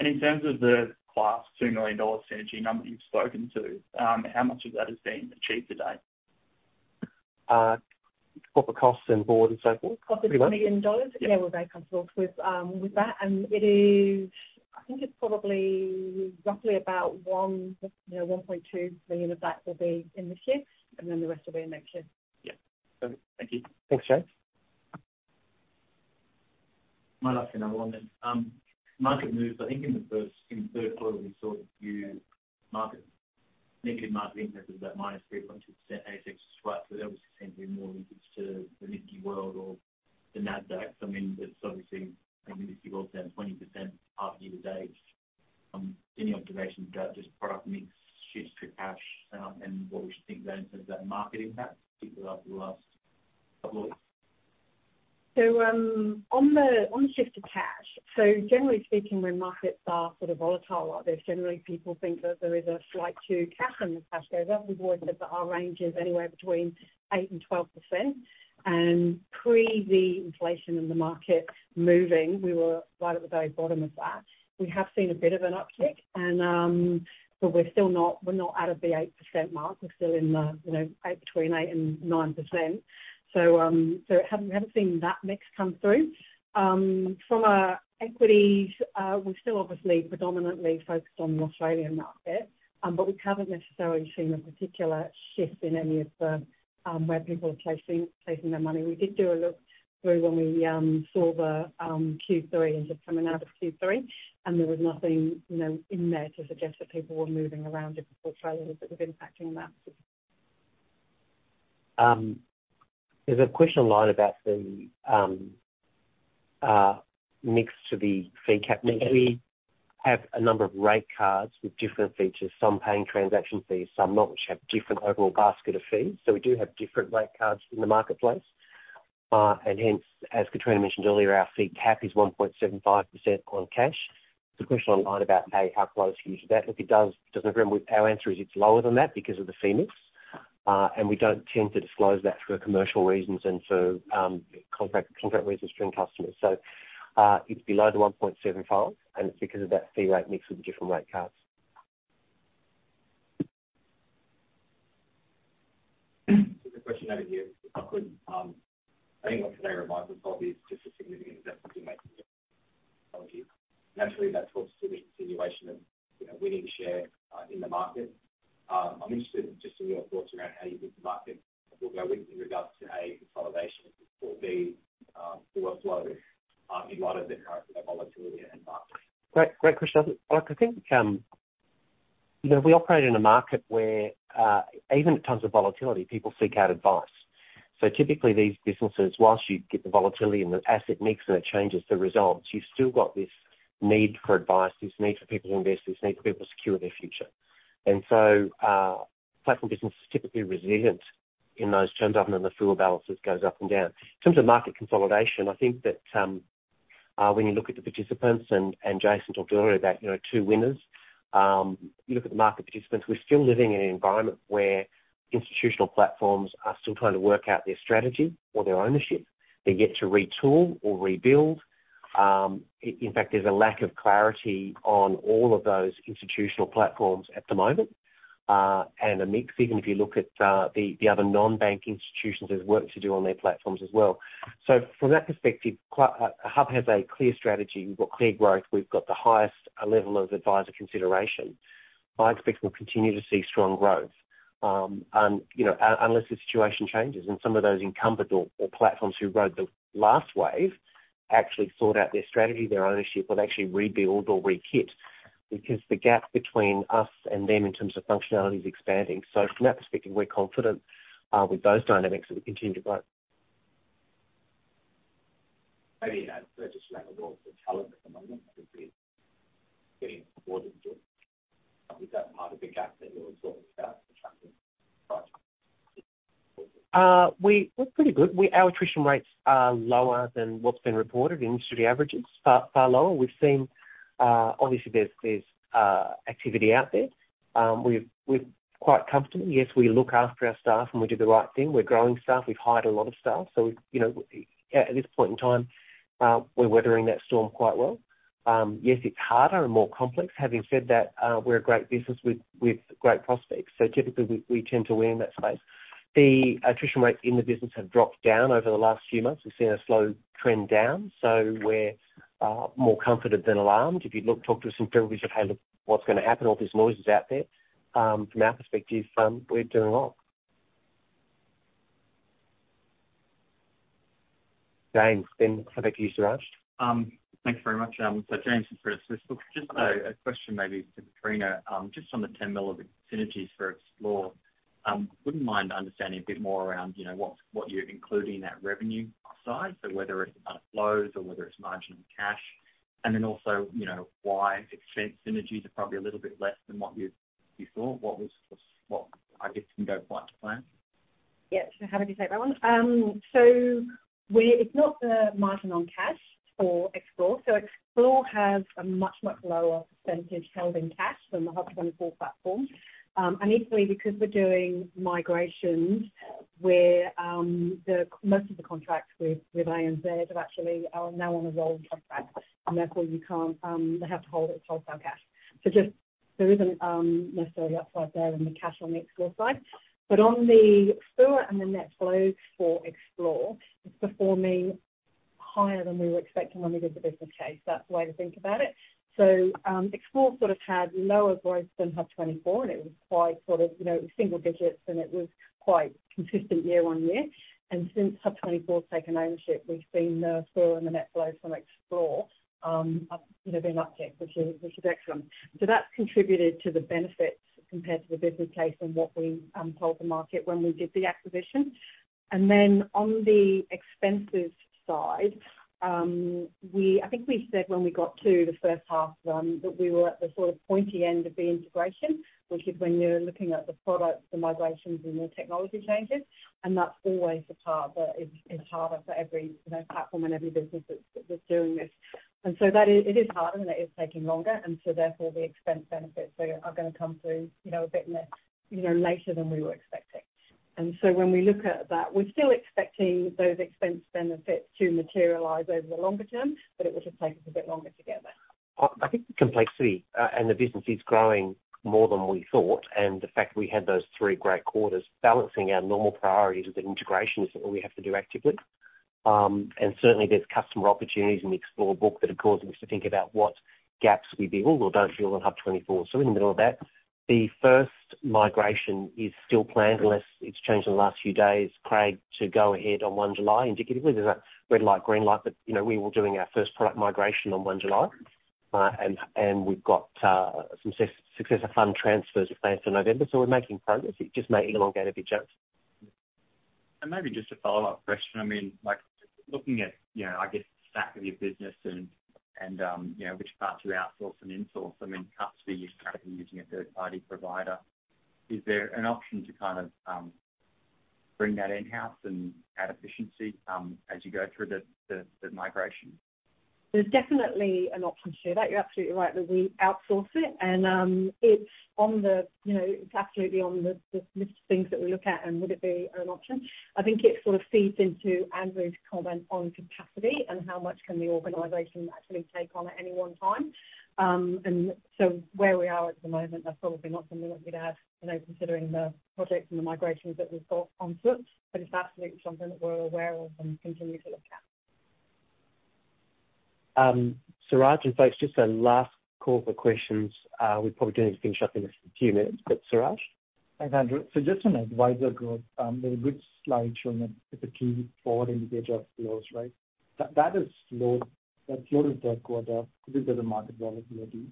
In terms of the Class 2 million dollar synergy number you've spoken to, how much of that has been achieved to date? Proper costs and board and so forth? Cost of 2 million dollars? Yeah. Yeah, we're very comfortable with that. I think it's probably roughly about 1.2 million of that will be in this year, and then the rest will be in next year. Yeah. Thank you. Thanks, James. Might ask another one then. Market moves, I think in the third quarter, we saw a few negative market impact of about -3.2% ASX 200. So that was essentially more linked to the MSCI World or the Nasdaq. I mean, that's obviously, I think MSCI World down 20% half-year to date. Any observations about just product mix shifts to cash, and what we should think then in terms of that market impact, particularly after the last couple of weeks? On the shift to cash. Generally speaking, when markets are sort of volatile like this, generally people think that there is a flight to cash and the cash goes up. We've always said that our range is anywhere between 8% and 12%. Pre the inflation in the market moving, we were right at the very bottom of that. We have seen a bit of an uptick and, but we're still not out of the 8% mark. We're still in the eight between 8% and 9%. It hasn't we haven't seen that mix come through. From our equities, we're still obviously predominantly focused on the Australian market, but we haven't necessarily seen a particular shift in any of the where people are placing their money. We did do a look through when we saw the Q3 and just coming out of Q3, and there was nothing, you know, in there to suggest that people were moving around different portfolios that was impacting on that. There's a question online about the mix to the fee cap. We have a number of rate cards with different features, some paying transaction fees, some not, which have different overall basket of fees. We do have different rate cards in the marketplace. Hence, as Kitrina mentioned earlier, our fee cap is 1.75% on cash. There's a question online about, hey, how close are you to that? Look, doesn't agree with our answer is it's lower than that because of the fee mix. We don't tend to disclose that for commercial reasons and so, contract reasons between customers. It's below the 1.75%, and it's because of that fee rate mix with the different rate cards. There's a question over here, if I could. I think what today reminds us of is just the significant investment you make in your technology. Naturally, that talks to the continuation of, you know, winning share in the market. I'm interested just in your thoughts around how you think the market will go with regard to A, consolidation or B, through a flow in light of the current volatility in the market. Great question, Alan. Look, I think, you know, we operate in a market where, even in terms of volatility, people seek out advice. Typically these businesses, while you get the volatility and the asset mix, and it changes the results, you've still got this need for advice, this need for people to invest, this need for people to secure their future. Platform business is typically resilient in those terms, other than the FUA balances goes up and down. In terms of market consolidation, I think that, when you look at the participants and Jason talked earlier about, you know, two winners. You look at the market participants, we're still living in an environment where institutional platforms are still trying to work out their strategy or their ownership. They get to retool or rebuild. In fact, there's a lack of clarity on all of those institutional platforms at the moment, and a mix. Even if you look at the other non-bank institutions, there's work to do on their platforms as well. From that perspective, Hub has a clear strategy. We've got clear growth. We've got the highest level of advisor consideration. I expect we'll continue to see strong growth. You know, unless the situation changes and some of those incumbent or platforms who rode the last wave actually sort out their strategy, their ownership, or actually rebuild or re-kit because the gap between us and them in terms of functionality is expanding. From that perspective, we're confident with those dynamics that we continue to grow. Maybe, you know, just around the loss of talent at the moment that could be getting offloaded to. Is that part of the gap that you're talking about attractive pricing? We're pretty good. Our attrition rates are lower than what's been reported industry averages, far lower. We've seen, obviously there's activity out there. We're quite comfortable. Yes, we look after our staff, and we do the right thing. We're growing staff. We've hired a lot of staff. You know, at this point in time, we're weathering that storm quite well. Yes, it's harder and more complex. Having said that, we're a great business with great prospects, so typically we tend to win that space. The attrition rates in the business have dropped down over the last few months. We've seen a slow trend down, so we're more comforted than alarmed. If you look, talk to us in February, we say, "Hey, look what's gonna happen, all this noise is out there." From our perspective, we're doing well. James, then back to you, Siraj. Thanks very much. James from Credit Suisse. Look, just a question maybe to Kitrina, just on the 10 million of synergies for Xplore. Wouldn't mind understanding a bit more around, you know, what you include in that revenue side, so whether it's outflows or whether it's margin on cash. And then also, you know, why expense synergies are probably a little bit less than what you thought. What, I guess, didn't go quite to plan. Yeah. Happy to take that one. It's not the margin on cash for Xplore. Xplore has a much, much lower percentage held in cash than the HUB24 platform. Equally, because we're doing migrations where the most of the contracts with ANZ actually are now on a rolling contract, and therefore you can't, they have to hold it as wholesale cash. There isn't necessarily upside there in the cash on the Xplore side. On the flow and the net flows for Xplore, it's performing higher than we were expecting when we did the business case. That's the way to think about it. Xplore sort of had lower growth than HUB24, and it was quite sort of, you know, single digits, and it was quite consistent year-on-year. Since HUB24's taken ownership, we've seen the flows and the net flows from Xplore up, you know, an uptick, which is excellent. So that's contributed to the benefits compared to the business case and what we told the market when we did the acquisition. Then on the expenses side, I think we said when we got to the first half, that we were at the sort of pointy end of the integration, which is when you're looking at the products, the migrations and the technology changes. That's always the part that is harder for every, you know, platform and every business that's doing this. So that is harder, and it is taking longer. Therefore, the expense benefits are gonna come through, you know, a bit less, you know, later than we were expecting. When we look at that, we're still expecting those expense benefits to materialize over the longer term, but it will just take us a bit longer to get there. I think the complexity and the business is growing more than we thought and the fact that we had those three great quarters balancing our normal priorities with the integration is what we have to do actively. Certainly, there's customer opportunities in the Xplore book that have caused us to think about what gaps we build or don't fill on HUB24. We're in the middle of that. The first migration is still planned unless it's changed in the last few days, Craig, to go ahead on 1 July. Indicatively, there's a red light, green light, but you know, we were doing our first product migration on 1 July and we've got some success, successor fund transfers are planned for November. We're making progress. It just may elongate a bit, James. Maybe just a follow-up question. I mean, like looking at, you know, I guess the stack of your business and you know, which parts you outsource and insource, I mean, Hub's been historically using a third-party provider. Is there an option to kind of bring that in-house and add efficiency, as you go through the migration? There's definitely an option to do that. You're absolutely right that we outsource it and, you know, it's absolutely on the list of things that we look at and would it be an option. I think it sort of feeds into Andrew's comment on capacity and how much can the organization actually take on at any one time. Where we are at the moment, that's probably not something that we'd have, you know, considering the projects and the migrations that we've got on foot. It's absolutely something that we're aware of and continue to look at. Siraj and folks, just a last call for questions. We probably need to finish up in a few minutes, but Siraj. Thanks, Andrew. Just on adviser growth, there was a good slide showing that it's a key forward indicator of flows, right? That is slow. That flow of third quarter because of the market volatility.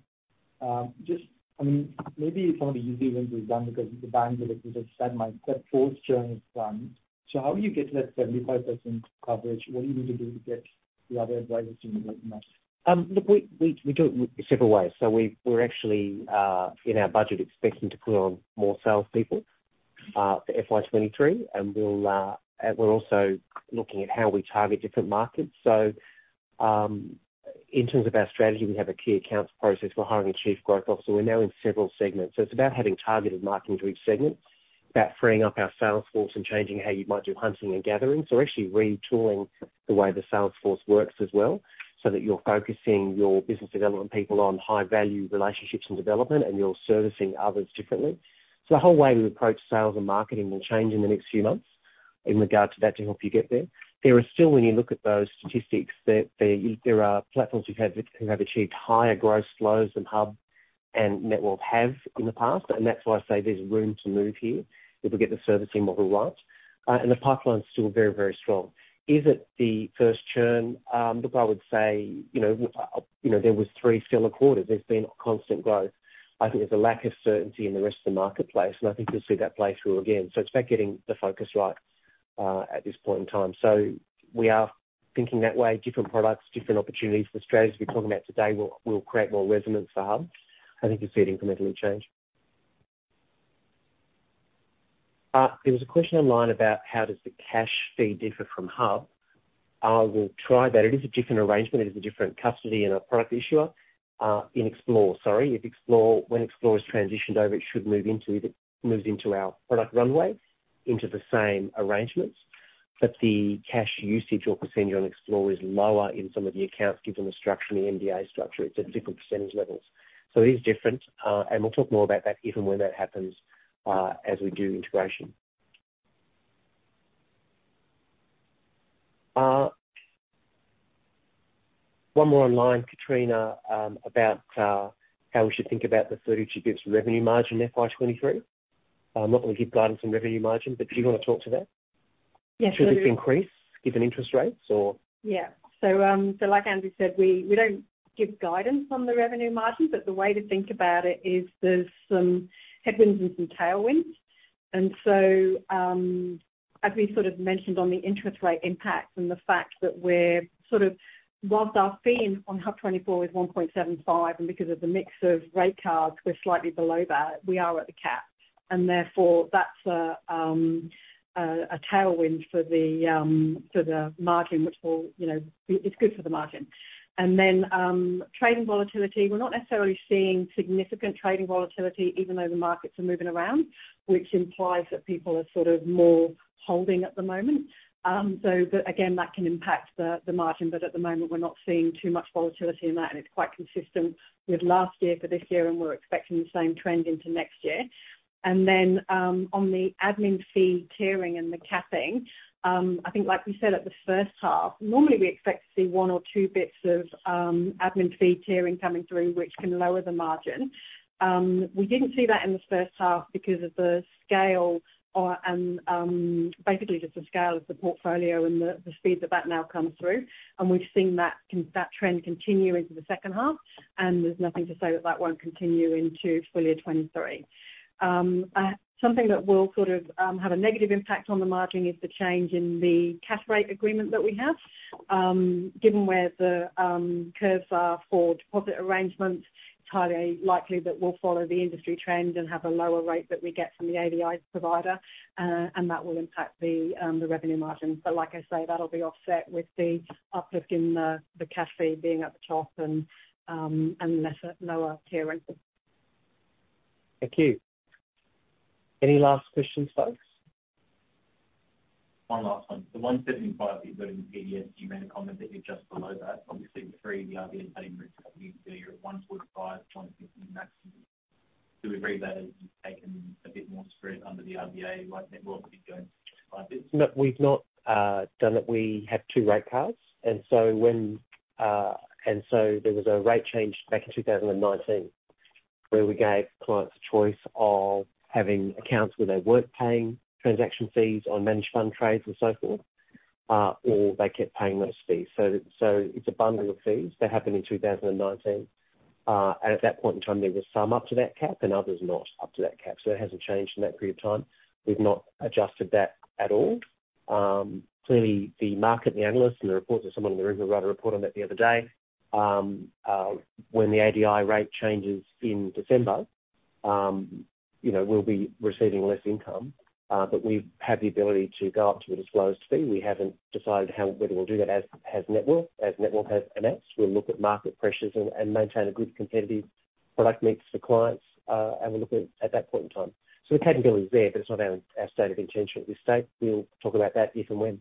I mean, maybe it's one of the easier ones to run because the bank, as you just said, Mike, that forced churn is done. How will you get to that 75% coverage? What do you need to do to get the other advisers to move much? Look, we do it several ways. We're actually in our budget expecting to put on more salespeople for FY 2023, and we're also looking at how we target different markets. In terms of our strategy, we have a key accounts process. We're hiring a chief growth officer. We're now in several segments, so it's about having targeted marketing to each segment. It's about freeing up our sales force and changing how you might do hunting and gathering. We're actually retooling the way the sales force works as well, so that you're focusing your business development people on high-value relationships and development, and you're servicing others differently. The whole way we approach sales and marketing will change in the next few months in regard to that to help you get there. There are still, when you look at those statistics, there are platforms who have achieved higher gross flows than Hub and Netwealth have in the past. That's why I say there's room to move here if we get the servicing model right. The pipeline's still very strong. Is it the first churn? I would say, you know, you know, there was three stellar quarters. There's been constant growth. I think there's a lack of certainty in the rest of the marketplace, and I think you'll see that play through again. It's about getting the focus right at this point in time. We are thinking that way, different products, different opportunities. The strategies we're talking about today will create more resonance for Hub. I think you'll see it incrementally change. There was a question online about how does the cash fee differ from HUB24? I will try that. It is a different arrangement. It is a different custody and a product issuer in Xplore. Sorry. When Xplore has transitioned over, it should move into, it moves into our product runway, into the same arrangements. The cash usage or percentage on Xplore is lower in some of the accounts, given the structure, the IDPS structure. It's at different percentage levels. It is different, and we'll talk more about that if and when that happens, as we do integration. One more online, Kitrina, about how we should think about the 32 basis revenue margin FY 2023. I'm not gonna give guidance on revenue margin, but do you wanna talk to that? Yes, sure. Should this increase given interest rates or? Yeah. Like Andrew said, we don't give guidance on the revenue margin, but the way to think about it is there's some headwinds and some tailwinds. As we sort of mentioned on the interest rate impact and the fact that we're sort of whilst our fee on HUB24 is 1.75%, and because of the mix of rate cards, we're slightly below that, we are at the cap. Therefore, that's a tailwind for the margin, which will, you know, it's good for the margin. Trading volatility. We're not necessarily seeing significant trading volatility even though the markets are moving around, which implies that people are sort of more holding at the moment. Again, that can impact the margin. At the moment, we're not seeing too much volatility in that, and it's quite consistent with last year for this year, and we're expecting the same trend into next year. Then, on the admin fee tiering and the capping, I think like we said at the first half, normally we expect to see one or two bps of admin fee tiering coming through, which can lower the margin. We didn't see that in this first half because of the scale, and basically just the scale of the portfolio and the speed that now comes through. We've seen that trend continue into the second half, and there's nothing to say that won't continue into full year 2023. Something that will sort of have a negative impact on the margin is the change in the cash rate agreement that we have. Given where the curves are for deposit arrangements, it's highly likely that we'll follow the industry trend and have a lower rate that we get from the ADI provider, and that will impact the revenue margin. Like I say, that'll be offset with the uplift in the cash fee being at the top and lower tiering. Thank you. Any last questions, folks? One last one. The 175 that you've got in the PDF, you made a comment that you're just below that. Obviously, with three of the RBA's cutting rates, you'd be, you're at 1.5, 150 maximum. Do we read that as you've taken a bit more spread under the RBA like Netwealth have been doing for the past 5 years? No. We've not done that. We have two rate cards. There was a rate change back in 2019 where we gave clients a choice of having accounts where they weren't paying transaction fees on managed fund trades and so forth, or they kept paying those fees. It's a bundle of fees. That happened in 2019. At that point in time, there were some up to that cap and others not up to that cap. It hasn't changed in that period of time. We've not adjusted that at all. Clearly the market, and the analysts, and the reports, there's someone in the room who wrote a report on that the other day, when the ADI rate changes in December, you know, we'll be receiving less income, but we have the ability to go up to an as-low-as fee. We haven't decided whether we'll do that as Netwealth has announced. We'll look at market pressures and maintain a good competitive product mix for clients, and we'll look at that point in time. The capability is there, but it's not our stated intention at this stage. We'll talk about that if and when.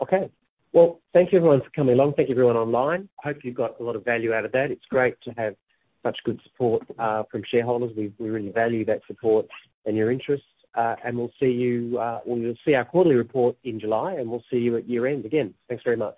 Okay. Well, thank you everyone for coming along. Thank you everyone online. Hope you got a lot of value out of that. It's great to have such good support from shareholders. We really value that support and your interest. We'll see you, well, you'll see our quarterly report in July, and we'll see you at year-end again. Thanks very much.